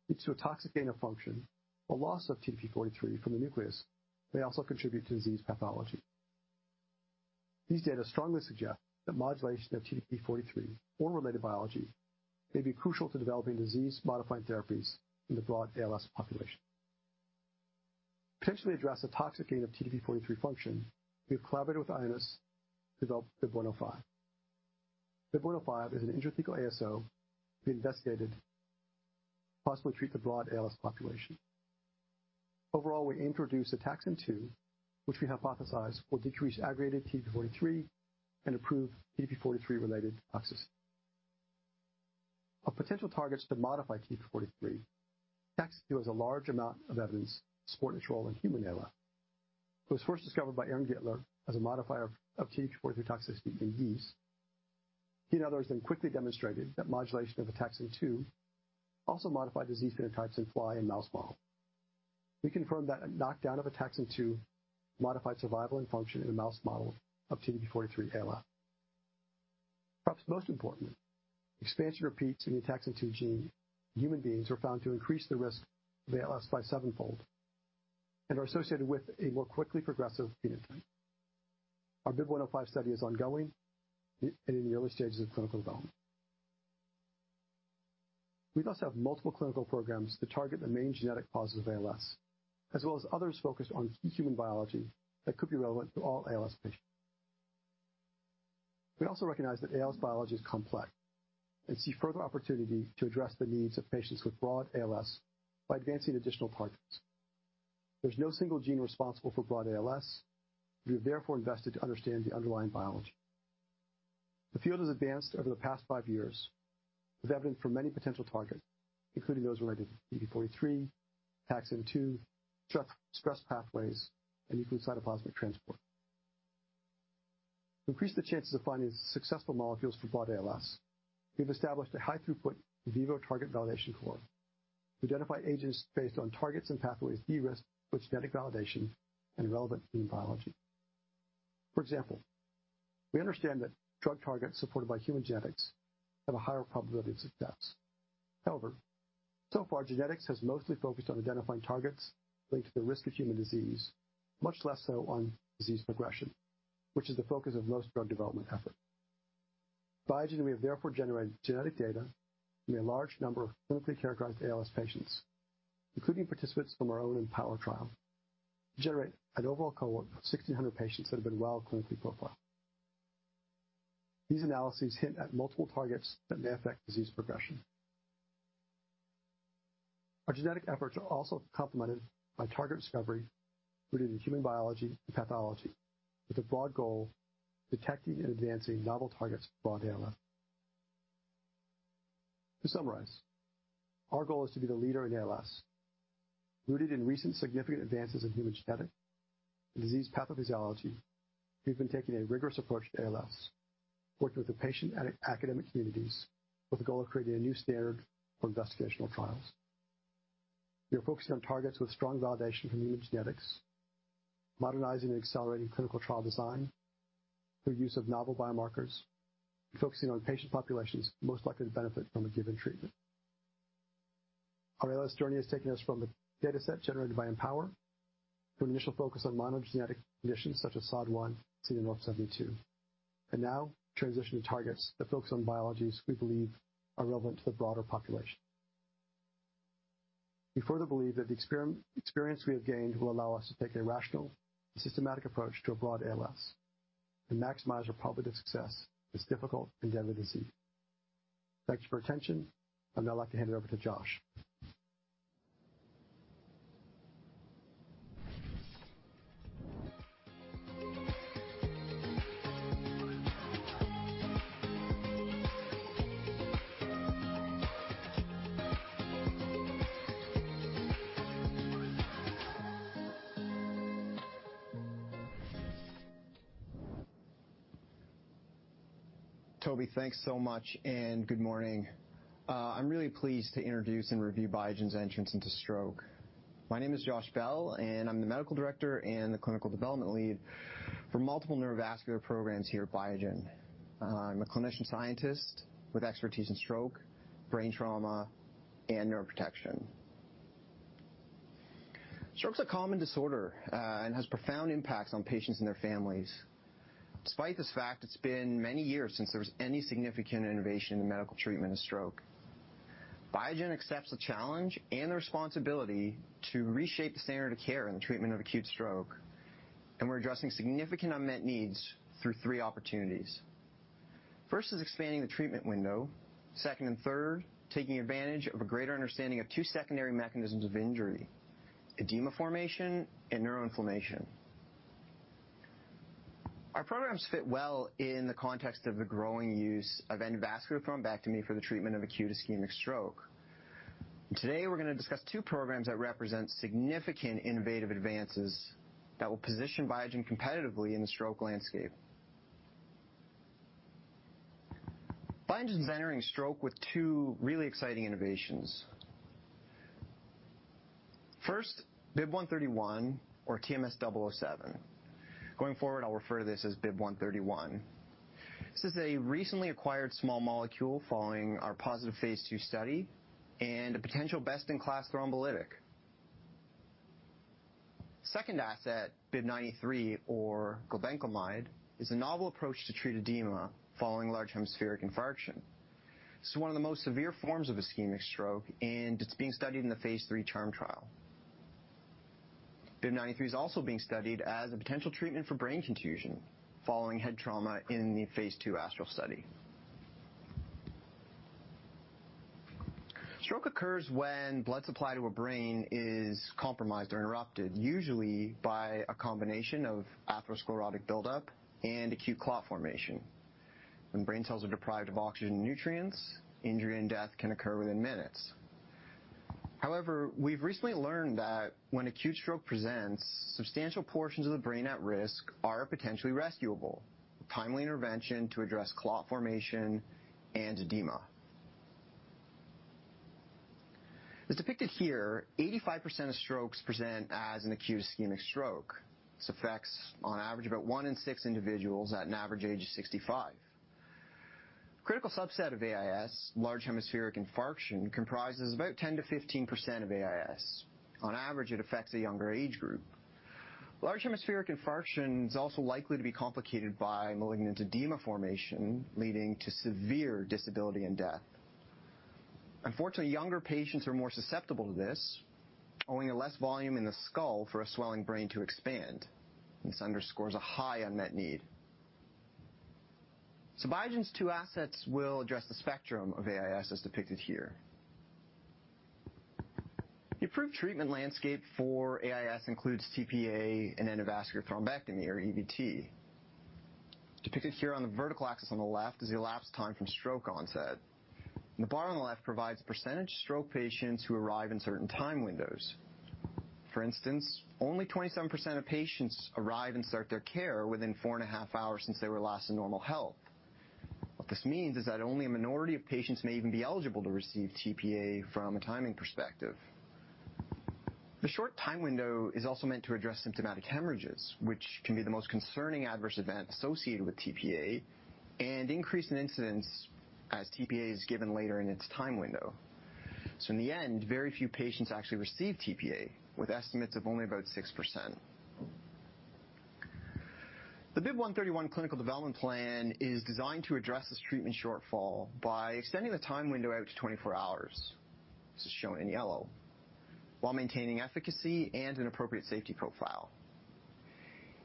leads to a toxic gain of function, while loss of TDP-43 from the nucleus may also contribute to disease pathology. These data strongly suggest that modulation of TDP-43 or related biology may be crucial to developing disease-modifying therapies in the broad ALS population. To potentially address the toxic gain of TDP-43 function, we have collaborated with Ionis to develop BIIB105. BIIB105 is an intrathecal ASO being investigated to possibly treat the broad ALS population. Overall, we introduce Ataxin-2, which we hypothesize will decrease aggregated TDP-43 and improve TDP-43 related toxicity. Of potential targets to modify TDP-43, Ataxin-2 has a large amount of evidence supporting its role in human ALS. It was first discovered by Aaron Gitler as a modifier of TDP-43 toxicity in yeast. He and others then quickly demonstrated that modulation of Ataxin-2 also modified disease phenotypes in fly and mouse model. We confirmed that a knockdown of Ataxin-2 modified survival and function in a mouse model of TDP-43 ALS. Perhaps most important, expansion repeats in the Ataxin-2 gene in human beings were found to increase the risk of ALS by 7-fold and are associated with a more quickly progressive phenotype. Our BIIB105 study is ongoing and in the early stages of clinical development. We also have multiple clinical programs that target the main genetic causes of ALS, as well as others focused on human biology that could be relevant to all ALS patients. We also recognize that ALS biology is complex and see further opportunity to address the needs of patients with broad ALS by advancing additional targets. There's no single gene responsible for broad ALS. We have therefore invested to understand the underlying biology. The field has advanced over the past five years with evidence for many potential targets, including those related to TDP-43, Ataxin-2, stress pathways, and even cytoplasmic transport. To increase the chances of finding successful molecules for broad ALS, we've established a high throughput in vivo target validation core to identify agents based on targets and pathways de-risked with genetic validation and relevant human biology. For example, we understand that drug targets supported by human genetics have a higher probability of success. However, so far, genetics has mostly focused on identifying targets linked to the risk of human disease, much less so on disease progression, which is the focus of most drug development efforts. Biogen we have therefore generated genetic data from a large number of clinically characterized ALS patients, including participants from our own EMPOWER trial, to generate an overall cohort of 1,600 patients that have been well clinically profiled. These analyses hint at multiple targets that may affect disease progression. Our genetic efforts are also complemented by target discovery rooted in human biology and pathology, with the broad goal of detecting and advancing novel targets for broad ALS. To summarize, our goal is to be the leader in ALS. Rooted in recent significant advances in human genetic and disease pathophysiology, we've been taking a rigorous approach to ALS, working with the patient and academic communities with the goal of creating a new standard for investigational trials. We are focusing on targets with strong validation from human genetics, modernizing and accelerating clinical trial design through use of novel biomarkers, and focusing on patient populations most likely to benefit from a given treatment. Our ALS journey has taken us from the dataset generated by EMPOWER to an initial focus on monogenetic conditions such as SOD1 and C9orf72. Now transition to targets that focus on biologies we believe are relevant to the broader population. We further believe that the experience we have gained will allow us to take a rational and systematic approach to a broad ALS and maximize our probability of success in this difficult and deadly disease. Thank you for attention. I'd now like to hand it over to Josh. Toby, thanks so much. Good morning. I'm really pleased to introduce and review Biogen's entrance into stroke. My name is Josh Bell. I'm the medical director and the clinical development lead for multiple neurovascular programs here at Biogen. I'm a clinician scientist with expertise in stroke, brain trauma, and neuroprotection. Stroke is a common disorder. It has profound impacts on patients and their families. Despite this fact, it's been many years since there was any significant innovation in the medical treatment of stroke. Biogen accepts the challenge and the responsibility to reshape the standard of care in the treatment of acute stroke. We're addressing significant unmet needs through three opportunities. First is expanding the treatment window. Second and third, taking advantage of a greater understanding of two secondary mechanisms of injury, edema formation and neuroinflammation. Our programs fit well in the context of the growing use of endovascular thrombectomy for the treatment of acute ischemic stroke. Today, we're going to discuss two programs that represent significant innovative advances that will position Biogen competitively in the stroke landscape. Biogen is entering stroke with two really exciting innovations. First, BIIB131 or TMS-007. Going forward, I'll refer to this as BIIB131. This is a recently acquired small molecule following our positive phase II study and a potential best-in-class thrombolytic. Second asset, BIIB093 or glibenclamide, is a novel approach to treat edema following large hemispheric infarction. This is one of the most severe forms of ischemic stroke, and it's being studied in the phase III CHARM trial. BIIB093 is also being studied as a potential treatment for brain contusion following head trauma in the phase II ASTRAL study. Stroke occurs when blood supply to a brain is compromised or interrupted, usually by a combination of atherosclerotic buildup and acute clot formation. When brain cells are deprived of oxygen and nutrients, injury and death can occur within minutes. However, we've recently learned that when acute stroke presents, substantial portions of the brain at risk are potentially rescuable. Timely intervention to address clot formation and edema. As depicted here, 85% of strokes present as an acute ischemic stroke. This affects on average about one in six individuals at an average age of 65. Critical subset of AIS, large hemispheric infarction, comprises about 10%-15% of AIS. On average, it affects a younger age group. Large hemispheric infarction is also likely to be complicated by malignant edema formation, leading to severe disability and death. Unfortunately, younger patients are more susceptible to this, owing to less volume in the skull for a swelling brain to expand. This underscores a high unmet need. Biogen's two assets will address the spectrum of AIS as depicted here. The approved treatment landscape for AIS includes tPA and endovascular thrombectomy or EVT. Depicted here on the vertical axis on the left is the elapsed time from stroke onset. The bar on the left provides percentage stroke patients who arrive in certain time windows. For instance, only 27% of patients arrive and start their care within four and a half hours since they were last in normal health. What this means is that only a minority of patients may even be eligible to receive tPA from a timing perspective. The short time window is also meant to address symptomatic hemorrhages, which can be the most concerning adverse event associated with tPA and increase in incidence as tPA is given later in its time window. In the end, very few patients actually receive tPA, with estimates of only about 6%. The BIIB131 clinical development plan is designed to address this treatment shortfall by extending the time window out to 24 hours, this is shown in yellow, while maintaining efficacy and an appropriate safety profile.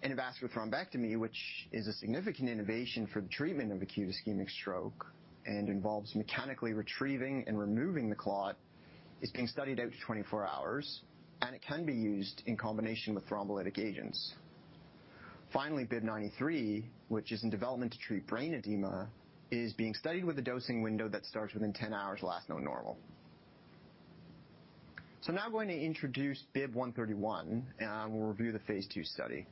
Endovascular thrombectomy, which is a significant innovation for the treatment of acute ischemic stroke and involves mechanically retrieving and removing the clot, is being studied out to 24 hours, and it can be used in combination with thrombolytic agents. Finally, BIIB093, which is in development to treat brain edema, is being studied with a dosing window that starts within 10 hours last known normal. Now I'm going to introduce BIIB131, and I will review the phase II study.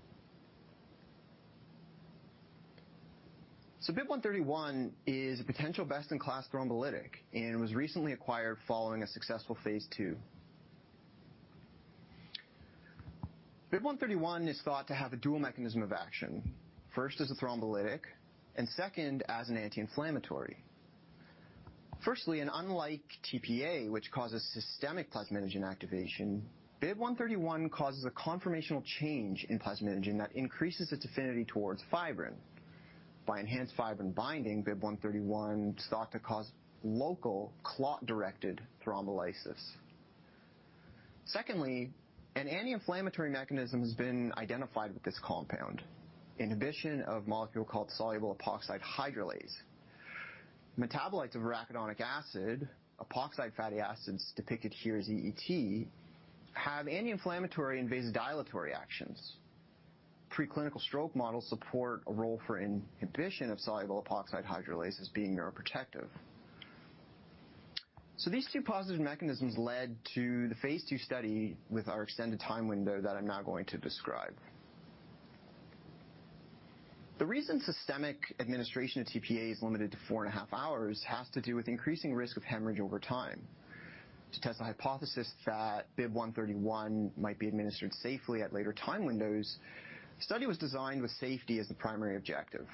BIIB131 is a potential best-in-class thrombolytic and was recently acquired following a successful phase II. BIIB131 is thought to have a dual mechanism of action, first as a thrombolytic and second as an anti-inflammatory. Firstly, unlike tPA, which causes systemic plasminogen activation, BIIB131 causes a conformational change in plasminogen that increases its affinity towards fibrin. By enhanced fibrin binding, BIIB131 is thought to cause local clot-directed thrombolysis. Secondly, an anti-inflammatory mechanism has been identified with this compound, inhibition of a molecule called soluble epoxide hydrolase. Metabolites of arachidonic acid, epoxide fatty acids depicted here as EET, have anti-inflammatory and vasodilatory actions. Preclinical stroke models support a role for inhibition of soluble epoxide hydrolase as being neuroprotective. These two positive mechanisms led to the phase II study with our extended time window that I'm now going to describe. The reason systemic administration of tPA is limited to 4.5 hours has to do with increasing risk of hemorrhage over time. To test the hypothesis that BIIB131 might be administered safely at later time windows, the study was designed with safety as the primary objective.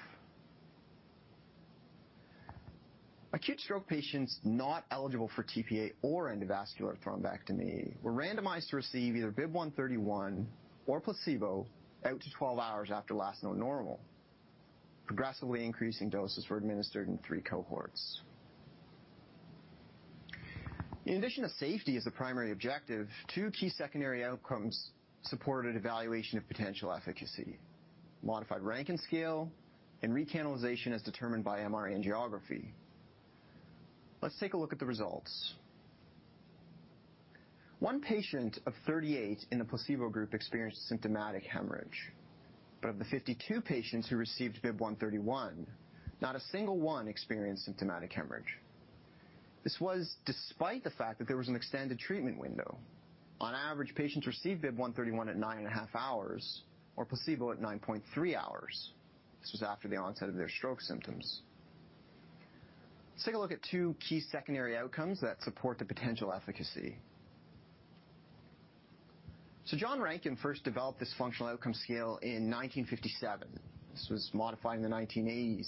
Acute stroke patients not eligible for tPA or endovascular thrombectomy were randomized to receive either BIIB131 or placebo out to 12 hours after last known normal. Progressively increasing doses were administered in three cohorts. In addition to safety as a primary objective, 2 key secondary outcomes supported evaluation of potential efficacy: modified Rankin Scale and recanalization as determined by MR angiography. Let's take a look at the results. One patient of 38 in the placebo group experienced symptomatic hemorrhage, of the 52 patients who received BIIB131, not a single one experienced symptomatic hemorrhage. This was despite the fact that there was an extended treatment window. On average, patients received BIIB131 at 9.5 hours or placebo at 9.3 hours. This was after the onset of their stroke symptoms. Let's take a look at two key secondary outcomes that support the potential efficacy. John Rankin first developed this functional outcome scale in 1957. This was modified in the 1980s,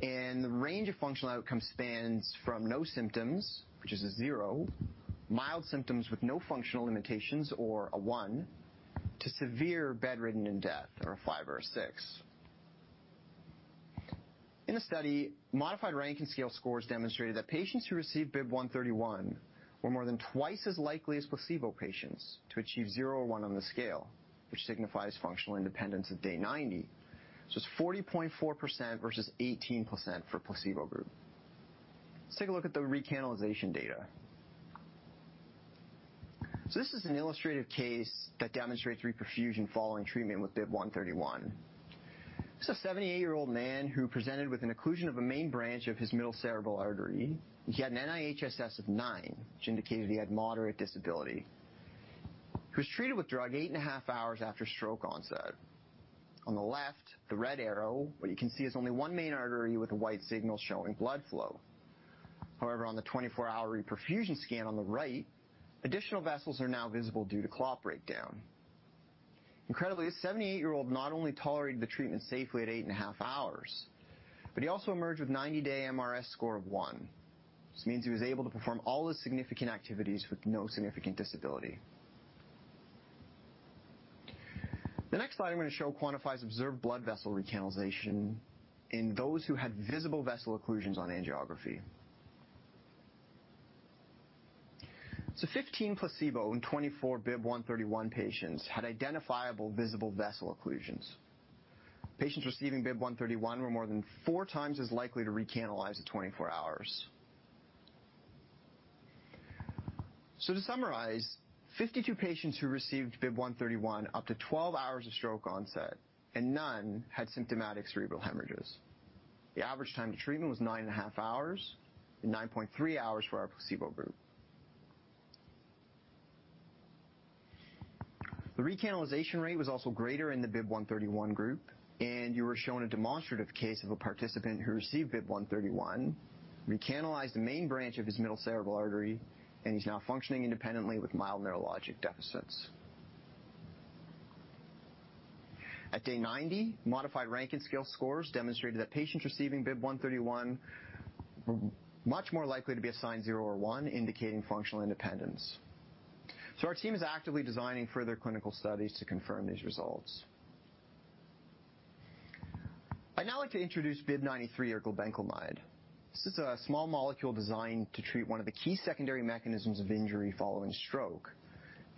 and the range of functional outcome spans from no symptoms, which is a 0, mild symptoms with no functional limitations or a 1, to severe bedridden and death, or a 5 or a 6. In the study, modified Rankin Scale scores demonstrated that patients who received BIIB131 were more than twice as likely as placebo patients to achieve 0 or 1 on the scale, which signifies functional independence at day 90. It's 40.4% versus 18% for placebo group. Let's take a look at the recanalization data. This is an illustrative case that demonstrates reperfusion following treatment with BIIB131. This is a 78-year-old man who presented with an occlusion of a main branch of his middle cerebral artery. He had an NIHSS of 9, which indicated he had moderate disability. He was treated with drug eight and a half hours after stroke onset. On the left, the red arrow, what you can see is only one main artery with a white signal showing blood flow. On the 24-hour reperfusion scan on the right, additional vessels are now visible due to clot breakdown. Incredibly, this 78-year-old not only tolerated the treatment safely at eight and a half hours, but he also emerged with 90-day mRS score of one. This means he was able to perform all his significant activities with no significant disability. The next slide I'm going to show quantifies observed blood vessel recanalization in those who had visible vessel occlusions on angiography. 15 placebo and 24 BIIB131 patients had identifiable visible vessel occlusions. Patients receiving BIIB131 were more than four times as likely to recanalize at 24 hours. To summarize, 52 patients who received BIIB131 up to 12 hours of stroke onset, and none had symptomatic cerebral hemorrhages. The average time to treatment was 9.5 hours, and 9.3 hours for our placebo group. The recanalization rate was also greater in the BIIB131 group, and you were shown a demonstrative case of a participant who received BIIB131, recanalized the main branch of his middle cerebral artery, and he's now functioning independently with mild neurologic deficits. At day 90, modified Rankin Scale scores demonstrated that patients receiving BIIB131 were much more likely to be assigned 0 or 1, indicating functional independence. Our team is actively designing further clinical studies to confirm these results. I'd now like to introduce BIIB093, or glibenclamide. This is a small molecule designed to treat one of the key secondary mechanisms of injury following stroke,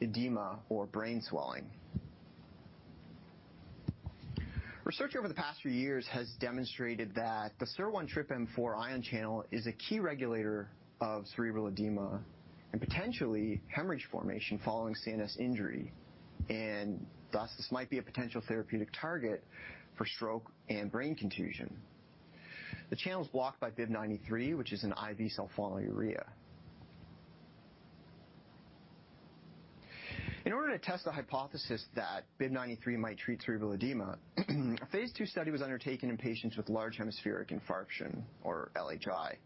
edema or brain swelling. Research over the past few years has demonstrated that the SUR1-TRPM4 ion channel is a key regulator of cerebral edema and potentially hemorrhage formation following CNS injury. Thus, this might be a potential therapeutic target for stroke and brain contusion. The channel's blocked by BIIB093, which is an IV sulfonylurea. In order to test the hypothesis that BIIB093 might treat cerebral edema, a phase II study was undertaken in patients with large hemispheric infarction, or LHI.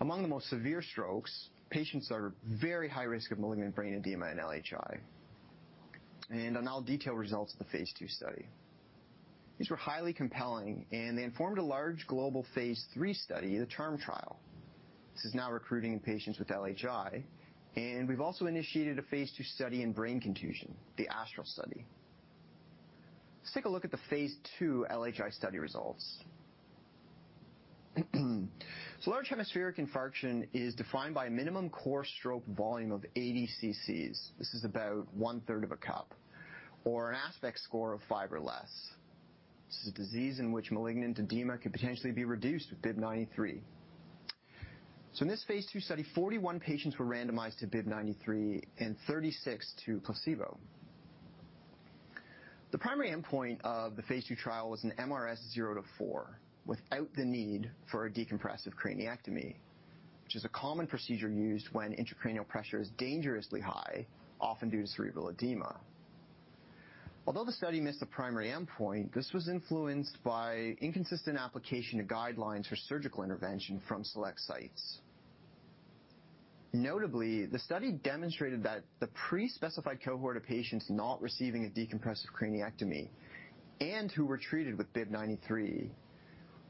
Among the most severe strokes, patients are very high risk of malignant brain edema in LHI. I'll now detail results of the phase II study. These were highly compelling. They informed a large global phase III study, the CHARM trial. This is now recruiting patients with LHI, and we've also initiated a phase II study in brain contusion, the ASTRAL study. Let's take a look at the phase II LHI study results. Large hemispheric infarction is defined by a minimum core stroke volume of 80 ccs. This is about one-third of a cup, or an ASPECTS score of 5 or less. This is a disease in which malignant edema could potentially be reduced with BIIB093. In this phase II study, 41 patients were randomized to BIIB093 and 36 to placebo. The primary endpoint of the phase II trial was an mRS 0 to 4 without the need for a decompressive craniectomy, which is a common procedure used when intracranial pressure is dangerously high, often due to cerebral edema. Although the study missed the primary endpoint, this was influenced by inconsistent application of guidelines for surgical intervention from select sites. Notably, the study demonstrated that the pre-specified cohort of patients not receiving a decompressive craniectomy and who were treated with BIIB093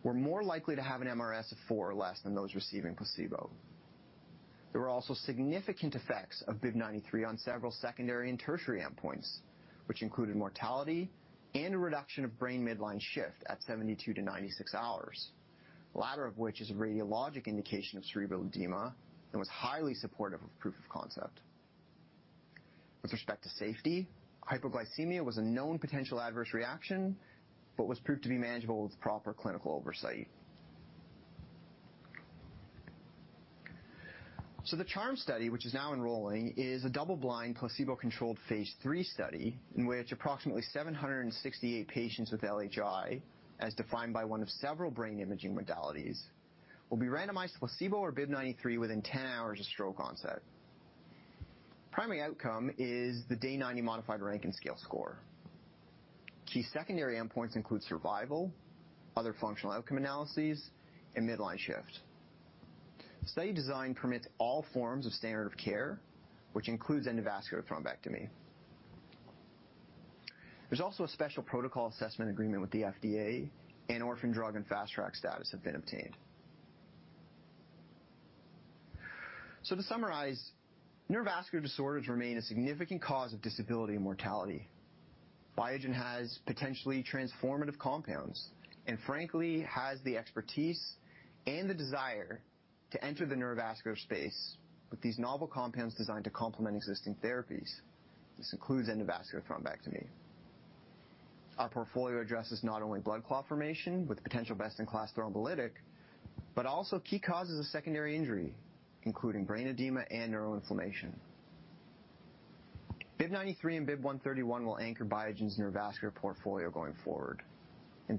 were more likely to have an mRS of 4 or less than those receiving placebo. There were also significant effects of BIIB093 on several secondary and tertiary endpoints, which included mortality and a reduction of brain midline shift at 72-96 hours. The latter of which is a radiologic indication of cerebral edema and was highly supportive of proof of concept. With respect to safety, hypoglycemia was a known potential adverse reaction, but was proved to be manageable with proper clinical oversight. The CHARM study, which is now enrolling, is a double-blind, placebo-controlled phase III study in which approximately 768 patients with LHI, as defined by one of several brain imaging modalities, will be randomized to placebo or BIIB093 within 10 hours of stroke onset. Primary outcome is the day 90 modified Rankin Scale score. Key secondary endpoints include survival, other functional outcome analyses, and midline shift. The study design permits all forms of standard of care, which includes endovascular thrombectomy. There's also a special protocol assessment agreement with the FDA, and orphan drug and fast track status have been obtained. To summarize, neurovascular disorders remain a significant cause of disability and mortality. Biogen has potentially transformative compounds, and frankly, has the expertise and the desire to enter the neurovascular space with these novel compounds designed to complement existing therapies. This includes endovascular thrombectomy. Our portfolio addresses not only blood clot formation with potential best-in-class thrombolytic, but also key causes of secondary injury, including brain edema and neuroinflammation. BIIB093 and BIIB131 will anchor Biogen's neurovascular portfolio going forward.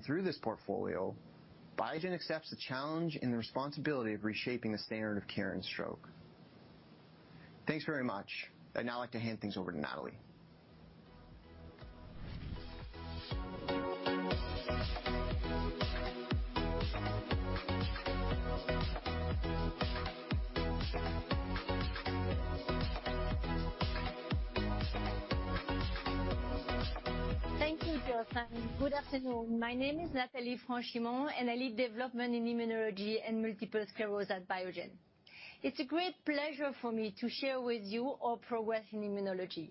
Through this portfolio, Biogen accepts the challenge and the responsibility of reshaping the standard of care in stroke. Thanks very much. I'd now like to hand things over to Nathalie. Thank you, Josh. Good afternoon. My name is Nathalie Franchimont, and I lead Development in Immunology and Multiple Sclerosis at Biogen. It's a great pleasure for me to share with you our progress in immunology.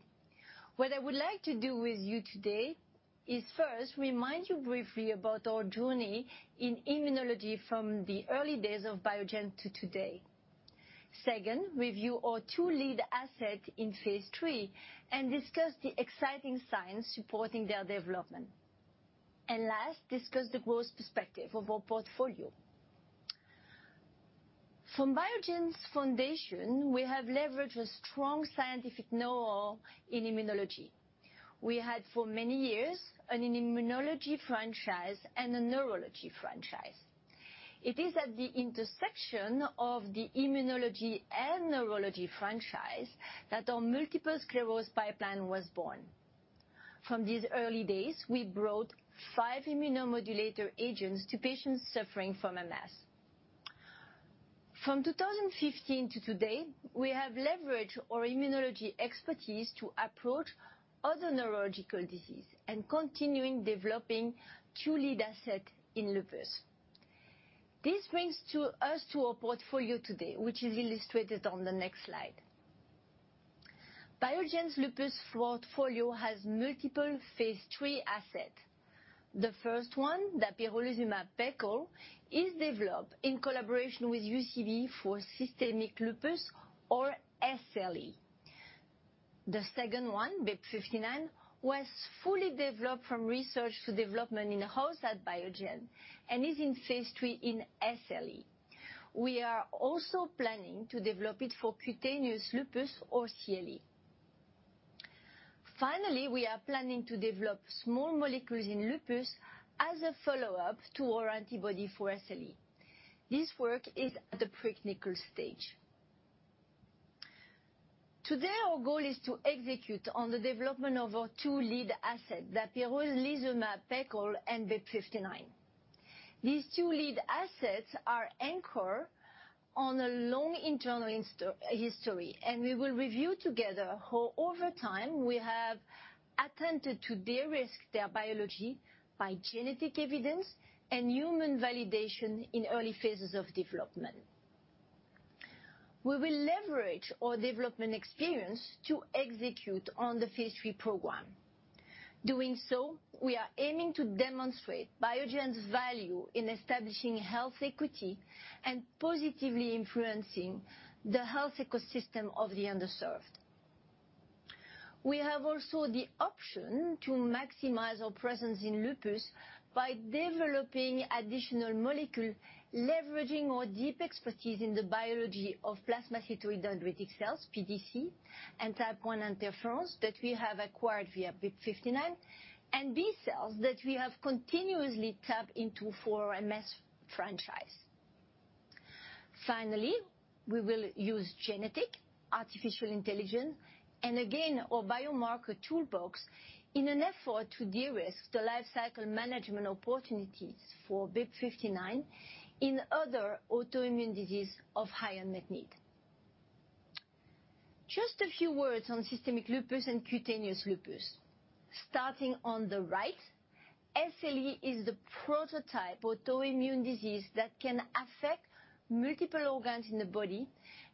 What I would like to do with you today is first remind you briefly about our journey in immunology from the early days of Biogen to today. Second, review our two lead assets in phase III and discuss the exciting science supporting their development. Last, discuss the growth perspective of our portfolio. From Biogen's foundation, we have leveraged a strong scientific know-how in immunology. We had for many years an immunology franchise and a neurology franchise. It is at the intersection of the immunology and neurology franchise that our multiple sclerosis pipeline was born. From these early days, we brought five immunomodulator agents to patients suffering from MS. From 2015 to today, we have leveraged our immunology expertise to approach other neurological disease, and continuing developing two lead asset in lupus. This brings us to our portfolio today, which is illustrated on the next slide. Biogen's lupus portfolio has multiple phase III asset. The 1st one, dapirolizumab pegol, is developed in collaboration with UCB for systemic lupus, or SLE. The 2nd one, BIIB059, was fully developed from research to development in-house at Biogen and is in phase III in SLE. We are also planning to develop it for cutaneous lupus or CLE. Finally, we are planning to develop small molecules in lupus as a follow-up to our antibody for SLE. This work is at the pre-clinical stage. Today, our goal is to execute on the development of our 2 lead asset, dapirolizumab pegol and BIIB059. These two lead assets are anchor on a long internal history. We will review together how over time we have attempted to de-risk their biology by genetic evidence and human validation in early phases of development. We will leverage our development experience to execute on the phase III program. Doing so, we are aiming to demonstrate Biogen's value in establishing health equity and positively influencing the health ecosystem of the underserved. We have also the option to maximize our presence in lupus by developing additional molecule, leveraging our deep expertise in the biology of plasmacytoid dendritic cells, PDCs, and type I interferons that we have acquired via BIIB059, and B cells that we have continuously tapped into for MS franchise. Finally, we will use genetic, artificial intelligence, and again, our biomarker toolbox in an effort to de-risk the life cycle management opportunities for BIIB059 in other autoimmune disease of higher unmet need. Just a few words on systemic lupus and cutaneous lupus. Starting on the right, SLE is the prototype autoimmune disease that can affect multiple organs in the body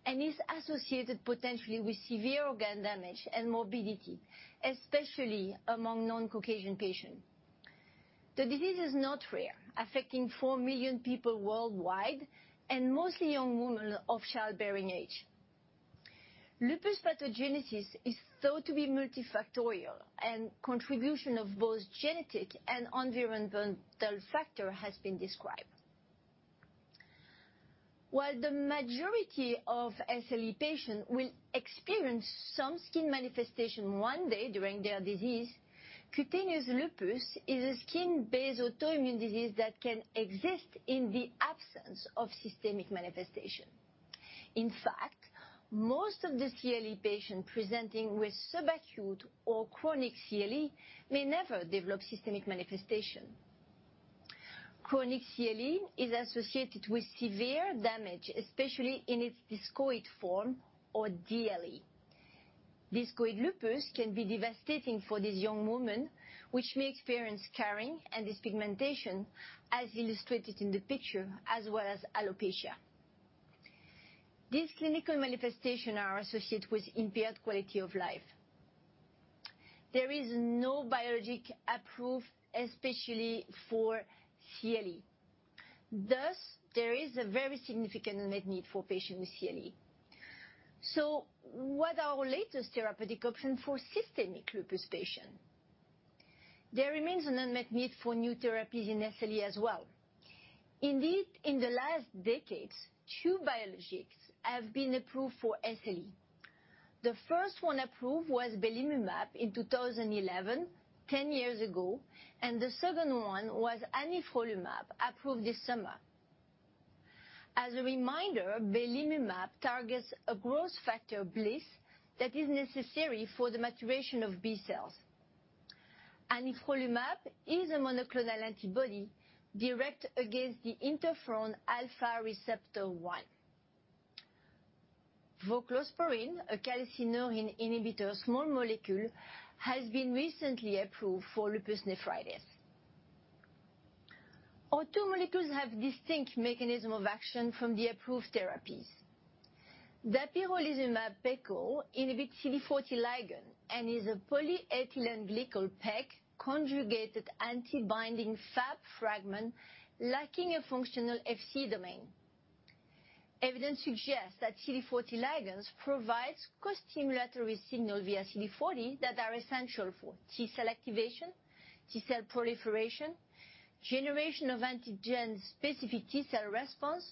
and is associated potentially with severe organ damage and morbidity, especially among non-Caucasian patients. The disease is not rare, affecting 4 million people worldwide and mostly young women of childbearing age. Lupus pathogenesis is thought to be multifactorial and contribution of both genetic and environmental factor has been described. While the majority of SLE patient will experience some skin manifestation one day during their disease, cutaneous lupus is a skin-based autoimmune disease that can exist in the absence of systemic manifestation. In fact, most of the CLE patient presenting with subacute or chronic CLE may never develop systemic manifestation. Chronic CLE is associated with severe damage, especially in its discoid form or DLE. Discoid lupus can be devastating for these young women, which may experience scarring and dyspigmentation, as illustrated in the picture, as well as alopecia. These clinical manifestations are associated with impaired quality of life. There is no biologic approved, especially for CLE. There is a very significant unmet need for patients with CLE. What are our latest therapeutic options for systemic lupus patients? There remains an unmet need for new therapies in SLE as well. In the last decades, two biologics have been approved for SLE. The first one approved was belimumab in 2011, 10 years ago, and the second one was anifrolumab, approved this summer. As a reminder, belimumab targets a growth factor, BLyS, that is necessary for the maturation of B cells. Anifrolumab is a monoclonal antibody directed against the interferon alpha receptor 1. Voclosporin, a calcineurin inhibitor small molecule, has been recently approved for lupus nephritis. Our two molecules have distinct mechanism of action from the approved therapies. Dapirolizumab pegol inhibits CD40 ligand and is a polyethylene glycol PEG-conjugated antibody binding Fab fragment lacking a functional Fc domain. Evidence suggests that CD40 ligands provide costimulatory signal via CD40 that are essential for T cell activation, T cell proliferation, generation of antigen-specific T cell response,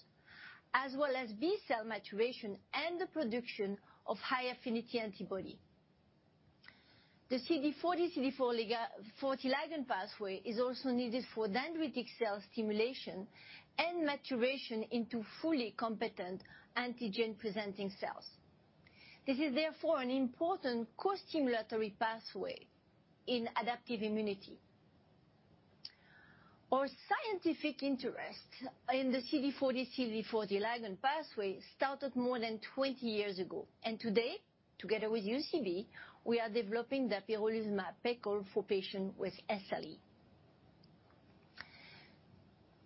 as well as B cell maturation and the production of high-affinity antibody. The CD40-CD40 ligand pathway is also needed for dendritic cell stimulation and maturation into fully competent antigen-presenting cells. This is therefore an important costimulatory pathway in adaptive immunity. Our scientific interest in the CD40-CD40 ligand pathway started more than 20 years ago. Today, together with UCB, we are developing dapirolizumab pegol for patients with SLE.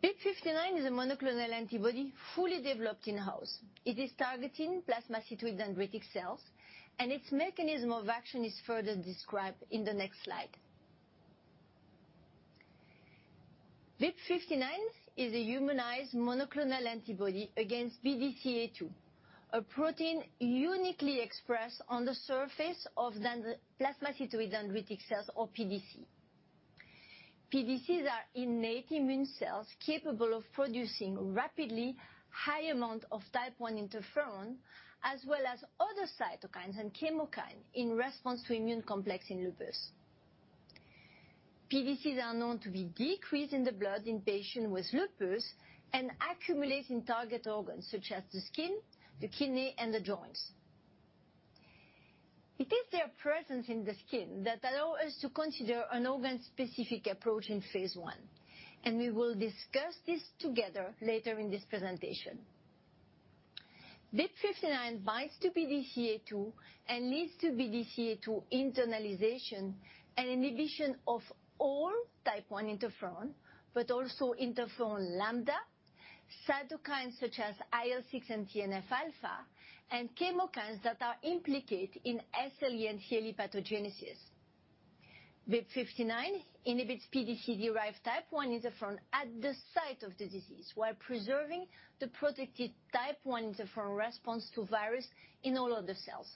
BIIB059 is a monoclonal antibody fully developed in-house. It is targeting plasmacytoid dendritic cells. Its mechanism of action is further described in the next slide. BIIB059 is a humanized monoclonal antibody against BDCA-2, a protein uniquely expressed on the surface of plasmacytoid dendritic cells, or PDC. PDCs are innate immune cells capable of producing rapidly high amount of type I interferon, as well as other cytokines and chemokines in response to immune complex in lupus. PDCs are known to be decreased in the blood in patients with lupus and accumulate in target organs such as the skin, the kidney, and the joints. It is their presence in the skin that allow us to consider an organ-specific approach in phase I, and we will discuss this together later in this presentation. BIIB059 binds to BDCA-2 and leads to BDCA-2 internalization and inhibition of all type I interferon, but also interferon lambda, cytokines such as IL-6 and TNF alpha, and chemokines that are implicated in SLE and CLE pathogenesis. BIIB059 inhibits pDC-derived type I interferon at the site of the disease while preserving the protective type I interferon response to virus in all other cells.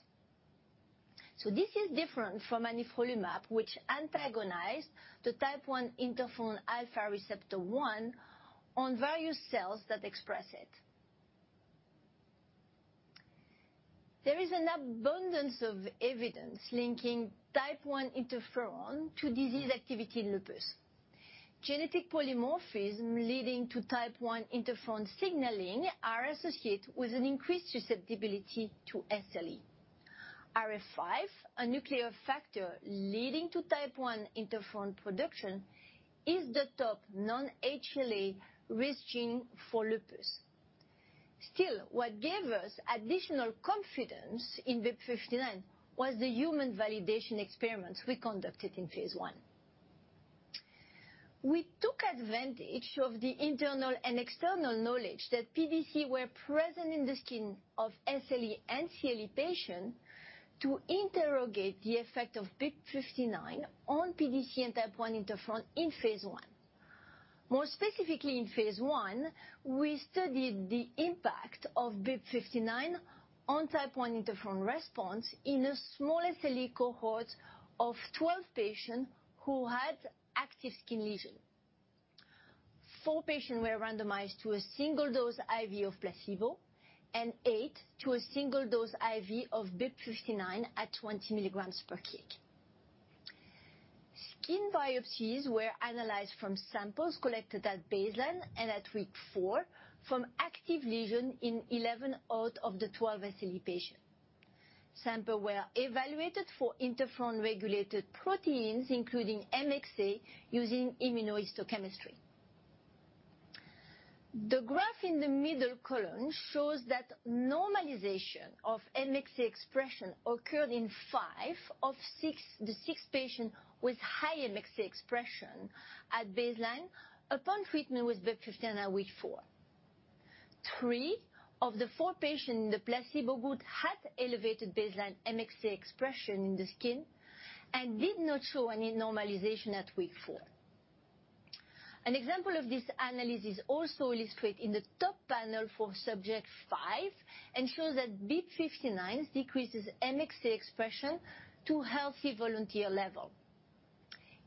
This is different from anifrolumab, which antagonized the type I interferon alpha receptor 1 on various cells that express it. There is an abundance of evidence linking type I interferon to disease activity in lupus. Genetic polymorphism leading to type I interferon signaling are associated with an increased susceptibility to SLE. IRF5, a nuclear factor leading to type I interferon production, is the top non-HLA risk gene for lupus. What gave us additional confidence in BIIB059 was the human validation experiments we conducted in phase I. We took advantage of the internal and external knowledge that PDC were present in the skin of SLE and CLE patients to interrogate the effect of BIIB059 on PDC and type I interferon in phase I. In phase I, we studied the impact of BIIB059 on type I interferon response in a small SLE cohort of 12 patients who had active skin lesions. Four patients were randomized to a single-dose IV of placebo and eight to a single-dose IV of BIIB059 at 20 mg/kg. Skin biopsies were analyzed from samples collected at baseline and at week four from active lesions in 11 out of the 12 SLE patients. Samples were evaluated for interferon-regulated proteins, including MXA, using immunohistochemistry. The graph in the middle column shows that normalization of MXA expression occurred in five of the six patients with high MXA expression at baseline upon treatment with BIIB059 at week four. Three of the four patients in the placebo group had elevated baseline MXA expression in the skin and did not show any normalization at week four. An example of this analysis also illustrated in the top panel for subject five and shows that BIIB059 decreases MXA expression to healthy volunteer level.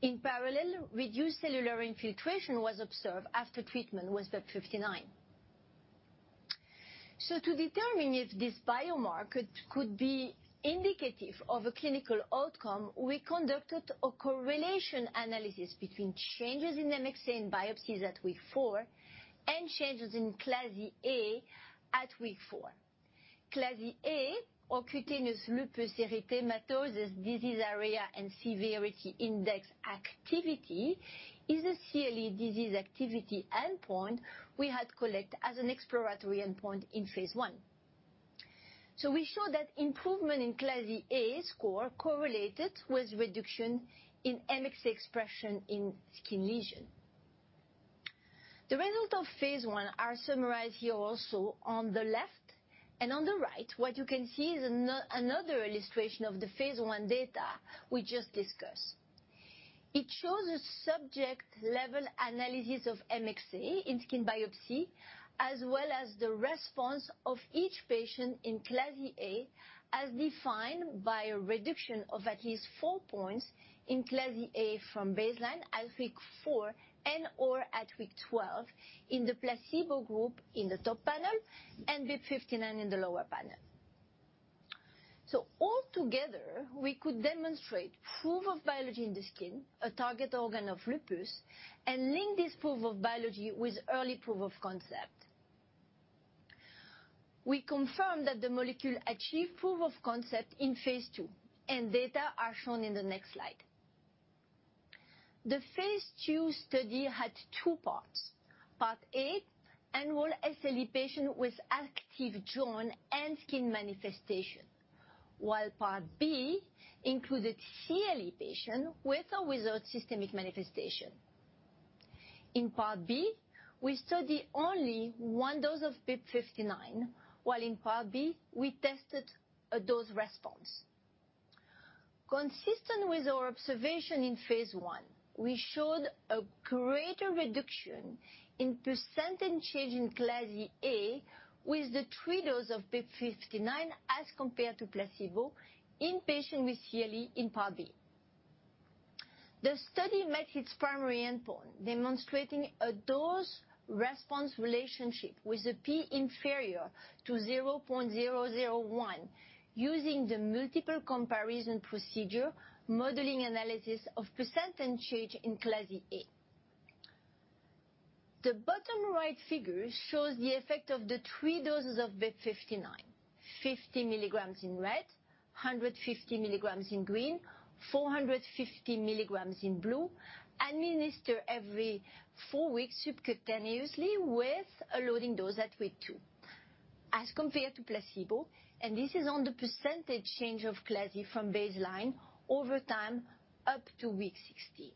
In parallel, reduced cellular infiltration was observed after treatment with BIIB059. To determine if this biomarker could be indicative of a clinical outcome, we conducted a correlation analysis between changes in MXA and biopsies at week four and changes in CLASI at week four. CLASI, or Cutaneous Lupus Erythematosus Disease Area and Severity Index activity, is a CLE disease activity endpoint we had collect as an exploratory endpoint in phase I. We show that improvement in CLASI score correlated with reduction in MXA expression in skin lesion. The result of phase I are summarized here also on the left and on the right, what you can see is another illustration of the phase I data we just discussed. It shows a subject level analysis of MXA in skin biopsy, as well as the response of each patient in CLASI, as defined by a reduction of at least 4 points in CLASI from baseline at week four and/or at week 12 in the placebo group in the top panel and BIIB059 in the lower panel. Altogether, we could demonstrate proof of biology in the skin, a target organ of lupus, and link this proof of biology with early proof of concept. We confirmed that the molecule achieved proof of concept in phase II, and data are shown in the next slide. The phase II study had two parts. Part A, enroll SLE patient with active joint and skin manifestation, while part B included CLE patient with or without systemic manifestation. In part B, we study only one dose of BIIB059, while in part B, we tested a dose response. Consistent with our observation in phase I, we showed a greater reduction in % change in CLASI with the three dose of BIIB059 as compared to placebo in patients with CLE in part B. The study met its primary endpoint, demonstrating a dose response relationship with a P < 0.001 using the multiple comparison procedure modeling analysis of % and change in CLASI. The bottom right figure shows the effect of the three doses of BIIB059, 50 mg in red, 150 mg in green, 450 mg in blue, administer every four weeks subcutaneously with a loading dose at week two as compared to placebo, and this is on the % change of CLASI from baseline over time up to week 16.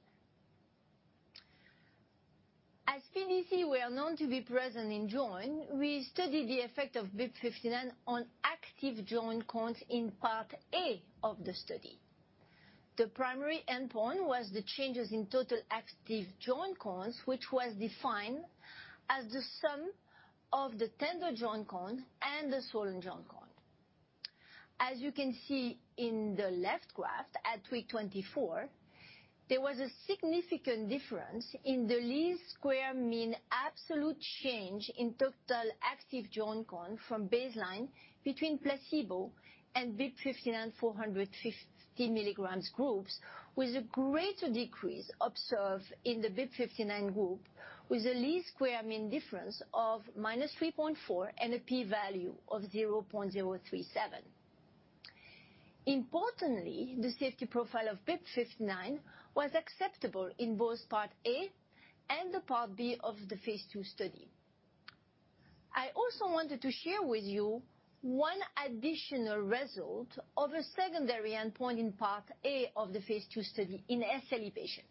PDCs were known to be present in joint, we studied the effect of BIIB059 on active joint count in part A of the study. The primary endpoint was the changes in total active joint counts, which was defined as the sum of the tender joint count and the swollen joint count. You can see in the left graph at week 24, there was a significant difference in the least square mean absolute change in total active joint count from baseline between placebo and BIIB059 450 mg groups, with a greater decrease observed in the BIIB059 group, with a least square mean difference of -3.4 and a P value of 0.037. Importantly, the safety profile of BIIB059 was acceptable in both part A and the part B of the phase II study. I also wanted to share with you one additional result of a secondary endpoint in part A of the phase II study in SLE patient.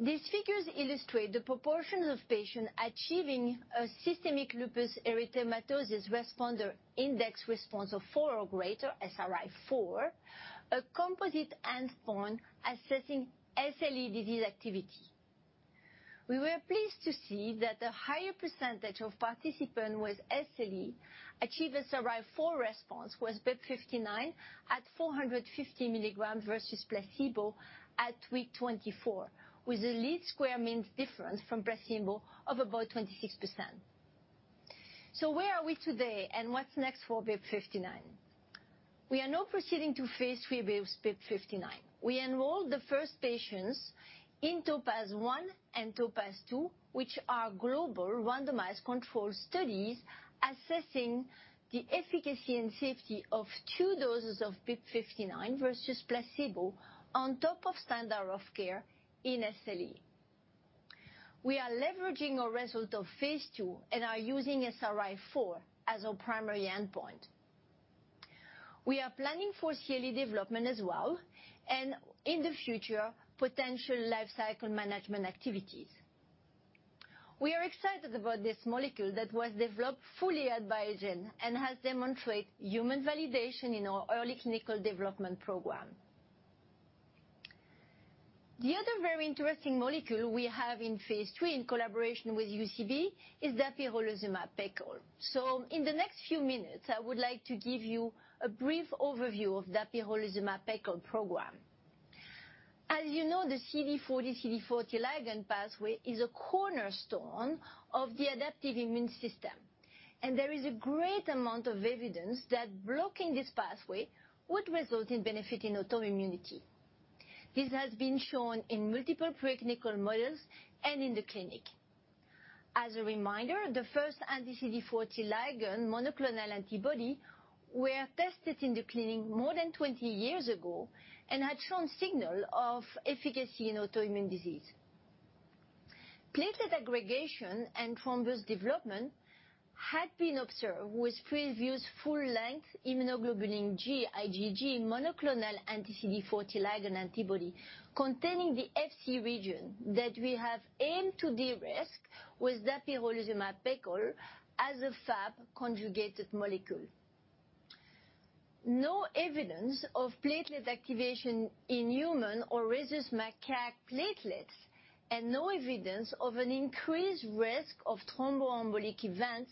These figures illustrate the proportions of patient achieving a systemic lupus erythematosus responder index response of 4 or greater SRI4, a composite endpoint assessing SLE disease activity. We were pleased to see that a higher percentage of participant with SLE achieve a SRI4 response with BIIB059 at 450 mg versus placebo at week 24, with a least square means difference from placebo of about 26%. Where are we today and what's next for BIIB059? We are now proceeding to phase III with BIIB059. We enrolled the first patients in TOPAZ-1 and TOPAZ-2, which are global randomized control studies assessing the efficacy and safety of two doses of BIIB059 versus placebo on top of standard of care in SLE. We are leveraging our result of phase II and are using SRI 4 as our primary endpoint. We are planning for CLE development as well. In the future, potential life cycle management activities. We are excited about this molecule that was developed fully at Biogen and has demonstrated human validation in our early clinical development program. The other very interesting molecule we have in phase III in collaboration with UCB is dapirolizumab pegol. In the next few minutes, I would like to give you a brief overview of dapirolizumab pegol program. As you know, the CD40 ligand pathway is a cornerstone of the adaptive immune system. There is a great amount of evidence that blocking this pathway would result in benefit in autoimmunity. This has been shown in multiple preclinical models and in the clinic. As a reminder, the first anti-CD40 ligand monoclonal antibody were tested in the clinic more than 20 years ago and had shown signal of efficacy in autoimmune disease. Platelet aggregation and thrombus development had been observed with previous full length immunoglobulin G, IgG, monoclonal anti-CD40 ligand antibody containing the Fc region that we have aimed to de-risk with dapirolizumab pegol as a Fab conjugated molecule. No evidence of platelet activation in human or rhesus macaque platelets, and no evidence of an increased risk of thromboembolic events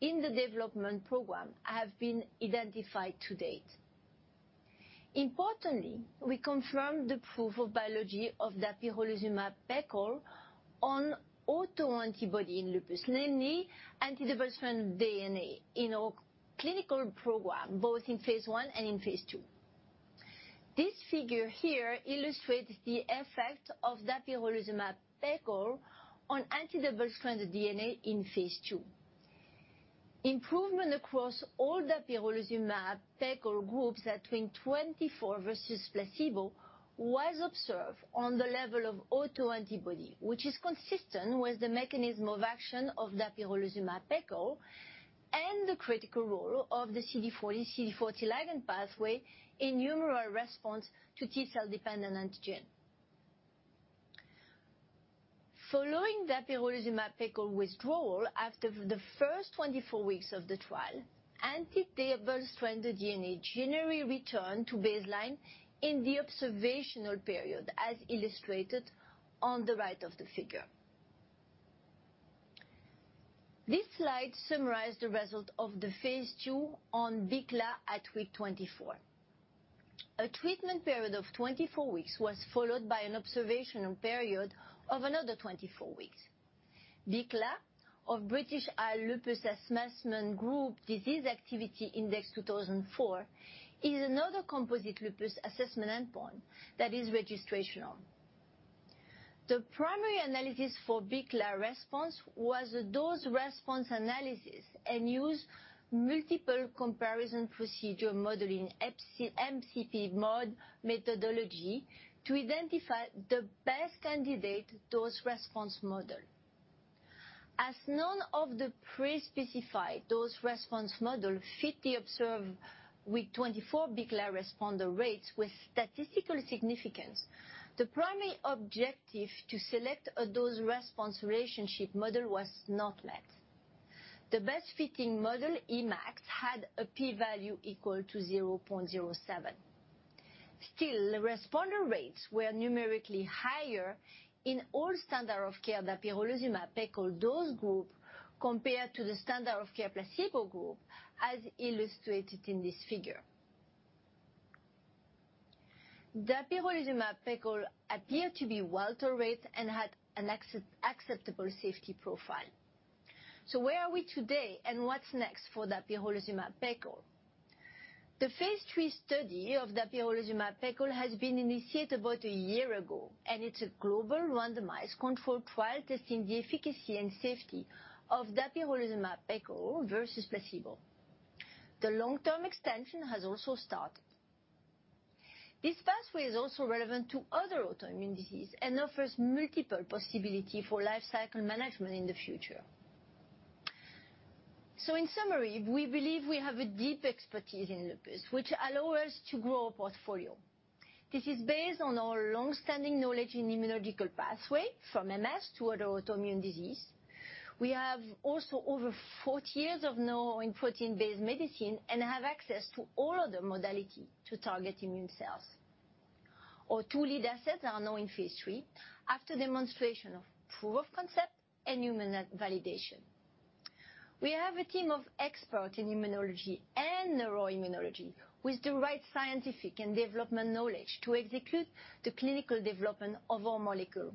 in the development program have been identified to date. Importantly, we confirmed the proof of biology of dapirolizumab pegol on autoantibody in lupus, namely anti-double strand DNA in our clinical program, both in phase I and in phase II. This figure here illustrates the effect of dapirolizumab pegol on anti-double stranded DNA in phase II. Improvement across all dapirolizumab pegol groups at week 24 versus placebo was observed on the level of autoantibody, which is consistent with the mechanism of action of dapirolizumab pegol and the critical role of the CD40 ligand pathway in humoral response to T-cell dependent antigen. Following dapirolizumab pegol withdrawal after the first 24 weeks of the trial, anti-double stranded DNA generally returned to baseline in the observational period, as illustrated on the right of the figure. This slide summarized the result of the phase II on BICLA at week 24. A treatment period of 24 weeks was followed by an observational period of another 24 weeks. BICLA of British Isles Lupus Assessment Group Disease Activity Index 2004 is another composite lupus assessment endpoint that is registrational. The primary analysis for BICLA response was a dose response analysis and used multiple comparison procedure modeling, MCP-Mod methodology, to identify the best candidate dose response model. As none of the pre-specified dose response model fit the observed week 24 BICLA responder rates with statistical significance, the primary objective to select a dose response relationship model was not met. The best fitting model, Emax, had a p-value equal to 0.07. Still, the responder rates were numerically higher in all standard of care dapirolizumab pegol dose group compared to the standard of care placebo group, as illustrated in this figure. Dapirolizumab pegol appeared to be well-tolerated and had an acceptable safety profile. Where are we today and what's next for dapirolizumab pegol? The phase III study of dapirolizumab pegol has been initiated about a year ago, and it's a global randomized controlled trial testing the efficacy and safety of dapirolizumab pegol versus placebo. The long-term extension has also started. This pathway is also relevant to other autoimmune diseases and offers multiple possibilities for life cycle management in the future. In summary, we believe we have a deep expertise in lupus, which allows us to grow our portfolio. This is based on our long-standing knowledge in immunological pathways from MS to other autoimmune diseases. We have also over 40 years of know-how in protein-based medicine and have access to all other modalities to target immune cells. Our 2 lead assets are now in phase III after demonstration of proof of concept and human validation. We have a team of experts in immunology and neuroimmunology with the right scientific and development knowledge to execute the clinical development of our molecule.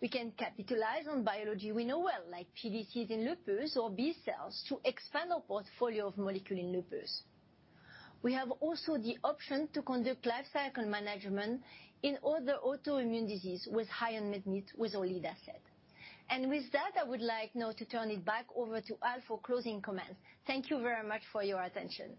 We can capitalize on biology we know well, like PDCs in lupus or B-cells, to expand our portfolio of molecule in lupus. We have also the option to conduct life cycle management in other autoimmune disease with high and mid needs with our lead asset. With that, I would like now to turn it back over to Al for closing comments. Thank you very much for your attention.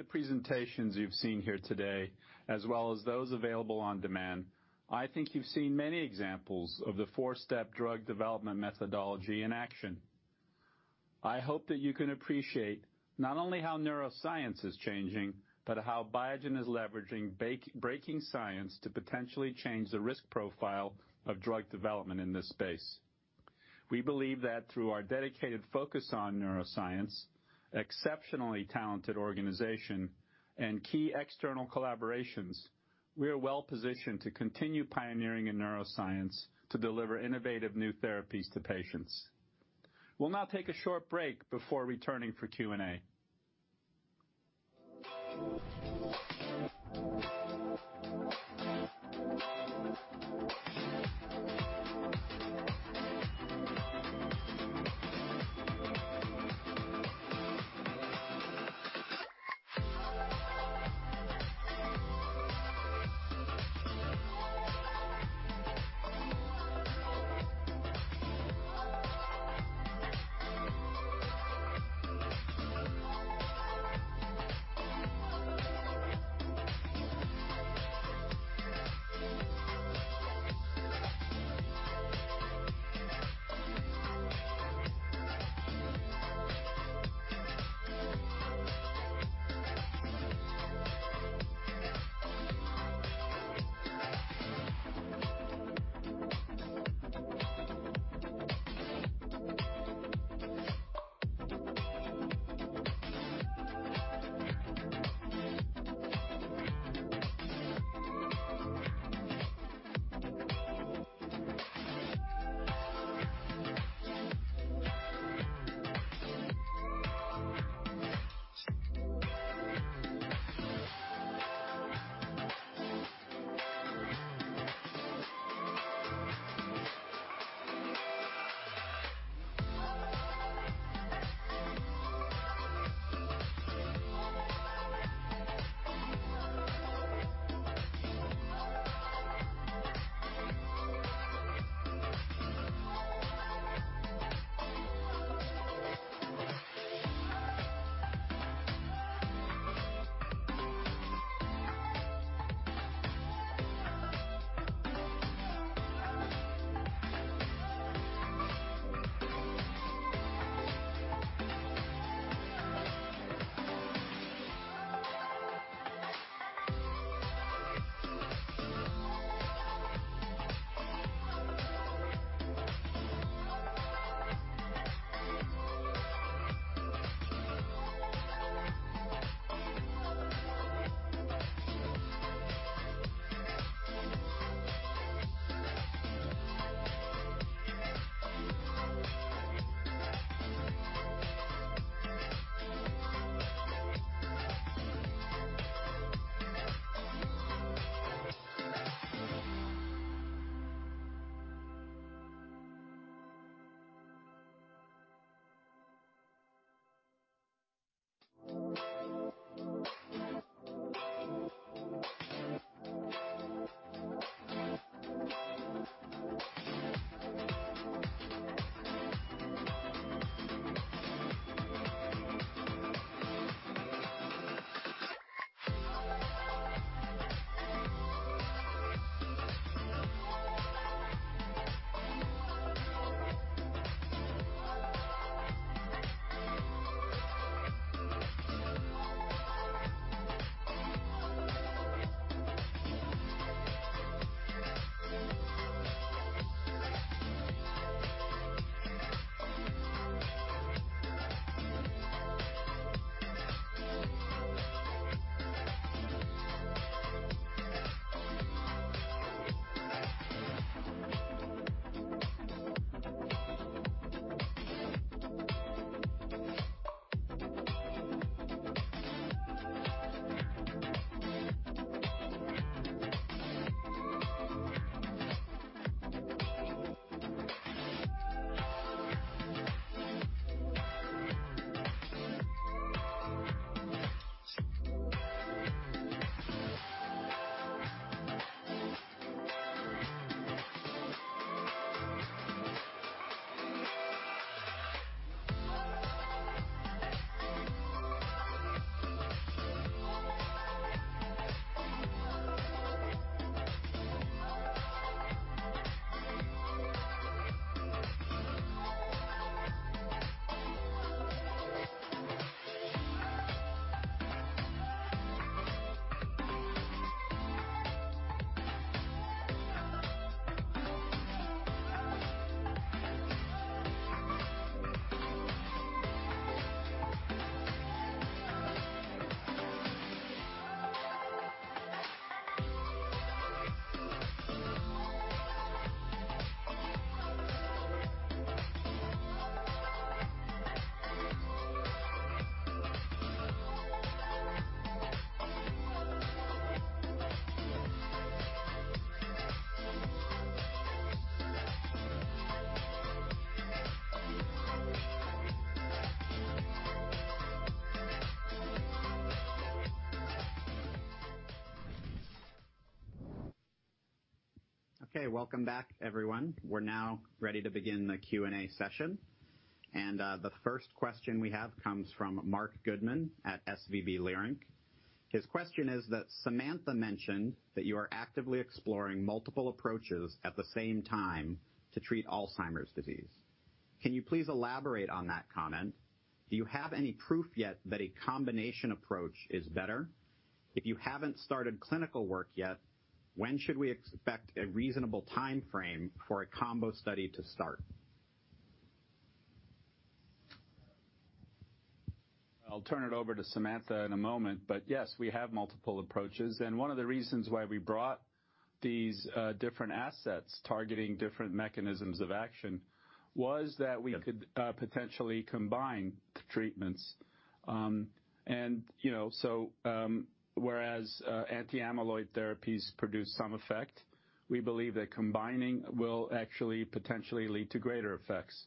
Between the presentations you've seen here today, as well as those available on demand, I think you've seen many examples of the four-step drug development methodology in action. I hope that you can appreciate not only how neuroscience is changing, but how Biogen is leveraging breaking science to potentially change the risk profile of drug development in this space. We believe that through our dedicated focus on neuroscience, exceptionally talented organization, and key external collaborations, we are well-positioned to continue pioneering in neuroscience to deliver innovative new therapies to patients. We will now take a short break before returning for Q&A. Okay, welcome back everyone. We're now ready to begin the Q&A session. The first question we have comes from Marc Goodman at SVB Leerink. His question is that Samantha mentioned that you are actively exploring multiple approaches at the same time to treat Alzheimer's disease. Can you please elaborate on that comment? Do you have any proof yet that a combination approach is better? If you haven't started clinical work yet, when should we expect a reasonable timeframe for a combo study to start? I'll turn it over to Samantha in a moment. Yes, we have multiple approaches. One of the reasons why we brought these different assets targeting different mechanisms of action was that we could potentially combine the treatments. Whereas anti-amyloid therapies produce some effect, we believe that combining will actually potentially lead to greater effects.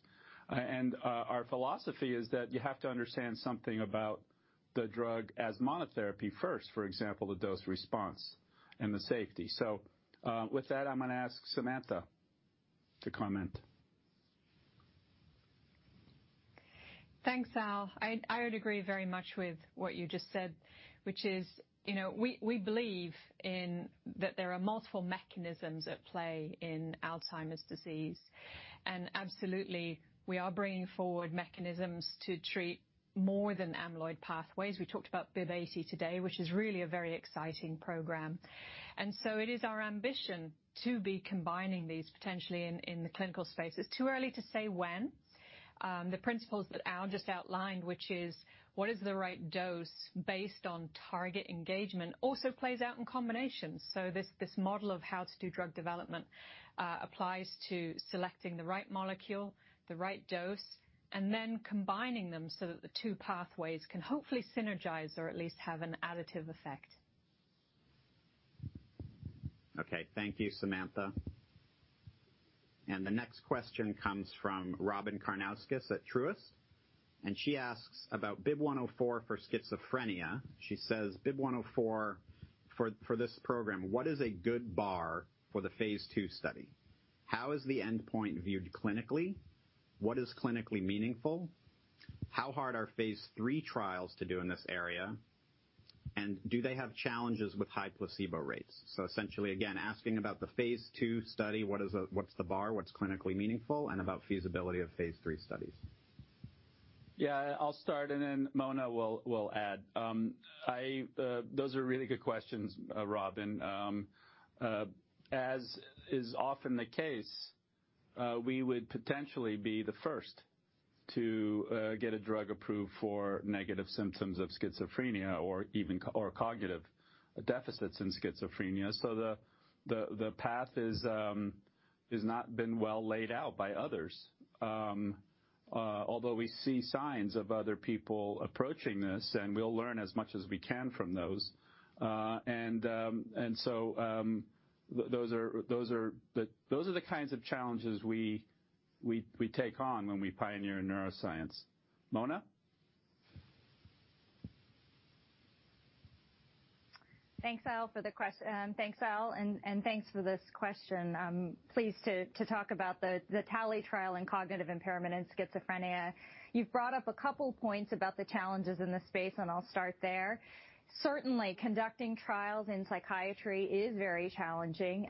Our philosophy is that you have to understand something about the drug as monotherapy first, for example, the dose response and the safety. With that, I'm going to ask Samantha to comment. Thanks, Al. I would agree very much with what you just said, which is, we believe that there are multiple mechanisms at play in Alzheimer's disease. Absolutely, we are bringing forward mechanisms to treat more than amyloid pathways. We talked about BIIB080 today, which is really a very exciting program. It is our ambition to be combining these potentially in the clinical space. It's too early to say when. The principles that Al just outlined, which is what is the right dose based on target engagement, also plays out in combinations. This model of how to do drug development applies to selecting the right molecule, the right dose, and then combining them so that the two pathways can hopefully synergize or at least have an additive effect. Okay. Thank you, Samantha. The next question comes from Robyn Karnauskas at Truist, and she asks about BIIB104 for schizophrenia. She says, "BIIB104 for this program, what is a good bar for the phase II study? How is the endpoint viewed clinically? What is clinically meaningful? How hard are phase III trials to do in this area, and do they have challenges with high placebo rates?" Essentially, again, asking about the phase II study, what's the bar, what's clinically meaningful, and about feasibility of phase III studies. Yeah, I'll start and then Mona will add. Those are really good questions, Robyn. As is often the case, we would potentially be the first to get a drug approved for negative symptoms of schizophrenia or cognitive deficits in schizophrenia. The path has not been well laid out by others. Although we see signs of other people approaching this, and we'll learn as much as we can from those. Those are the kinds of challenges we take on when we pioneer in neuroscience. Mona? Thanks, Al, thanks for this question. I'm pleased to talk about the TALLY trial in cognitive impairment in schizophrenia. You've brought up a couple points about the challenges in this space, and I'll start there. Certainly, conducting trials in psychiatry is very challenging,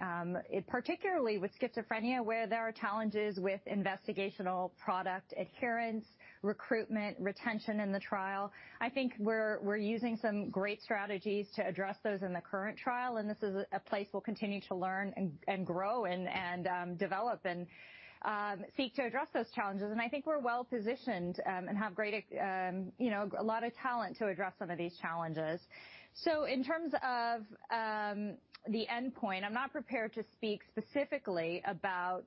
particularly with schizophrenia, where there are challenges with investigational product adherence, recruitment, retention in the trial. I think we're using some great strategies to address those in the current trial, and this is a place we'll continue to learn and grow and develop and seek to address those challenges. I think we're well positioned and have a lot of talent to address some of these challenges. In terms of the endpoint, I'm not prepared to speak specifically about,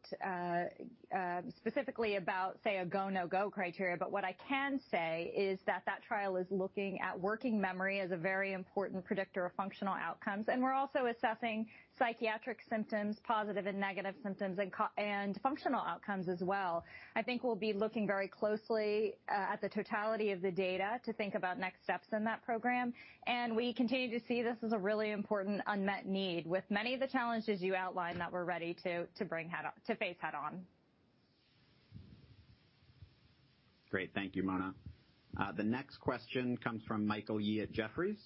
say, a go, no-go criteria, but what I can say is that that trial is looking at working memory as a very important predictor of functional outcomes. We're also assessing psychiatric symptoms, positive and negative symptoms, and functional outcomes as well. I think we'll be looking very closely at the totality of the data to think about next steps in that program. We continue to see this as a really important unmet need with many of the challenges you outlined that we're ready to face head on. Great. Thank you, Mona. The next question comes from Michael Yee at Jefferies,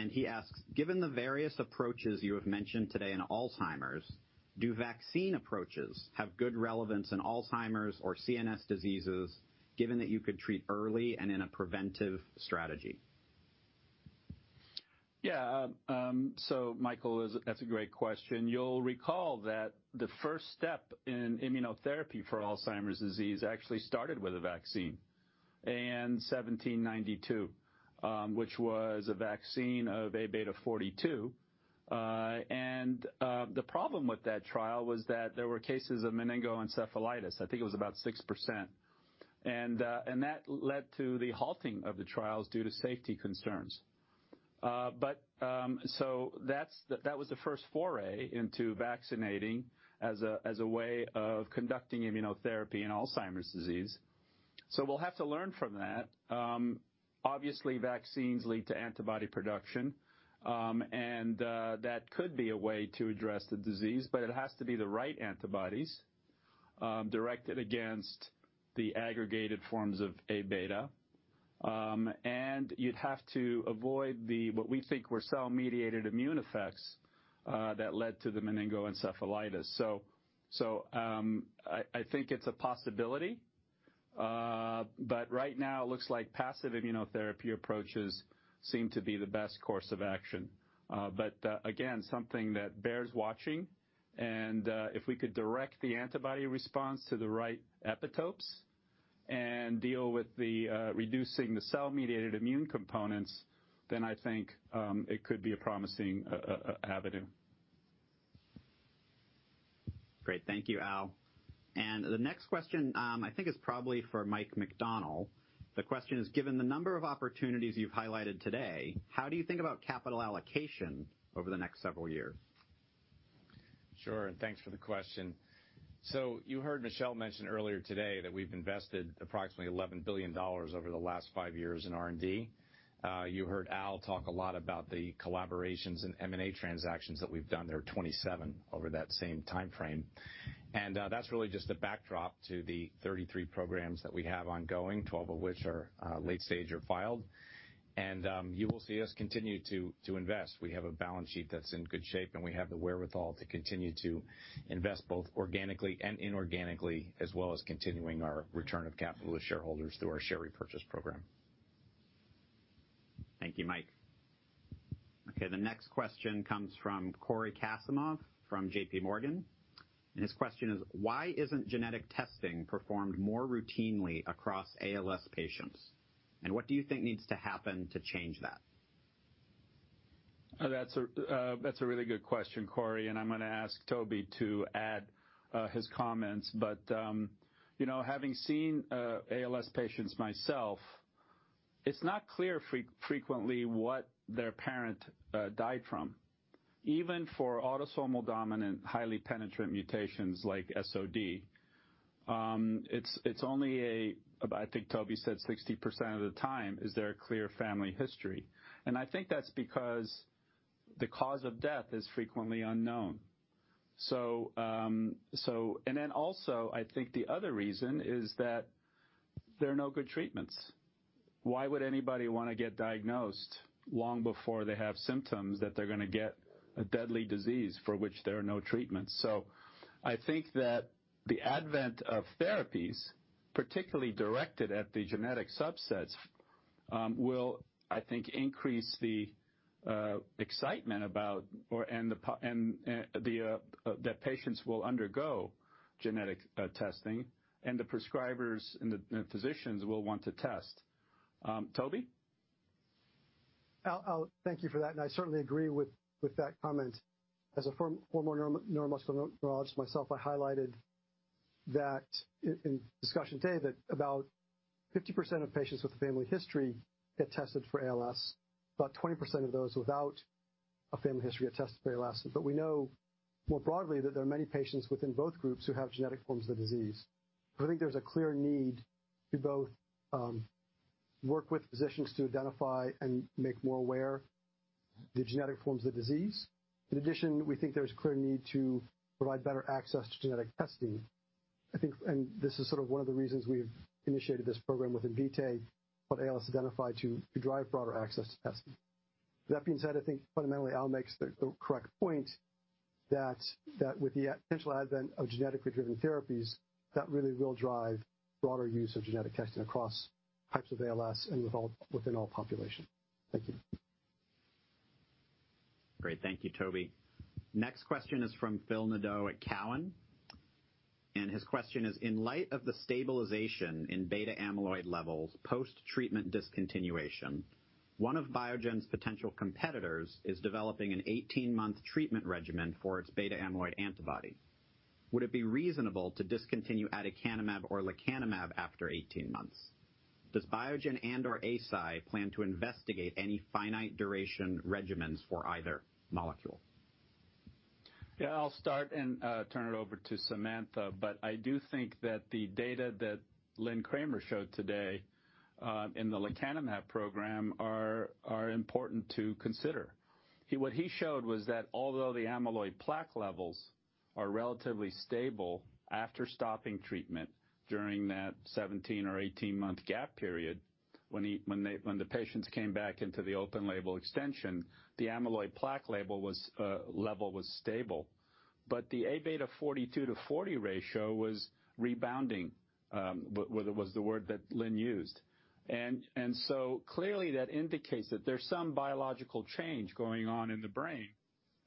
and he asks, "Given the various approaches you have mentioned today in Alzheimer's, do vaccine approaches have good relevance in Alzheimer's or CNS diseases given that you could treat early and in a preventive strategy? Yeah. Michael, that's a great question. You'll recall that the first step in immunotherapy for Alzheimer's disease actually started with a vaccine in AN1792, which was a vaccine of Aβ42. The problem with that trial was that there were cases of meningoencephalitis, I think it was about 6%. That led to the halting of the trials due to safety concerns. That was the first foray into vaccinating as a way of conducting immunotherapy in Alzheimer's disease. We'll have to learn from that. Obviously, vaccines lead to antibody production, and that could be a way to address the disease, but it has to be the right antibodies, directed against the aggregated forms of Aβ. You'd have to avoid what we think were cell-mediated immune effects, that led to the meningoencephalitis. I think it's a possibility. Right now it looks like passive immunotherapy approaches seem to be the best course of action. Again, something that bears watching and if we could direct the antibody response to the right epitopes and deal with reducing the cell-mediated immune components, then I think it could be a promising avenue. Great. Thank you, Al. The next question, I think is probably for Michael McDonnell. The question is, given the number of opportunities you've highlighted today, how do you think about capital allocation over the next several years? Sure. Thanks for the question. You heard Michel Vounatsos mention earlier today that we've invested approximately $11 billion over the last five years in R&D. You heard Al talk a lot about the collaborations and M&A transactions that we've done there, 27 over that same timeframe. That's really just a backdrop to the 33 programs that we have ongoing, 12 of which are late stage or filed. You will see us continue to invest. We have a balance sheet that's in good shape, and we have the wherewithal to continue to invest both organically and inorganically, as well as continuing our return of capital to shareholders through our share repurchase program. Thank you, Mike. Okay, the next question comes from Cory Kasimov from JPMorgan. His question is, why isn't genetic testing performed more routinely across ALS patients? What do you think needs to happen to change that? That's a really good question, Cory, and I'm going to ask Toby to add his comments. Having seen ALS patients myself, it's not clear frequently what their parent died from. Even for autosomal dominant, highly penetrant mutations like SOD1, it's only, I think Toby said 60% of the time, is there a clear family history. I think that's because the cause of death is frequently unknown. Also, I think the other reason is that there are no good treatments. Why would anybody want to get diagnosed long before they have symptoms that they're going to get a deadly disease for which there are no treatments? I think that the advent of therapies, particularly directed at the genetic subsets, will, I think, increase the excitement about, and that patients will undergo genetic testing and the prescribers and the physicians will want to test. Toby? Al, thank you for that. I certainly agree with that comment. As a former neuromuscular neurologist myself, I highlighted that in discussion today that about 50% of patients with a family history get tested for ALS. About 20% of those without a family history get tested for ALS. We know more broadly that there are many patients within both groups who have genetic forms of the disease. I think there's a clear need to both work with physicians to identify and make more aware the genetic forms of the disease. In addition, we think there's a clear need to provide better access to genetic testing. This is sort of one of the reasons we've initiated this program with Invitae, called ALS Identified, to drive broader access to testing. That being said, I think fundamentally, Al makes the correct point that with the potential advent of genetically driven therapies, that really will drive broader use of genetic testing across types of ALS and within all populations. Thank you. Great. Thank you, Toby. Next question is from Philip Nadeau at Cowen. His question is, in light of the stabilization in beta amyloid levels post-treatment discontinuation, one of Biogen's potential competitors is developing an 18-month treatment regimen for its beta amyloid antibody. Would it be reasonable to discontinue aducanumab or lecanemab after 18 months? Does Biogen and/or Eisai plan to investigate any finite duration regimens for either molecule? Yeah, I'll start and turn it over to Samantha. I do think that the data that Lynn Kramer showed today in the lecanemab program are important to consider. What he showed was that although the amyloid plaque levels are relatively stable after stopping treatment during that 17 or 18-month gap period, when the patients came back into the open label extension, the amyloid plaque level was stable. The Aβ 42 to 40 ratio was rebounding. Was the word that Lynn used. Clearly that indicates that there's some biological change going on in the brain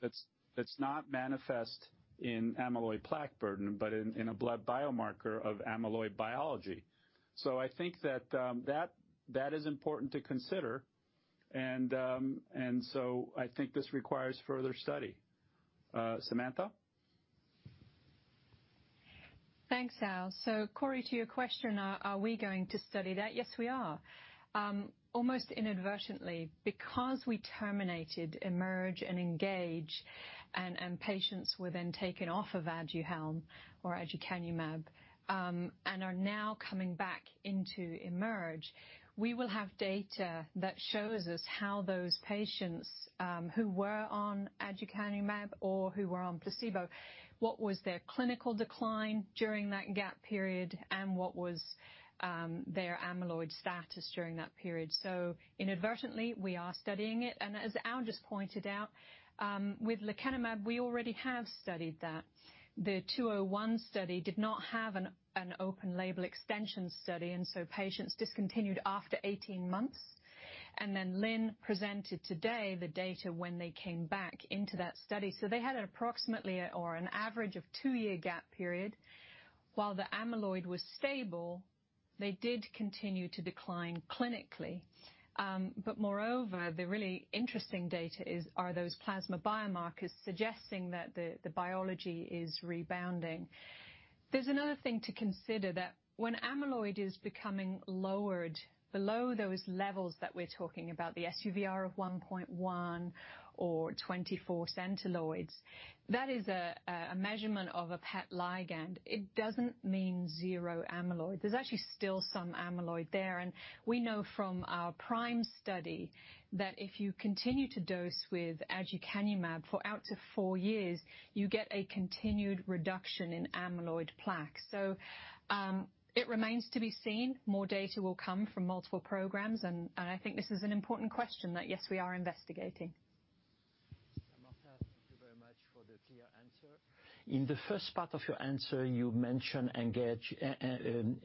that's not manifest in amyloid plaque burden, but in a blood biomarker of amyloid biology. I think that is important to consider. I think this requires further study. Samantha? Thanks, Al. Cory, to your question, are we going to study that? Yes, we are. Almost inadvertently, because we terminated EMERGE and ENGAGE, and patients were then taken off of Aduhelm or aducanumab, and are now coming back into EMERGE. We will have data that shows us how those patients who were on aducanumab or who were on placebo, what was their clinical decline during that gap period, and what was their amyloid status during that period. Inadvertently, we are studying it. As Al just pointed out, with lecanemab, we already have studied that. The 201 study did not have an open label extension study, patients discontinued after 18 months. Lynn Kramer presented today the data when they came back into that study. They had approximately or an average of two-year gap period. While the amyloid was stable, they did continue to decline clinically. Moreover, the really interesting data are those plasma biomarkers suggesting that the biology is rebounding. There's another thing to consider that when amyloid is becoming lowered below those levels that we're talking about, the SUVr of 1.1 or 24 centiloids, that is a measurement of a PET ligand. It doesn't mean zero amyloid. There's actually still some amyloid there. We know from our PRIME study that if you continue to dose with aducanumab for out to four years, you get a continued reduction in amyloid plaque. It remains to be seen. More data will come from multiple programs, and I think this is an important question that, yes, we are investigating. Samantha, thank you very much for the clear answer. In the first part of your answer, you mentioned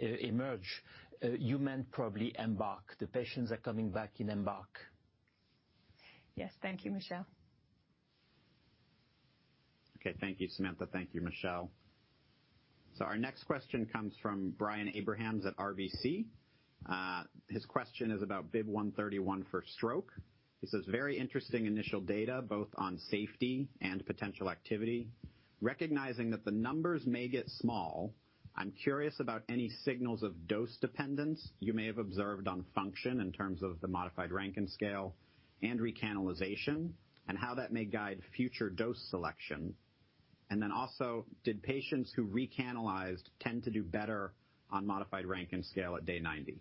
EMERGE. You meant probably EMBARK. The patients are coming back in EMBARK. Yes. Thank you, Michel. Okay. Thank you, Samantha. Thank you, Michel. Our next question comes from Brian Abrahams at RBC. His question is about BIIB131 for stroke. He says, "Very interesting initial data, both on safety and potential activity. Recognizing that the numbers may get small, I'm curious about any signals of dose dependence you may have observed on function in terms of the modified Rankin Scale and recanalization, and how that may guide future dose selection. Did patients who recanalized tend to do better on modified Rankin Scale at day 90?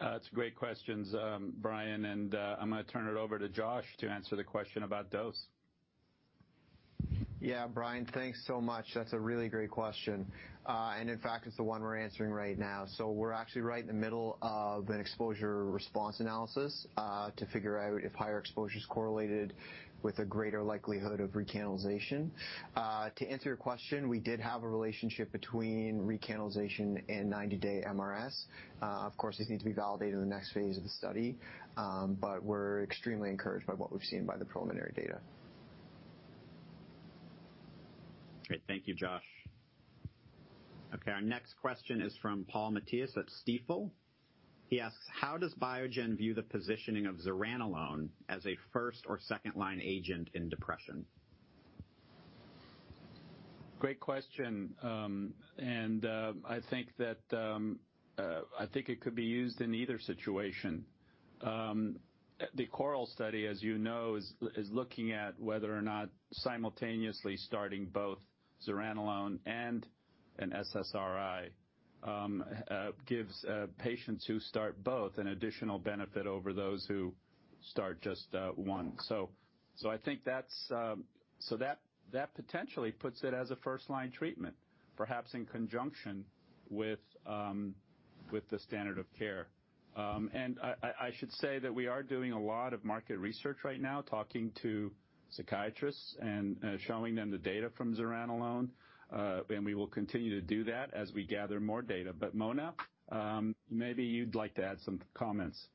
That's great questions, Brian. I'm going to turn it over to Josh to answer the question about dose. Yeah, Brian, thanks so much. That's a really great question. In fact, it's the one we're answering right now. We're actually right in the middle of an exposure response analysis, to figure out if higher exposure is correlated with a greater likelihood of recanalization. To answer your question, we did have a relationship between recanalization and 90-day MRS. Of course, these need to be validated in the next phase of the study. We're extremely encouraged by what we've seen by the preliminary data. Great. Thank you, Josh. Okay, our next question is from Paul Matteis at Stifel. He asks, "How does Biogen view the positioning of zuranolone as a first or second-line agent in depression? Great question. I think it could be used in either situation. The CORAL study, as you know, is looking at whether or not simultaneously starting both zuranolone and an SSRI gives patients who start both an additional benefit over those who start just one. I think that potentially puts it as a first-line treatment, perhaps in conjunction with the standard of care. I should say that we are doing a lot of market research right now, talking to psychiatrists and showing them the data from zuranolone. Mona, maybe you'd like to add some comments.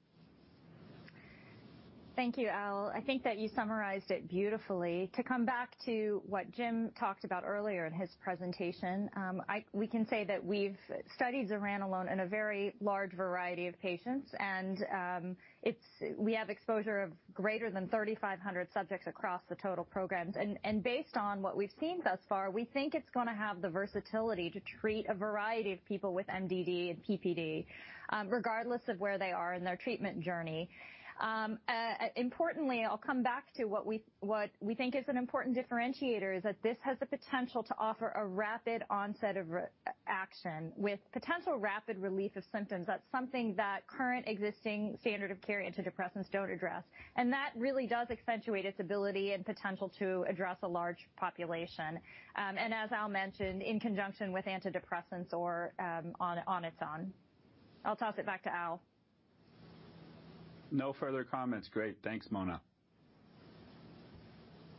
Thank you, Al. I think that you summarized it beautifully. To come back to what Jim talked about earlier in his presentation, we can say that we've studied zuranolone in a very large variety of patients. We have exposure of greater than 3,500 subjects across the total programs. Based on what we've seen thus far, we think it's going to have the versatility to treat a variety of people with MDD and PPD, regardless of where they are in their treatment journey. Importantly, I'll come back to what we think is an important differentiator, is that this has the potential to offer a rapid onset of action with potential rapid relief of symptoms. That's something that current existing standard of care antidepressants don't address. That really does accentuate its ability and potential to address a large population. As Al mentioned, in conjunction with antidepressants or on its own. I'll toss it back to Al. No further comments. Great. Thanks, Mona.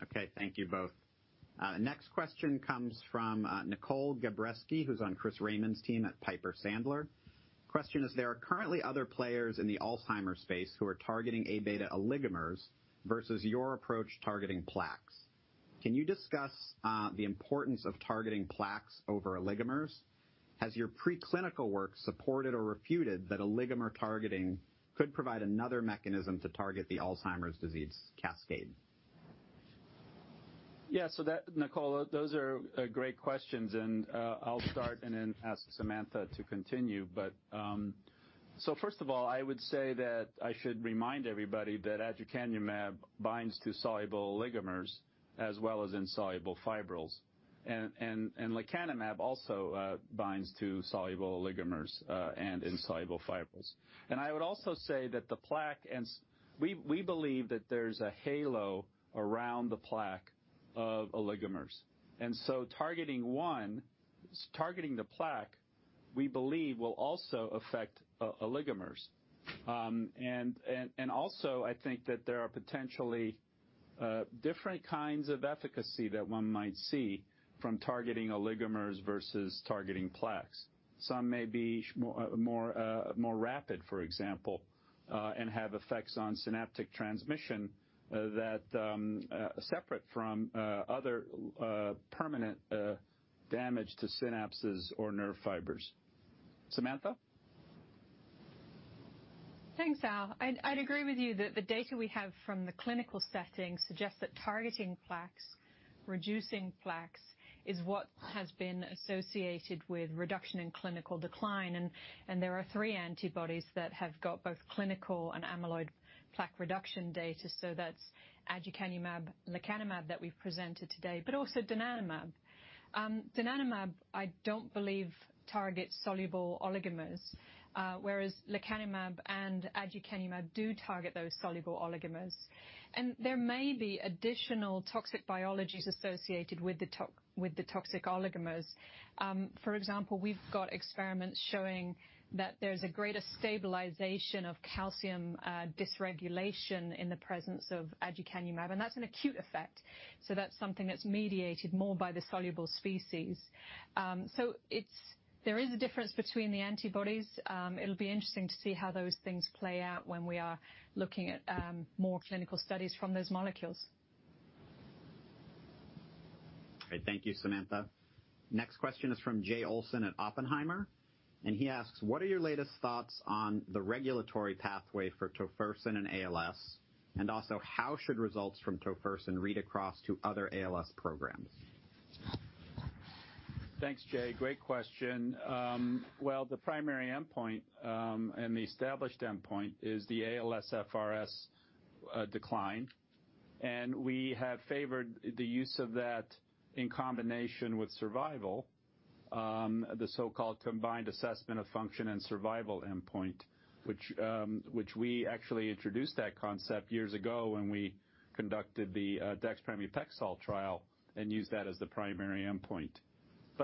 Okay, thank you both. Next question comes from Nicole Gabreski, who's on Chris Raymond's team at Piper Sandler. Question is: There are currently other players in the Alzheimer's space who are targeting Aβ oligomers versus your approach targeting plaques. Can you discuss the importance of targeting plaques over oligomers? Has your preclinical work supported or refuted that oligomer targeting could provide another mechanism to target the Alzheimer's disease cascade? Yeah. Nicole, those are great questions, and I'll start and then ask Samantha to continue. First of all, I would say that I should remind everybody that aducanumab binds to soluble oligomers as well as insoluble fibrils. Lecanemab also binds to soluble oligomers, and insoluble fibrils. I would also say that we believe that there's a halo around the plaque of oligomers. Targeting one, targeting the plaque, we believe will also affect oligomers. I think that there are potentially different kinds of efficacy that one might see from targeting oligomers versus targeting plaques. Some may be more rapid, for example, and have effects on synaptic transmission that separate from other permanent damage to synapses or nerve fibers. Samantha? Thanks, Al. I'd agree with you that the data we have from the clinical setting suggests that targeting plaques, reducing plaques, is what has been associated with reduction in clinical decline. There are three antibodies that have got both clinical and amyloid plaque reduction data. That's aducanumab, lecanemab that we've presented today, but also donanemab. Donanemab, I don't believe targets soluble oligomers, whereas lecanemab and aducanumab do target those soluble oligomers. There may be additional toxic biologies associated with the toxic oligomers. For example, we've got experiments showing that there's a greater stabilization of calcium dysregulation in the presence of aducanumab, and that's an acute effect. That's something that's mediated more by the soluble species. There is a difference between the antibodies. It'll be interesting to see how those things play out when we are looking at more clinical studies from those molecules. Great. Thank you, Samantha. Next question is from Jay Olson at Oppenheimer. He asks: What are your latest thoughts on the regulatory pathway for tofersen and ALS? Also, how should results from tofersen read across to other ALS programs? Thanks, Jay. Great question. Well, the primary endpoint, and the established endpoint is the ALSFRS decline, and we have favored the use of that in combination with survival, the so-called combined assessment of function and survival endpoint. Which we actually introduced that concept years ago when we conducted the dexpramipexole trial and used that as the primary endpoint.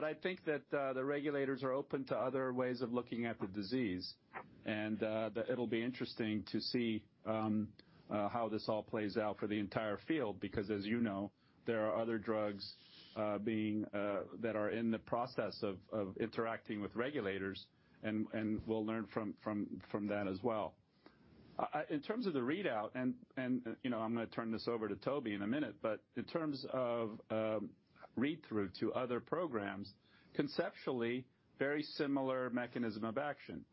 I think that the regulators are open to other ways of looking at the disease. That it'll be interesting to see how this all plays out for the entire field, because as you know, there are other drugs that are in the process of interacting with regulators. We'll learn from that as well. In terms of the readout, and I'm going to turn this over to Toby in a minute, but in terms of read-through to other programs, conceptually, very similar mechanism of action.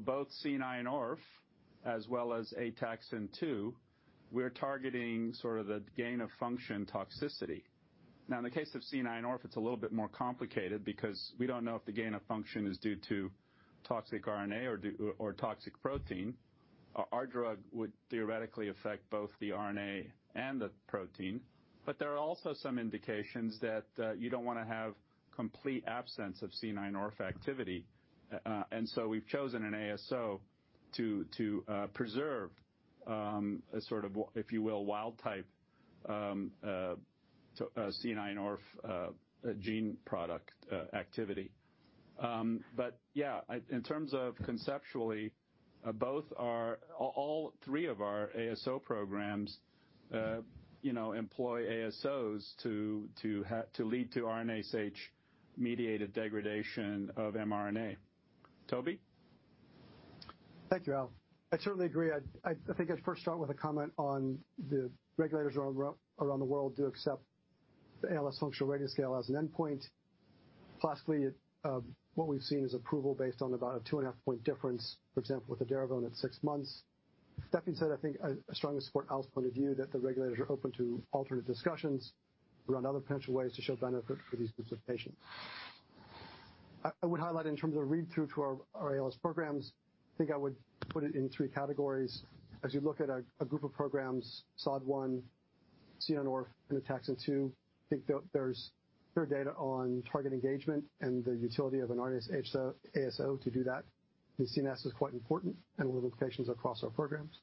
Both C9orf as well as Ataxin-2, we're targeting sort of the gain-of-function toxicity. In the case of C9orf, it's a little bit more complicated because we don't know if the gain of function is due to toxic RNA or toxic protein. Our drug would theoretically affect both the RNA and the protein. There are also some indications that you don't want to have complete absence of C9orf activity. We've chosen an ASO to preserve a sort of, if you will, wild-type C9orf gene product activity. Yeah, in terms of conceptually, all three of our ASO programs employ ASOs to lead to RNase H-mediated degradation of mRNA. Toby? Thank you, Al. I certainly agree. I think I'd first start with a comment on the regulators around the world do accept the ALS Functional Rating Scale as an endpoint. Classically, what we've seen is approval based on about a 2.5 point difference. For example, with the six months. That being said, I think I strongly support Al's point of view that the regulators are open to alternate discussions around other potential ways to show benefit for these groups of patients. I would highlight in terms of read-through to our ALS programs, I think I would put it in three categories. As you look at a group of programs, SOD1, C9orf, and Ataxin-2, I think there's clear data on target engagement and the utility of an RNase ASO to do that. The CNS is quite important, and we'll have applications across our programs.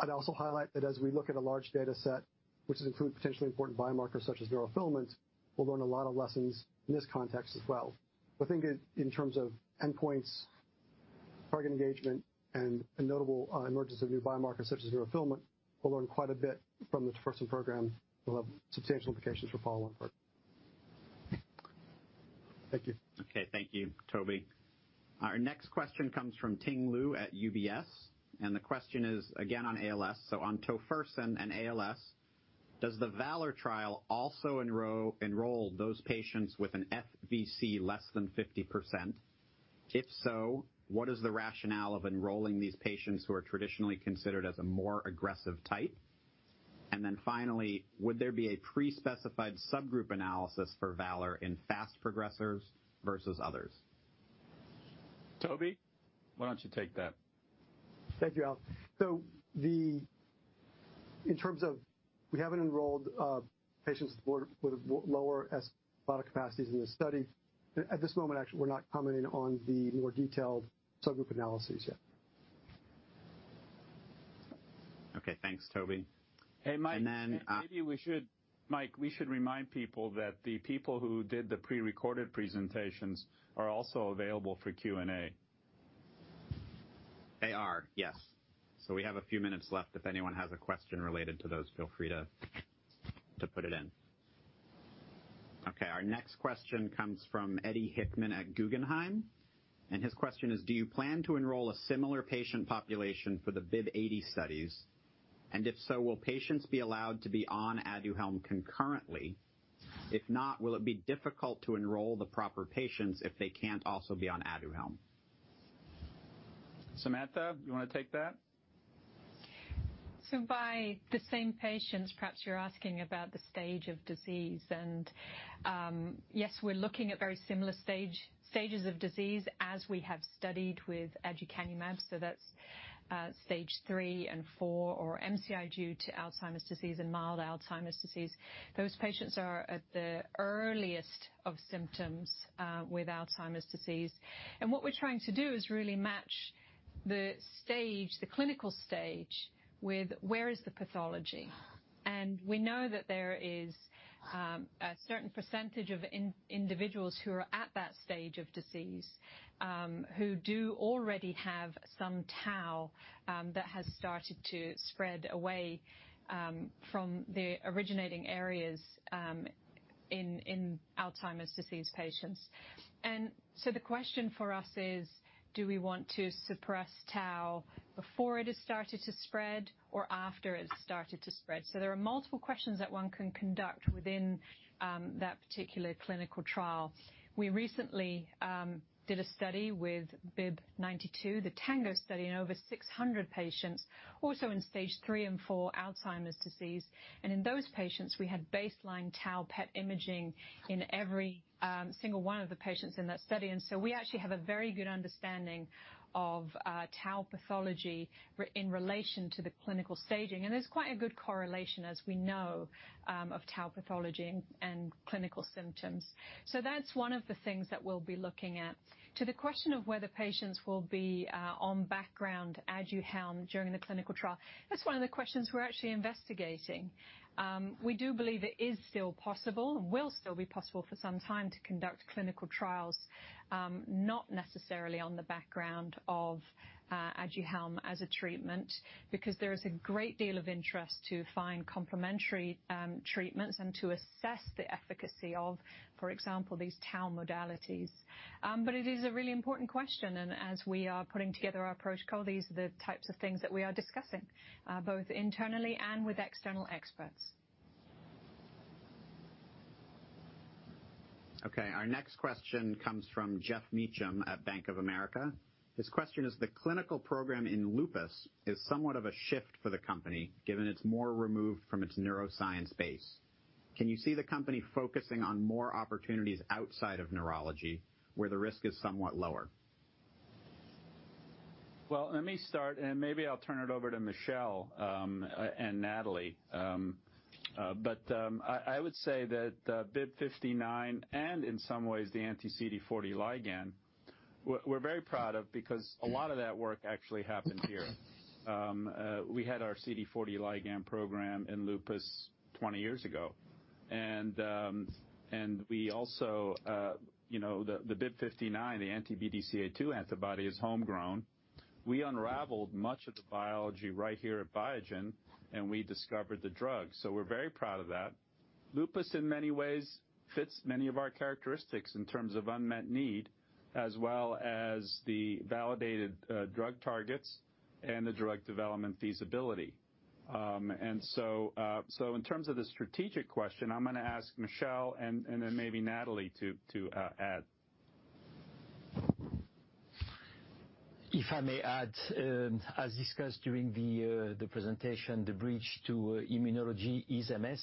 I'd also highlight that as we look at a large data set, which has improved potentially important biomarkers such as neurofilaments, we'll learn a lot of lessons in this context as well. I think in terms of endpoints. Target engagement and a notable emergence of new biomarkers such as neurofilament. We'll learn quite a bit from the tofersen program. We'll have substantial implications for follow on partners. Thank you. Okay. Thank you, Toby. Our next question comes from Ting Liu at UBS. The question is again on ALS. On tofersen and ALS, does the VALOR trial also enroll those patients with an FVC less than 50%? If so, what is the rationale of enrolling these patients who are traditionally considered as a more aggressive type? Finally, would there be a pre-specified subgroup analysis for VALOR in fast progressors versus others? Toby, why don't you take that? Thank you, Al. We haven't enrolled patients with lower capacities in this study. At this moment, actually, we're not commenting on the more detailed subgroup analyses yet. Okay, thanks, Toby. Hey, Mike. And then- Maybe Mike, we should remind people that the people who did the prerecorded presentations are also available for Q&A. They are, yes. We have a few minutes left. If anyone has a question related to those, feel free to put it in. Our next question comes from Yatin Suneja at Guggenheim, and his question is, do you plan to enroll a similar patient population for the BIIB080 studies? If so, will patients be allowed to be on Aduhelm concurrently? If not, will it be difficult to enroll the proper patients if they can't also be on Aduhelm? Samantha, you want to take that? By the same patients, perhaps you're asking about the stage of disease, and, yes, we're looking at very similar stages of disease as we have studied with aducanumab. That's stage 3 and 4, or MCI due to Alzheimer's disease and mild Alzheimer's disease. Those patients are at the earliest of symptoms with Alzheimer's disease. What we're trying to do is really match the clinical stage with where is the pathology. We know that there is a certain percentage of individuals who are at that stage of disease who do already have some tau that has started to spread away from the originating areas in Alzheimer's disease patients. The question for us is, do we want to suppress tau before it has started to spread or after it's started to spread? There are multiple questions that one can conduct within that particular clinical trial. We recently did a study with BIIB092, the TANGO study, in over 600 patients, also in stage 3 and 4 Alzheimer's disease. In those patients, we had baseline tau PET imaging in every single one of the patients in that study. We actually have a very good understanding of tau pathology in relation to the clinical staging. There's quite a good correlation, as we know of tau pathology and clinical symptoms. That's one of the things that we'll be looking at. To the question of whether patients will be on background Aduhelm during the clinical trial, that's one of the questions we're actually investigating. We do believe it is still possible and will still be possible for some time to conduct clinical trials not necessarily on the background of Aduhelm as a treatment, because there is a great deal of interest to find complementary treatments and to assess the efficacy of, for example, these tau modalities. It is a really important question, and as we are putting together our protocol, these are the types of things that we are discussing both internally and with external experts. Okay, our next question comes from Geoff Meacham at Bank of America. His question is, the clinical program in lupus is somewhat of a shift for the company, given it is more removed from its neuroscience base. Can you see the company focusing on more opportunities outside of neurology where the risk is somewhat lower? Well, let me start, and maybe I'll turn it over to Michel and Nathalie. I would say that BIIB059 and in some ways the anti-CD40 ligand, we're very proud of because a lot of that work actually happened here. We had our CD40 ligand program in lupus 20 years ago. The BIIB059, the anti-BDCA-2 antibody is homegrown. We unraveled much of the biology right here at Biogen, and we discovered the drug. We're very proud of that. Lupus, in many ways, fits many of our characteristics in terms of unmet need, as well as the validated drug targets and the drug development feasibility. In terms of the strategic question, I'm going to ask Michel and then maybe Nathalie to add. If I may add, as discussed during the presentation, the bridge to immunology is MS.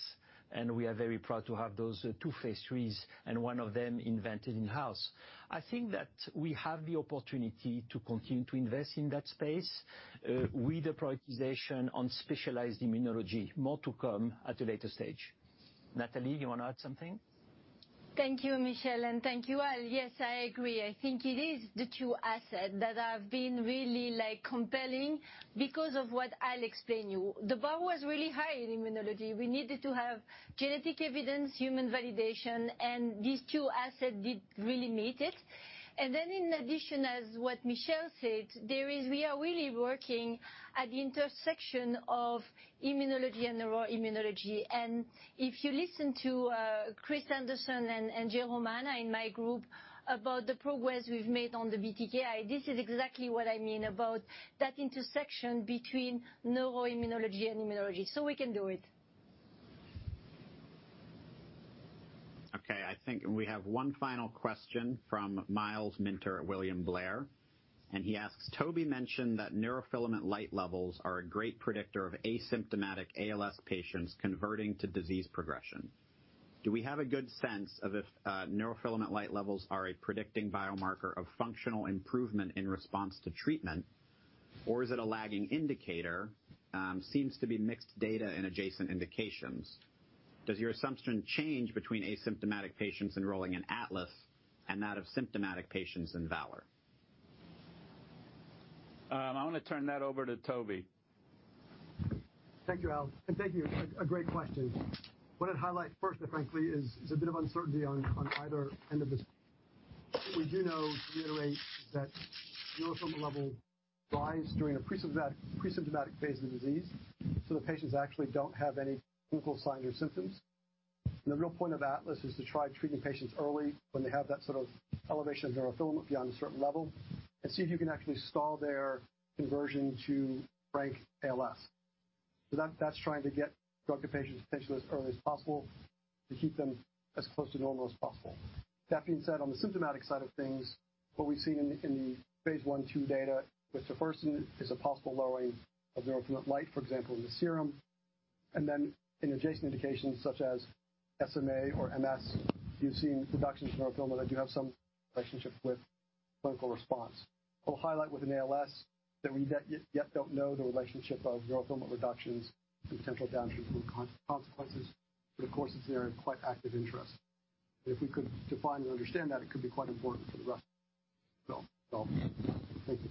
We are very proud to have those two phase III and one of them invented in-house. I think that we have the opportunity to continue to invest in that space with the prioritization on specialized immunology. More to come at a later stage. Nathalie, you want to add something? Thank you, Michel, and thank you, Al. Yes, I agree. I think it is the two asset that have been really like compelling because of what I'll explain you. The bar was really high in immunology. We needed to have genetic evidence, human validation, and these two assets did really meet it. In addition, as what Michel said, we are really working at the intersection of immunology and neuroimmunology. If you listen to Chris Henderson and Jerome Hanna in my group about the progress we've made on the BTKi, this is exactly what I mean about that intersection between neuroimmunology and immunology. We can do it. Okay, I think we have one final question from Myles Minter at William Blair, and he asks: Toby mentioned that neurofilament light levels are a great predictor of asymptomatic ALS patients converting to disease progression. Do we have a good sense of if neurofilament light levels are a predicting biomarker of functional improvement in response to treatment, or is it a lagging indicator? Seems to be mixed data in adjacent indications. Does your assumption change between asymptomatic patients enrolling in ATLAS and that of symptomatic patients in VALOR? I want to turn that over to Toby. Thank you, Al. Thank you. A great question. What I'd highlight first, frankly, is a bit of uncertainty on either end of the... We do know, to reiterate, that neurofilament level rise during a presymptomatic phase of the disease, so the patients actually don't have any clinical signs or symptoms. The real point of ATLAS is to try treating patients early when they have that sort of elevation of neurofilament beyond a certain level and see if you can actually stall their conversion to frank ALS. That's trying to get drug to patients potentially as early as possible to keep them as close to normal as possible. That being said, on the symptomatic side of things, what we've seen in the phase I, II data with tofersen is a possible lowering of neurofilament light, for example, in the serum. In adjacent indications such as SMA or MS, you've seen reductions in neurofilament that do have some relationship with clinical response. I'll highlight with an ALS that we yet don't know the relationship of neurofilament reductions and potential downstream consequences. Of course, it's an area of quite active interest. If we could define and understand that, it could be quite important for the rest. Thank you.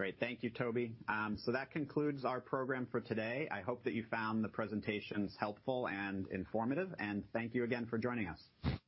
Great. Thank you, Toby. That concludes our program for today. I hope that you found the presentations helpful and informative, and thank you again for joining us. Thank you.